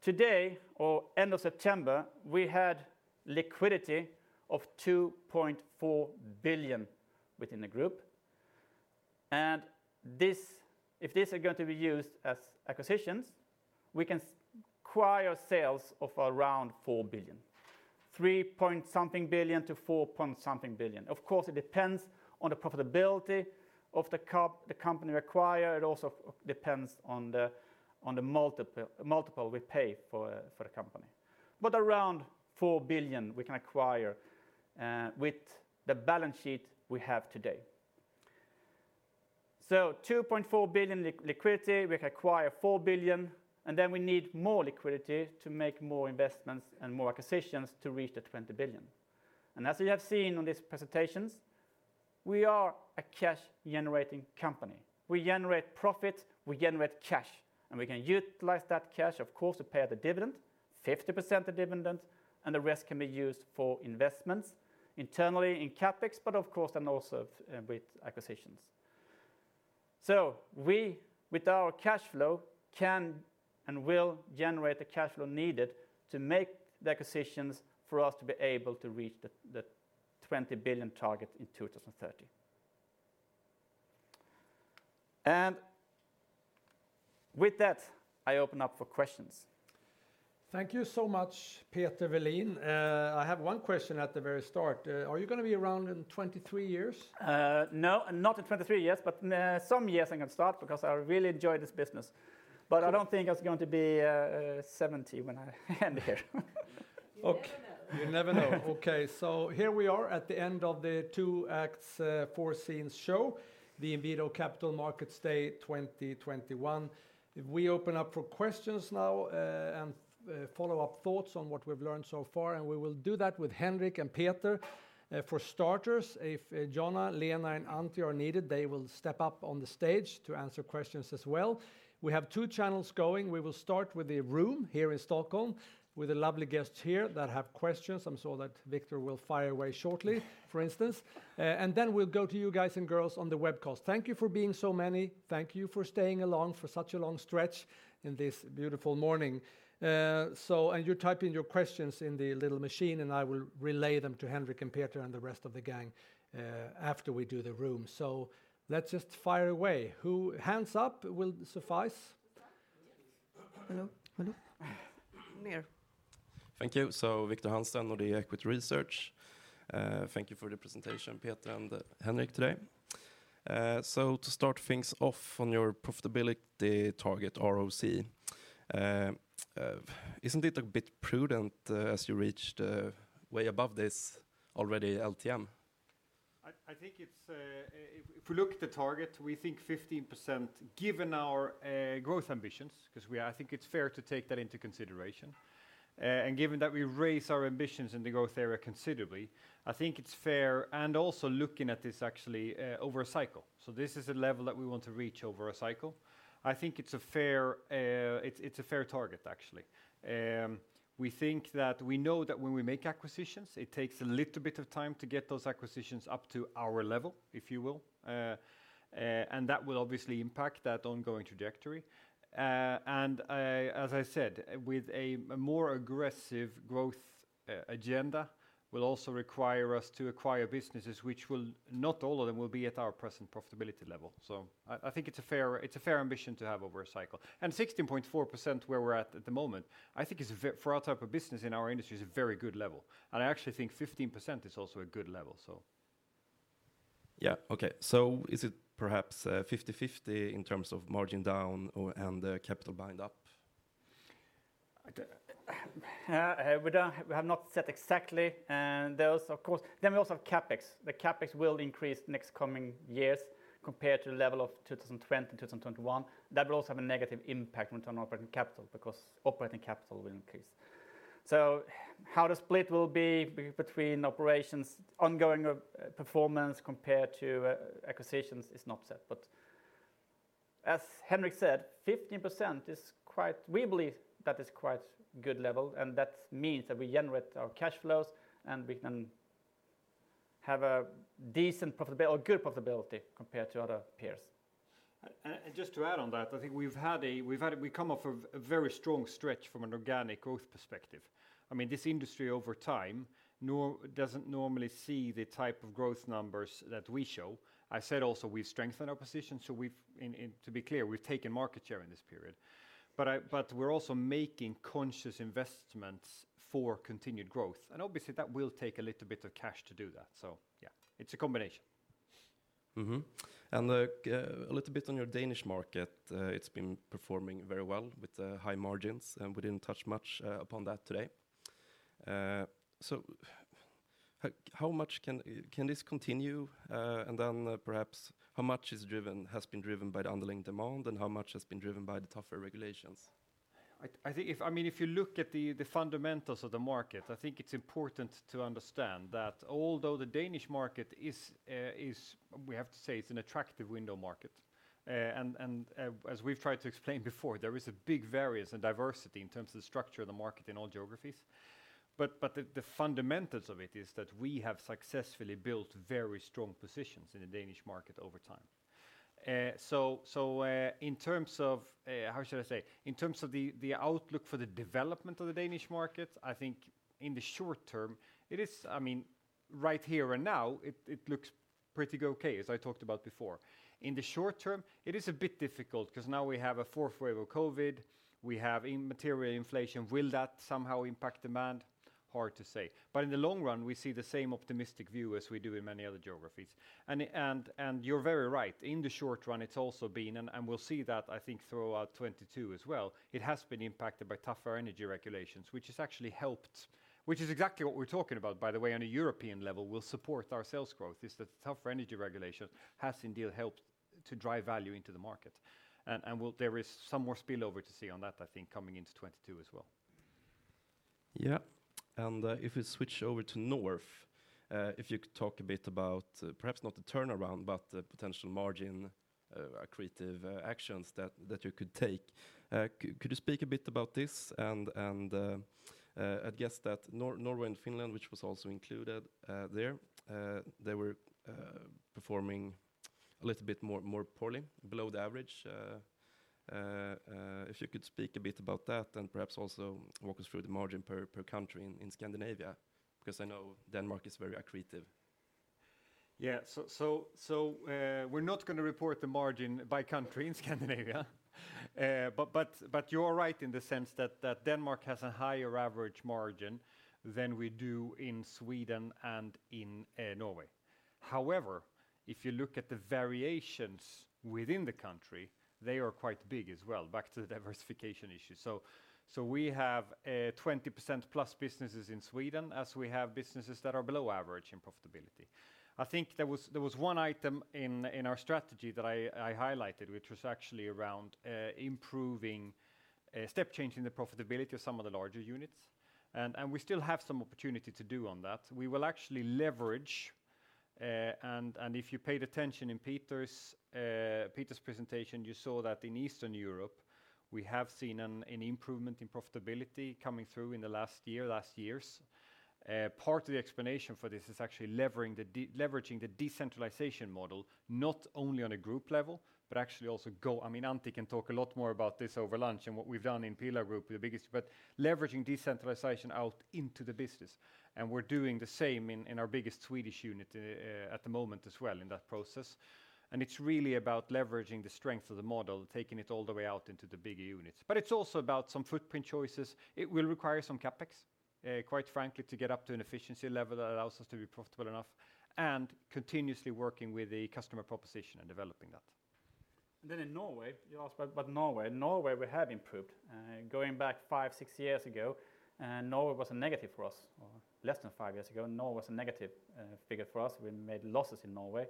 Today or end of September, we had liquidity of 2.4 billion within the group. If this is going to be used for acquisitions, we can acquire sales of around 4 billion. SEK 3.something billion-SEK 4.something billion. Of course, it depends on the profitability of the company acquired. It also depends on the multiple we pay for the company. Around 4 billion we can acquire with the balance sheet we have today. 2.4 billion liquidity, we acquire 4 billion, and then we need more liquidity to make more investments and more acquisitions to reach the 20 billion. As you have seen on these presentations, we are a cash-generating company. We generate profit, we generate cash, and we can utilize that cash, of course, to pay the dividend, 50% the dividend, and the rest can be used for investments internally in CapEx, but of course then also with acquisitions. We, with our cash flow, can and will generate the cash flow needed to make the acquisitions for us to be able to reach the 20 billion target in 2030. With that, I open up for questions. Thank you so much, Peter Welin. I have one question at the very start. Are you gonna be around in 23 years? No, not in 23 years, but some years I can start because I really enjoy this business. I don't think it's going to be 70 when I end here. Okay. You never know. You never know. Okay. Here we are at the end of the two acts, four scenes show, the Inwido Capital Markets Day 2021. We open up for questions now and follow-up thoughts on what we've learned so far, and we will do that with Henrik and Peter for starters. If Jonna, Lena, and Antti are needed, they will step up on the stage to answer questions as well. We have two channels going. We will start with the room here in Stockholm with the lovely guests here that have questions. I'm sure that Victor will fire away shortly, for instance. We'll go to you guys and girls on the webcast. Thank you for being so many. Thank you for staying along for such a long stretch in this beautiful morning. You type in your questions in the little machine, and I will relay them to Henrik and Peter and the rest of the gang, after we do the room. Let's just fire away. Hands up will suffice. Hello. Hello. Here. Thank you. Victor Hansten of the Equity Research. Thank you for the presentation, Peter and Henrik today. To start things off on your profitability target ROC, isn't it a bit prudent, as you reached way above this already LTM? I think it's if we look at the target, we think 15%, given our growth ambitions. I think it's fair to take that into consideration. Given that we raise our ambitions in the growth area considerably, I think it's fair. Also looking at this actually over a cycle, this is a level that we want to reach over a cycle. I think it's a fair target, actually. We think that we know that when we make acquisitions, it takes a little bit of time to get those acquisitions up to our level, if you will. That will obviously impact that ongoing trajectory. As I said, with a more aggressive growth agenda will also require us to acquire businesses which will not all of them be at our present profitability level. I think it's a fair ambition to have over a cycle. 16.4% where we're at the moment is very good for our type of business in our industry. I actually think 15% is also a good level. Yeah. Okay. Is it perhaps 50/50 in terms of margin downside or the capital tied up? We have not set exactly, and there is of course. We also have CapEx. The CapEx will increase next coming years compared to the level of 2020 to 2021. That will also have a negative impact on operating capital because operating capital will increase. How the split will be between operations, ongoing of performance compared to acquisitions is not set. As Henrik said, 15% is quite we believe that is quite good level, and that means that we generate our cash flows, and we can have a decent profitability or good profitability compared to other peers. Just to add on that, I think we've had a very strong stretch from an organic growth perspective. I mean, this industry over time doesn't normally see the type of growth numbers that we show. I said also we strengthen our position, so to be clear, we've taken market share in this period. We're also making conscious investments for continued growth. Obviously, that will take a little bit of cash to do that. Yeah, it's a combination. Mm-hmm. A little bit on your Danish market, it's been performing very well with the high margins, and we didn't touch much upon that today. How much can this continue? Perhaps how much has been driven by the underlying demand, and how much has been driven by the tougher regulations? I think if, I mean, if you look at the fundamentals of the market, I think it's important to understand that although the Danish market is, we have to say it's an attractive window market. As we've tried to explain before, there is a big variance and diversity in terms of the structure of the market in all geographies. The fundamentals of it is that we have successfully built very strong positions in the Danish market over time. In terms of the outlook for the development of the Danish market, I think in the short term it is, I mean, right here and now it looks pretty okay, as I talked about before. In the short term, it is a bit difficult 'cause now we have a fourth wave of COVID, we have material inflation. Will that somehow impact demand? Hard to say. In the long run, we see the same optimistic view as we do in many other geographies. You're very right. In the short run, it's also been and we'll see that, I think, throughout 2022 as well, it has been impacted by tougher energy regulations, which has actually helped, which is exactly what we're talking about, by the way, on a European level, will support our sales growth, is the tougher energy regulation has indeed helped to drive value into the market. There is some more spillover to see on that, I think, coming into 2022 as well. If we switch over to the Nordics, if you could talk a bit about perhaps not the turnaround, but the potential margin-accretive actions that you could take. Could you speak a bit about this? I'd guess that Norway and Finland, which was also included there, they were performing a little bit more poorly, below the average. If you could speak a bit about that, then perhaps also walk us through the margin per country in Scandinavia, because I know Denmark is very accretive. We're not gonna report the margin by country in Scandinavia. You're right in the sense that Denmark has a higher average margin than we do in Sweden and in Norway. However, if you look at the variations within the country, they are quite big as well, back to the diversification issue. We have 20%+ businesses in Sweden, as we have businesses that are below average in profitability. I think there was one item in our strategy that I highlighted, which was actually around improving step change in the profitability of some of the larger units. We still have some opportunity to do on that. We will actually leverage, and if you paid attention in Peter's presentation, you saw that in Eastern Europe, we have seen an improvement in profitability coming through in the last years. Part of the explanation for this is actually leveraging the decentralization model, not only on a group level, but actually also I mean, Antti can talk a lot more about this over lunch and what we've done in Pihla Group, the biggest, but leveraging decentralization out into the business, and we're doing the same in our biggest Swedish unit at the moment as well in that process. It's really about leveraging the strength of the model, taking it all the way out into the bigger units. It's also about some footprint choices. It will require some CapEx, quite frankly, to get up to an efficiency level that allows us to be profitable enough and continuously working with the customer proposition and developing that. In Norway, you asked about Norway. Norway we have improved. Going back five, six years ago, Norway was a negative for us, or less than five years ago, Norway was a negative figure for us. We made losses in Norway.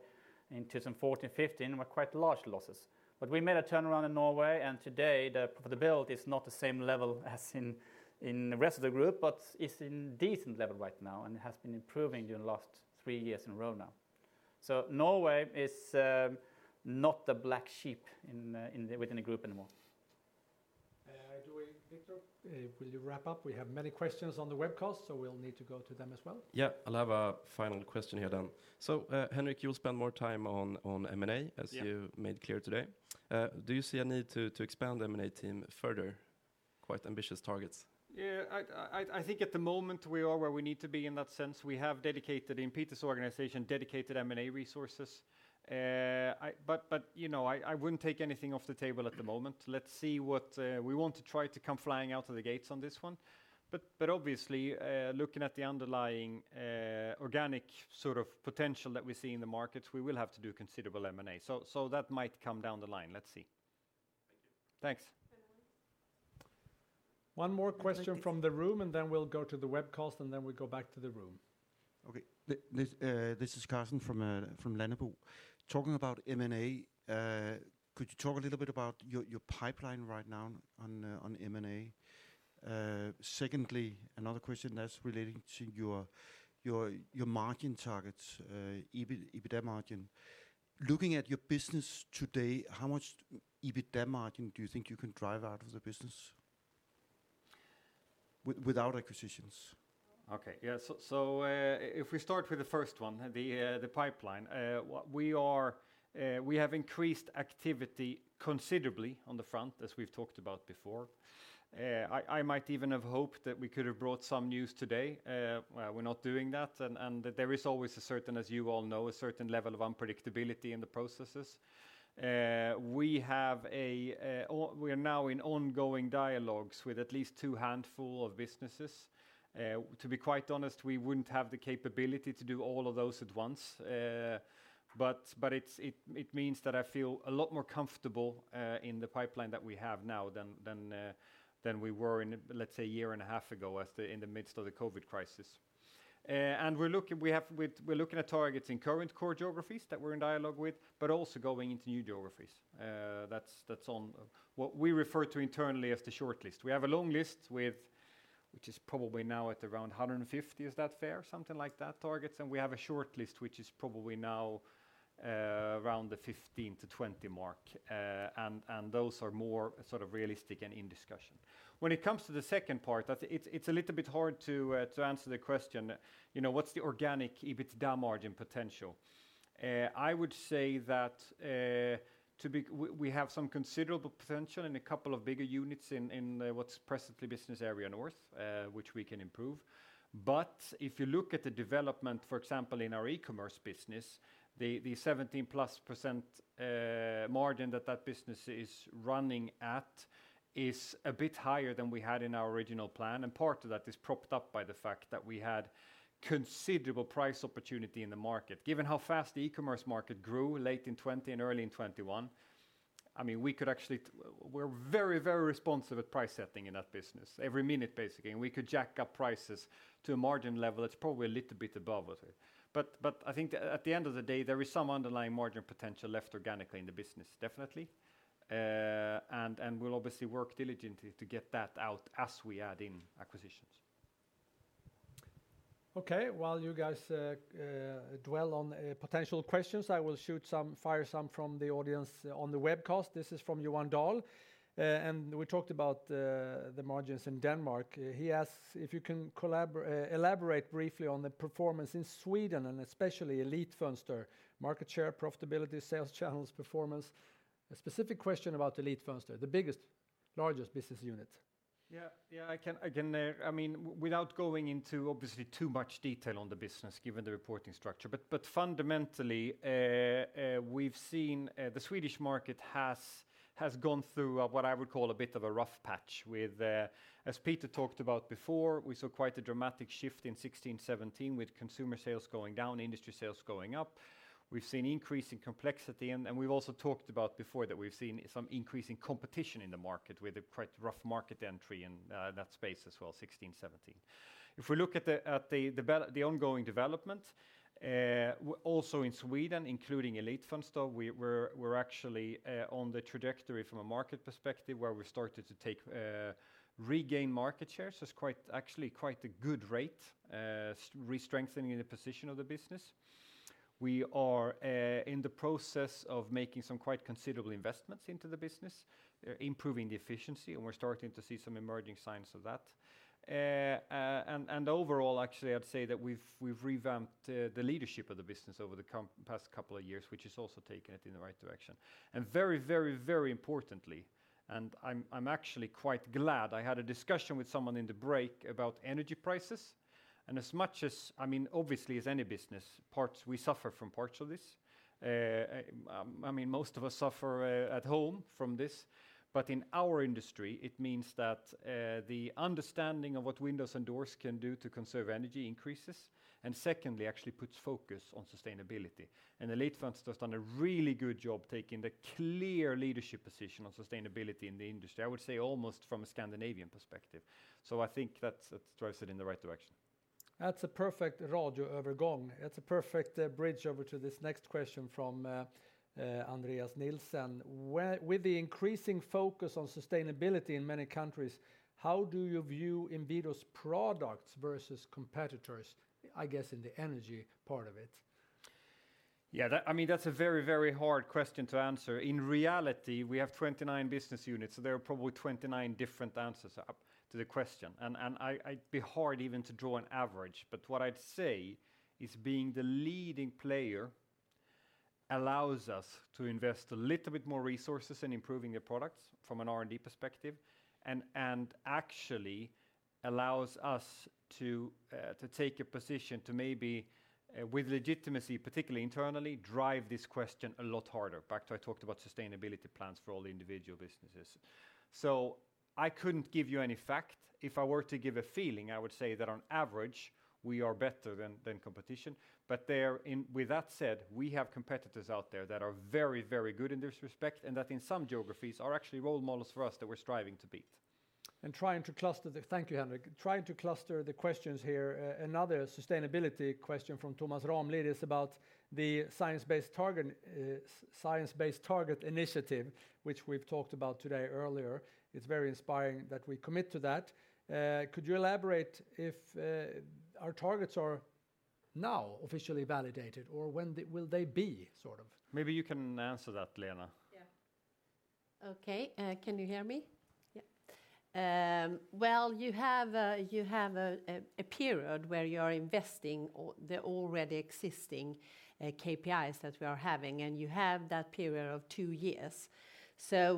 In 2014, 2015 were quite large losses. We made a turnaround in Norway, and today the profitability is not the same level as in the rest of the group, but it's in decent level right now and has been improving during the last three years in a row now. Norway is not the black sheep within the group anymore. Victor Hansten, will you wrap up? We have many questions on the webcast, so we'll need to go to them as well. Yeah. I'll have a final question here then. Henrik, you'll spend more time on M&A. Yeah. As you made clear today. Do you see a need to expand M&A team further? Quite ambitious targets. Yeah. I think at the moment, we are where we need to be in that sense. We have dedicated in Peter's organization, dedicated M&A resources. You know, I wouldn't take anything off the table at the moment. Let's see what we want to try to come flying out of the gates on this one. Obviously, looking at the underlying organic sort of potential that we see in the markets, we will have to do considerable M&A. That might come down the line. Let's see. Thank you. Thanks. One more question from the room, and then we'll go to the webcast, and then we go back to the room. Okay. This is Carson from Lenovo. Talking about M&A, could you talk a little bit about your pipeline right now on M&A? Secondly, another question that's relating to your margin targets, EBITDA margin. Looking at your business today, how much EBITDA margin do you think you can drive out of the business without acquisitions? If we start with the first one, the pipeline, we have increased activity considerably on the front, as we've talked about before. I might even have hoped that we could have brought some news today. We're not doing that. There is always a certain, as you all know, a certain level of unpredictability in the processes. We are now in ongoing dialogues with at least two handful of businesses. To be quite honest, we wouldn't have the capability to do all of those at once. It means that I feel a lot more comfortable in the pipeline that we have now than we were in, let's say a year and a half ago in the midst of the COVID crisis. We're looking at targets in current core geographies that we're in dialogue with, but also going into new geographies. That's on what we refer to internally as the short list. We have a long list, which is probably now at around 150. Is that fair? Something like that, targets. We have a short list, which is probably now around the 15-20 mark. Those are more sort of realistic and in discussion. When it comes to the second part, I think it's a little bit hard to answer the question, you know, what's the organic EBITDA margin potential? I would say that we have some considerable potential in a couple of bigger units in what's presently Business Area North, which we can improve. But if you look at the development, for example, in our e-commerce business, the 17%+ margin that that business is running at is a bit higher than we had in our original plan, and part of that is propped up by the fact that we had considerable price opportunity in the market. Given how fast the e-commerce market grew late in 2020 and early in 2021, I mean, we're very, very responsive at price setting in that business, every minute, basically, and we could jack up prices to a margin level that's probably a little bit above it. I think at the end of the day, there is some underlying margin potential left organically in the business, definitely. We'll obviously work diligently to get that out as we add in acquisitions. Okay. While you guys dwell on potential questions, I will fire some from the audience on the webcast. This is from Johan Dahl, and we talked about the margins in Denmark. He asks if you can elaborate briefly on the performance in Sweden, and especially Elitfönster, market share, profitability, sales channels performance. A specific question about Elitfönster, the biggest, largest business unit. I can, I mean, without going into obviously too much detail on the business, given the reporting structure. Fundamentally, we've seen the Swedish market has gone through what I would call a bit of a rough patch with, as Peter talked about before, we saw quite a dramatic shift in 2016, 2017 with consumer sales going down, industry sales going up. We've seen increasing complexity, and we've also talked about before that we've seen some increasing competition in the market with a quite rough market entry in that space as well, 2016, 2017. If we look at the ongoing development also in Sweden, including Elitfönster, we're actually on the trajectory from a market perspective where we started to regain market share. It's quite, actually quite a good rate, re-strengthening the position of the business. We are in the process of making some quite considerable investments into the business, improving the efficiency, and we're starting to see some emerging signs of that. Overall, actually, I'd say that we've revamped the leadership of the business over the past couple of years, which has also taken it in the right direction. Very importantly, I'm actually quite glad I had a discussion with someone in the break about energy prices. As much as, I mean, obviously, as any business, we suffer from parts of this. I mean, most of us suffer at home from this. In our industry, it means that, the understanding of what windows and doors can do to conserve energy increases, and secondly, actually puts focus on sustainability. Elitfönster has done a really good job taking the clear leadership position on sustainability in the industry, I would say almost from a Scandinavian perspective. I think that drives it in the right direction. That's a perfect bridge over to this next question from Andreas Nielsen. With the increasing focus on sustainability in many countries, how do you view Inwido's products versus competitors, I guess, in the energy part of it? Yeah, that, I mean, that's a very, very hard question to answer. In reality, we have 29 business units, so there are probably 29 different answers to the question. It'd be hard even to draw an average. What I'd say is being the leading player allows us to invest a little bit more resources in improving the products from an R&D perspective, and actually allows us to take a position to maybe with legitimacy, particularly internally, drive this question a lot harder. Back to what I talked about sustainability plans for all the individual businesses. I couldn't give you any fact. If I were to give a feeling, I would say that on average, we are better than competition. With that said, we have competitors out there that are very, very good in this respect, and that in some geographies are actually role models for us that we're striving to beat. Thank you, Henrik. Trying to cluster the questions here, another sustainability question from Thomas Rømhild is about the Science Based Targets initiative, which we've talked about earlier today. It's very inspiring that we commit to that. Could you elaborate if our targets are now officially validated, or when will they be, sort of? Maybe you can answer that, Lena. Yeah. Okay, can you hear me? Yeah. Well, you have a period where you are investing or the already existing KPIs that we are having, and you have that period of two years.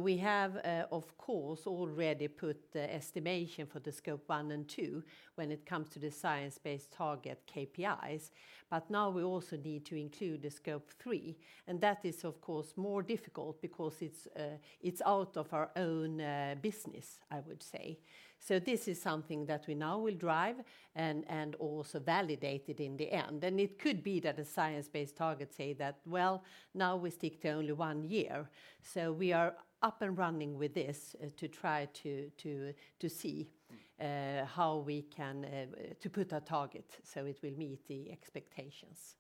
We have, of course, already put the estimation for the Scope 1 and 2 when it comes to the science-based target KPIs. Now we also need to include the Scope 3, and that is, of course, more difficult because it's out of our own business, I would say. This is something that we now will drive and also validate it in the end. It could be that a science-based target says that, "Well, now we stick to only one year." We are up and running with this, to try to see how we can put a target, so it will meet the expectations.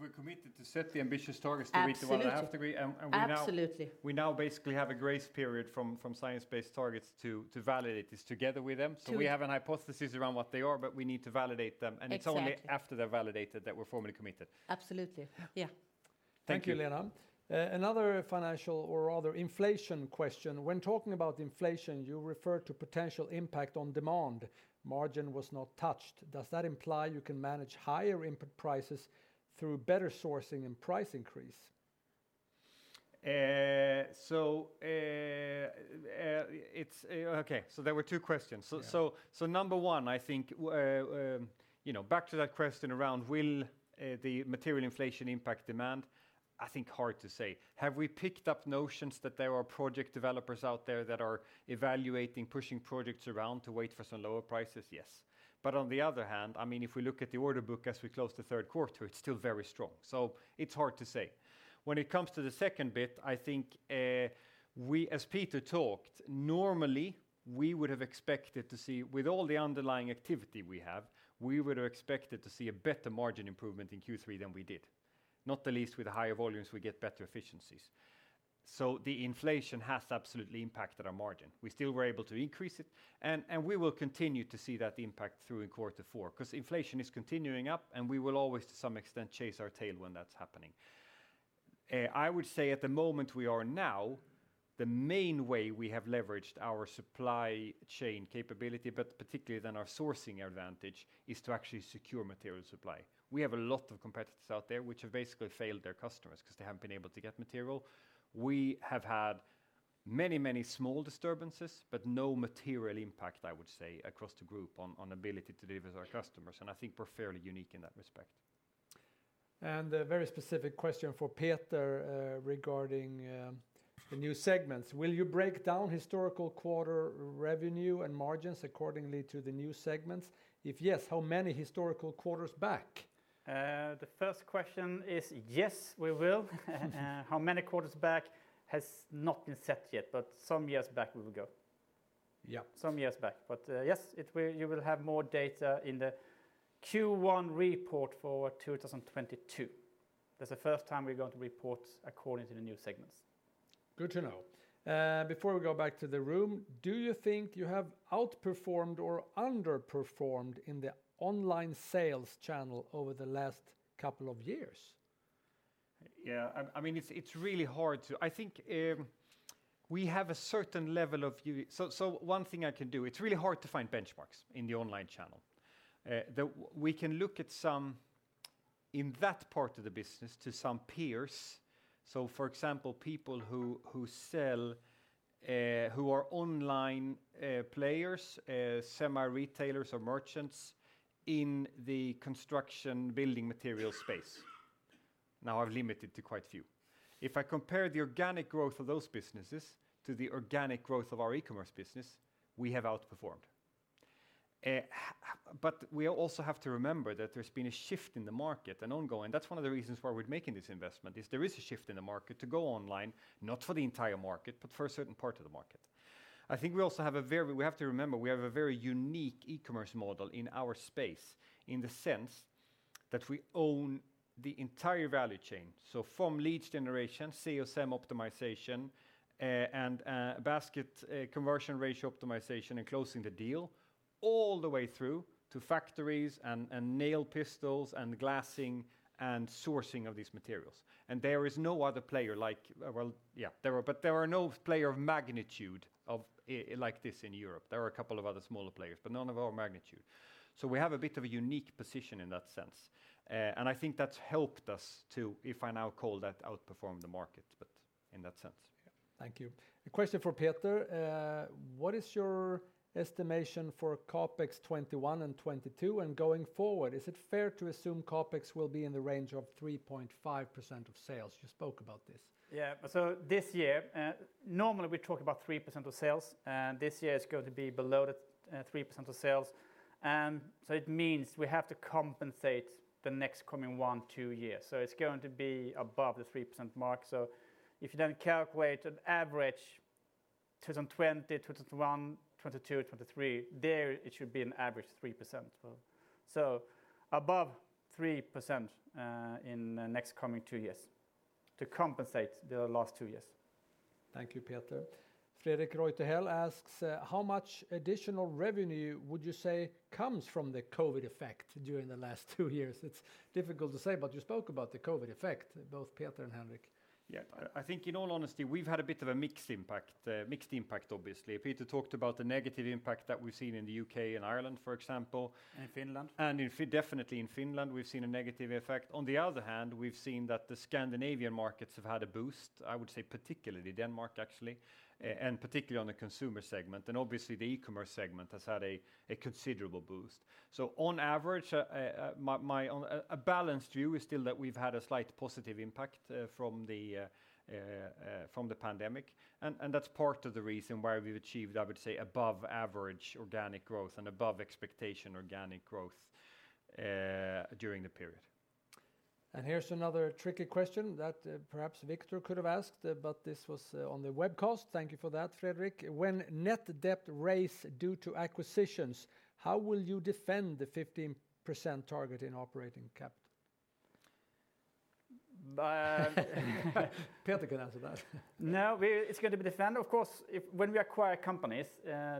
We're committed to set the ambitious targets. Absolutely. To meet the 1.5 degree, and we now. Absolutely. We now basically have a grace period from science-based targets to validate this together with them. To. We have a hypothesis around what they are, but we need to validate them. Exactly. It's only after they're validated that we're formally committed. Absolutely. Yeah. Yeah. Thank you. Thank you, Lena. Another financial or rather inflation question. When talking about inflation, you refer to potential impact on demand. Margin was not touched. Does that imply you can manage higher input prices through better sourcing and price increase? It's okay, so there were two questions. Yeah. Number one, I think, you know, back to that question around will the material inflation impact demand, I think hard to say. Have we picked up notions that there are project developers out there that are evaluating pushing projects around to wait for some lower prices? Yes. On the other hand, I mean, if we look at the order book as we close the third quarter, it's still very strong. It's hard to say. When it comes to the second bit, I think, we, as Peter talked, normally, we would have expected to see, with all the underlying activity we have, we would have expected to see a better margin improvement in Q3 than we did. Not the least, with the higher volumes, we get better efficiencies. The inflation has absolutely impacted our margin. We still were able to increase it, and we will continue to see that impact through quarter four, because inflation is continuing up, and we will always, to some extent, chase our tail when that's happening. I would say at the moment we are now the main way we have leveraged our supply chain capability, but particularly our sourcing advantage, is to actually secure material supply. We have a lot of competitors out there which have basically failed their customers because they haven't been able to get material. We have had many small disturbances, but no material impact, I would say, across the group on ability to deliver to our customers, and I think we're fairly unique in that respect. A very specific question for Peter, regarding the new segments. Will you break down historical quarterly revenue and margins according to the new segments? If yes, how many historical quarters back? The first question is yes, we will. How many quarters back has not been set yet, but some years back we will go. Yeah. Some years back. Yes, it will. You will have more data in the Q1 report for 2022. That's the first time we're going to report according to the new segments. Good to know. Before we go back to the room, do you think you have outperformed or underperformed in the online sales channel over the last couple of years? I mean, it's really hard to find benchmarks in the online channel. We can look at some in that part of the business to some peers, so for example, people who sell, who are online players, semi-retailers or merchants in the construction building material space. Now, I'm limited to quite a few. If I compare the organic growth of those businesses to the organic growth of our e-commerce business, we have outperformed. We also have to remember that there's been a shift in the market, an ongoing. That's one of the reasons why we're making this investment, is there is a shift in the market to go online, not for the entire market, but for a certain part of the market. I think we also have a very. We have to remember, we have a very unique e-commerce model in our space in the sense that we own the entire value chain. So from lead generation, SEO optimization, and basket conversion ratio optimization, and closing the deal all the way through to factories and nail pistols and glassing and sourcing of these materials. There is no other player like, well, yeah, there are, but there are no player of magnitude of, like this in Europe. There are a couple of other smaller players, but none of our magnitude. We have a bit of a unique position in that sense. I think that's helped us to, if I now call that outperform the market, but in that sense. Thank you. A question for Peter. What is your estimation for CapEx 2021 and 2022 and going forward? Is it fair to assume CapEx will be in the range of 3.5% of sales? You spoke about this. Yeah. This year, normally we talk about 3% of sales, and this year it's going to be below the 3% of sales. It means we have to compensate the next coming one, two years. It's going to be above the 3% mark. If you then calculate an average 2020, 2021, 2022, 2023, there it should be an average 3%. Above 3% in the next coming two years to compensate the last two years. Thank you, Peter. Fredrik Reuterhäll asks, how much additional revenue would you say comes from the COVID effect during the last two years? It's difficult to say, but you spoke about the COVID effect, both Peter and Henrik. Yeah. I think in all honesty, we've had a bit of a mixed impact, obviously. Peter talked about the negative impact that we've seen in the U.K. and Ireland, for example. Finland. In Finland, we've seen a negative effect. On the other hand, we've seen that the Scandinavian markets have had a boost, I would say particularly Denmark, actually, and particularly on the consumer segment. Obviously the e-commerce segment has had a considerable boost. On average, a balanced view is still that we've had a slight positive impact from the pandemic, and that's part of the reason why we've achieved, I would say, above average organic growth and above expectation organic growth during the period. Here's another tricky question that perhaps Victor Hansten could have asked, but this was on the webcast. Thank you for that, Fredrik. When net debt rises due to acquisitions, how will you defend the 15% target in operating capital? Uh. Peter can answer that. No, it's going to be defendable. Of course, when we acquire companies,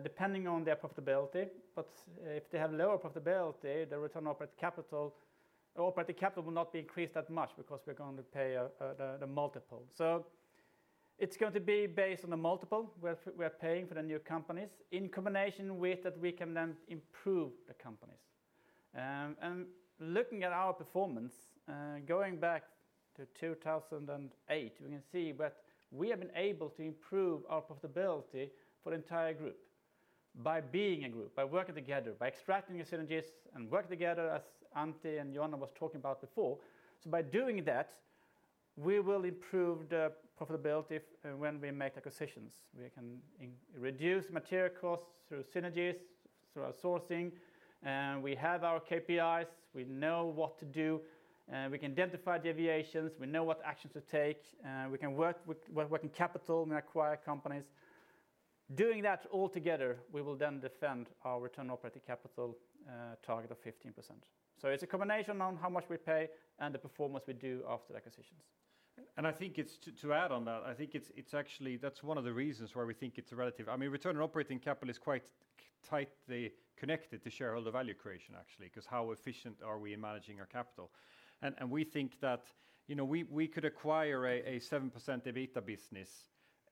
depending on their profitability, but if they have lower profitability, the return on operating capital will not be increased that much because we're going to pay the multiple. It's going to be based on the multiple we're paying for the new companies in combination with that we can then improve the companies. Looking at our performance going back to 2008, we can see that we have been able to improve our profitability for the entire group by being a group, by working together, by extracting the synergies and working together as Antti and Jonna was talking about before. By doing that, we will improve the profitability when we make acquisitions. We can reduce material costs through synergies, through our sourcing, and we have our KPIs, we know what to do, we can identify deviations, we know what actions to take, we can work with working capital when we acquire companies. Doing that all together, we will then defend our return on operating capital target of 15%. It's a combination on how much we pay and the performance we do after the acquisitions. I think it's to add on that. I think it's actually relevant. I mean, return on operating capital is quite tightly connected to shareholder value creation, actually, because how efficient are we in managing our capital? We think that, you know, we could acquire a 7% EBITDA business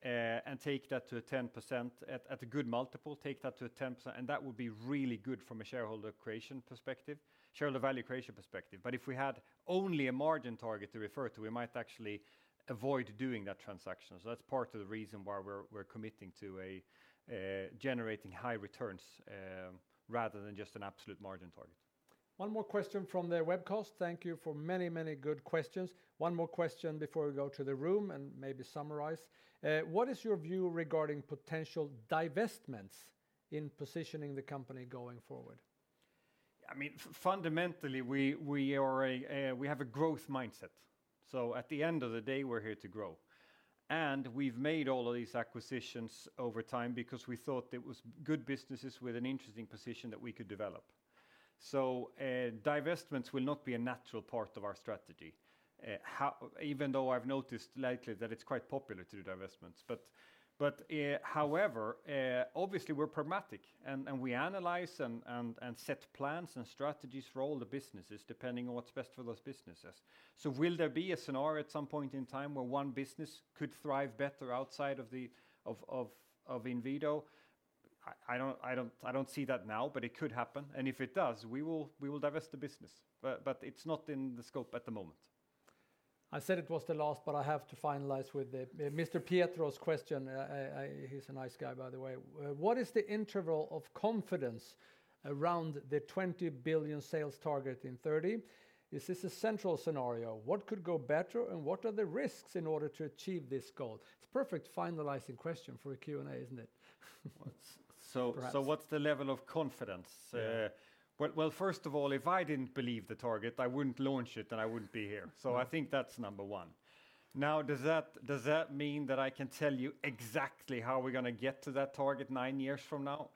and take that to a 10% at a good multiple, and that would be really good from a shareholder creation perspective, shareholder value creation perspective. But if we had only a margin target to refer to, we might actually avoid doing that transaction. That's part of the reason why we're committing to generating high returns rather than just an absolute margin target. One more question from the webcast. Thank you for many, many good questions. One more question before we go to the room and maybe summarize. What is your view regarding potential divestments in positioning the company going forward? I mean, fundamentally, we have a growth mindset. At the end of the day, we're here to grow. We've made all of these acquisitions over time because we thought it was good businesses with an interesting position that we could develop. Divestments will not be a natural part of our strategy. Even though I've noticed lately that it's quite popular to do divestments. However, obviously, we're pragmatic, and we analyze and set plans and strategies for all the businesses, depending on what's best for those businesses. Will there be a scenario at some point in time where one business could thrive better outside of Inwido? I don't see that now, but it could happen. If it does, we will divest the business. But it's not in the scope at the moment. I said it was the last, but I have to finalize with, Mr. Pietro's question. He's a nice guy, by the way. What is the interval of confidence around the 20 billion sales target in 2030? Is this a central scenario? What could go better, and what are the risks in order to achieve this goal? It's a perfect finalizing question for a Q&A, isn't it? What's the level of confidence? Yeah. Well, first of all, if I didn't believe the target, I wouldn't launch it, and I wouldn't be here. I think that's number one. Now, does that mean that I can tell you exactly how we're gonna get to that target nine years from now,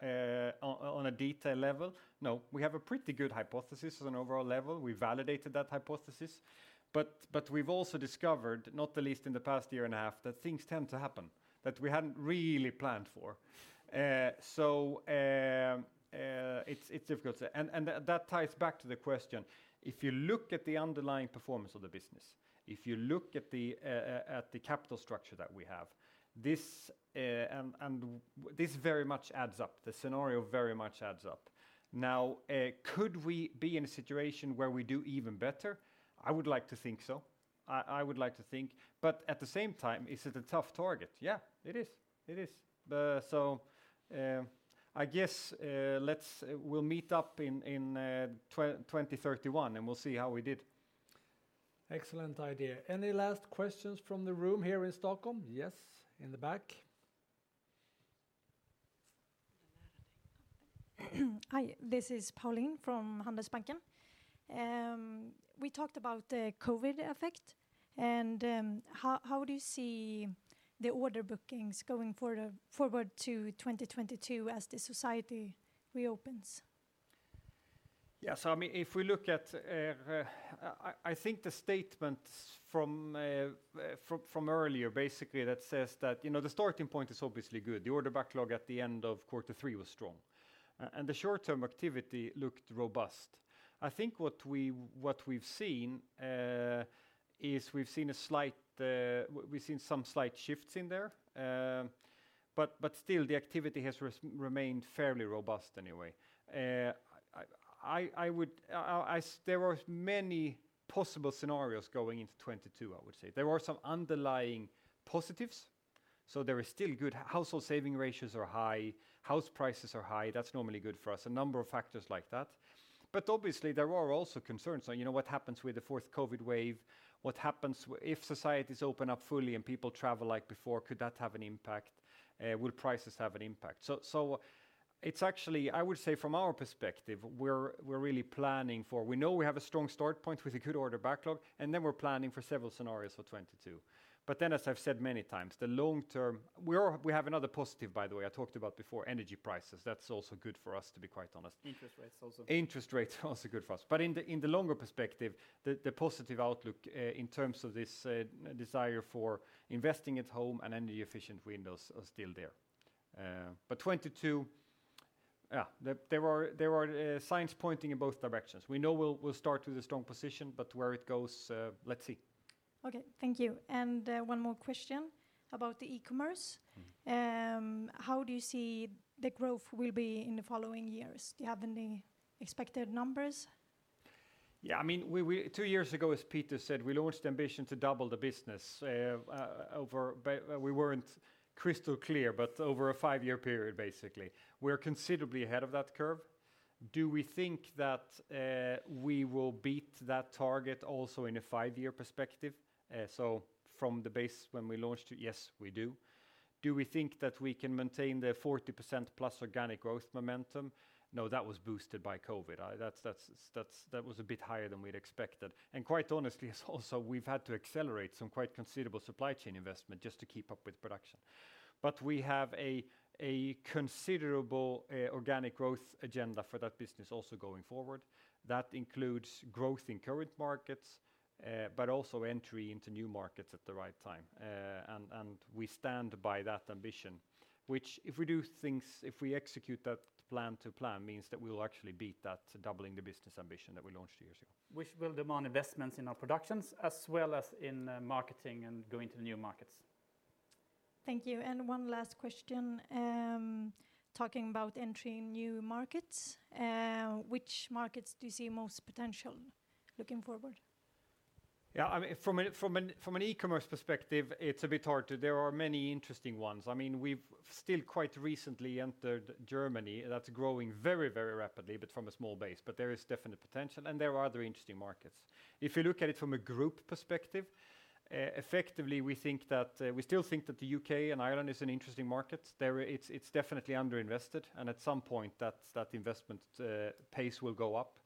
on a detail level? No. We have a pretty good hypothesis as an overall level. We validated that hypothesis. We've also discovered, not the least in the past year and a half, that things tend to happen that we hadn't really planned for. It's difficult to say. That ties back to the question. If you look at the underlying performance of the business, if you look at the capital structure that we have, and this very much adds up. The scenario very much adds up. Now, could we be in a situation where we do even better? I would like to think so. I would like to think. At the same time, is it a tough target? Yeah, it is. I guess, we'll meet up in 2031, and we'll see how we did. Excellent idea. Any last questions from the room here in Stockholm? Yes, in the back. Hi, this is Pauline from Handelsbanken. We talked about the COVID effect, and how do you see the order bookings going further forward to 2022 as the society reopens? I mean, if we look at, I think the statements from earlier basically that says that, you know, the starting point is obviously good. The order backlog at the end of quarter three was strong. The short term activity looked robust. I think what we've seen is we've seen some slight shifts in there, but still the activity has remained fairly robust anyway. There are many possible scenarios going into 2022, I would say. There are some underlying positives, there is still good household saving ratios are high. House prices are high. That's normally good for us. A number of factors like that. Obviously, there are also concerns on, you know, what happens with the fourth COVID wave? What happens if societies open up fully, and people travel like before? Could that have an impact? Will prices have an impact? It's actually, I would say from our perspective, we're really planning for we know we have a strong start point with a good order backlog, and then we're planning for several scenarios for 2022. As I've said many times, the long term we have another positive, by the way, I talked about before, energy prices. That's also good for us, to be quite honest. Interest rates also. Interest rates are also good for us. In the longer perspective, the positive outlook in terms of this desire for investing at home and energy efficient windows are still there. 2022, yeah, there are signs pointing in both directions. We know we'll start with a strong position, but where it goes, let's see. Okay. Thank you. One more question about the e-commerce. Mm-hmm. How do you see the growth will be in the following years? Do you have any expected numbers? I mean, two years ago, as Peter said, we launched the ambition to double the business. We weren't crystal clear, but over a five-year period, basically. We're considerably ahead of that curve. Do we think that we will beat that target also in a five-year perspective? From the base when we launched it, yes, we do. Do we think that we can maintain the 40%+ organic growth momentum? No, that was boosted by COVID. That was a bit higher than we'd expected. Quite honestly, it's also we've had to accelerate some quite considerable supply chain investment just to keep up with production. We have a considerable organic growth agenda for that business also going forward. That includes growth in current markets, but also entry into new markets at the right time. We stand by that ambition, which if we do things, if we execute that plan to plan, means that we will actually beat that doubling the business ambition that we launched two years ago. Which will demand investments in our productions as well as in marketing and going to new markets. Thank you. One last question, talking about entering new markets. Which markets do you see most potential looking forward? Yeah, I mean, from an e-commerce perspective, it's a bit hard to. There are many interesting ones. I mean, we've still quite recently entered Germany, and that's growing very, very rapidly, but from a small base. There is definite potential, and there are other interesting markets. If you look at it from a group perspective, effectively, we think that we still think that the U.K. and Ireland is an interesting market. There it's definitely underinvested, and at some point, that investment pace will go up.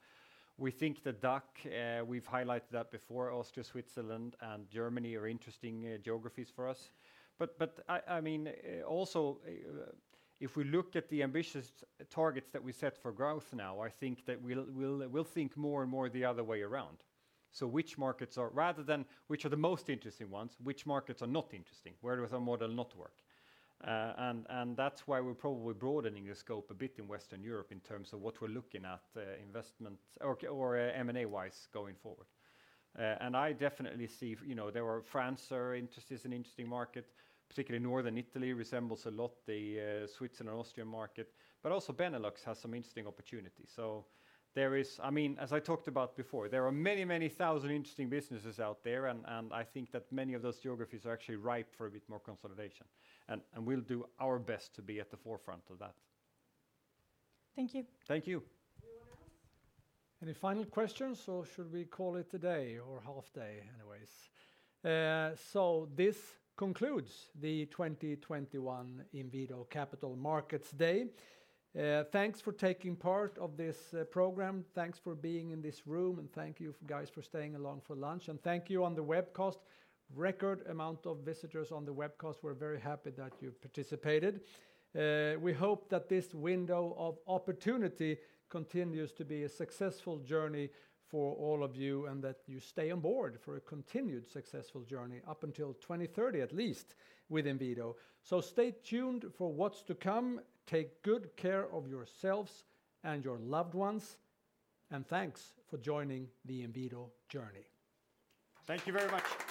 We think the DACH. We've highlighted that before. Austria, Switzerland, and Germany are interesting geographies for us. I mean also, if we looked at the ambitious targets that we set for growth now, I think that we'll think more and more the other way around. Rather than which are the most interesting ones, which markets are not interesting? Where does our model not work? That's why we're probably broadening the scope a bit in Western Europe in terms of what we're looking at, investment or M&A-wise going forward. I definitely see, you know, France is an interesting market, particularly Northern Italy resembles a lot the Switzerland and Austrian market. Also Benelux has some interesting opportunities. I mean, as I talked about before, there are many thousand interesting businesses out there, and I think that many of those geographies are actually ripe for a bit more consolidation. We'll do our best to be at the forefront of that. Thank you. Thank you. Anyone else? Any final questions, or should we call it a day or half day anyways? This concludes the 2021 Inwido Capital Markets Day. Thanks for taking part of this program. Thanks for being in this room, and thank you for you guys for staying along for lunch. Thank you on the webcast. Record amount of visitors on the webcast. We're very happy that you participated. We hope that this window of opportunity continues to be a successful journey for all of you and that you stay on board for a continued successful journey up until 2030 at least with Inwido. Stay tuned for what's to come. Take good care of yourselves and your loved ones, and thanks for joining the Inwido journey. Thank you very much.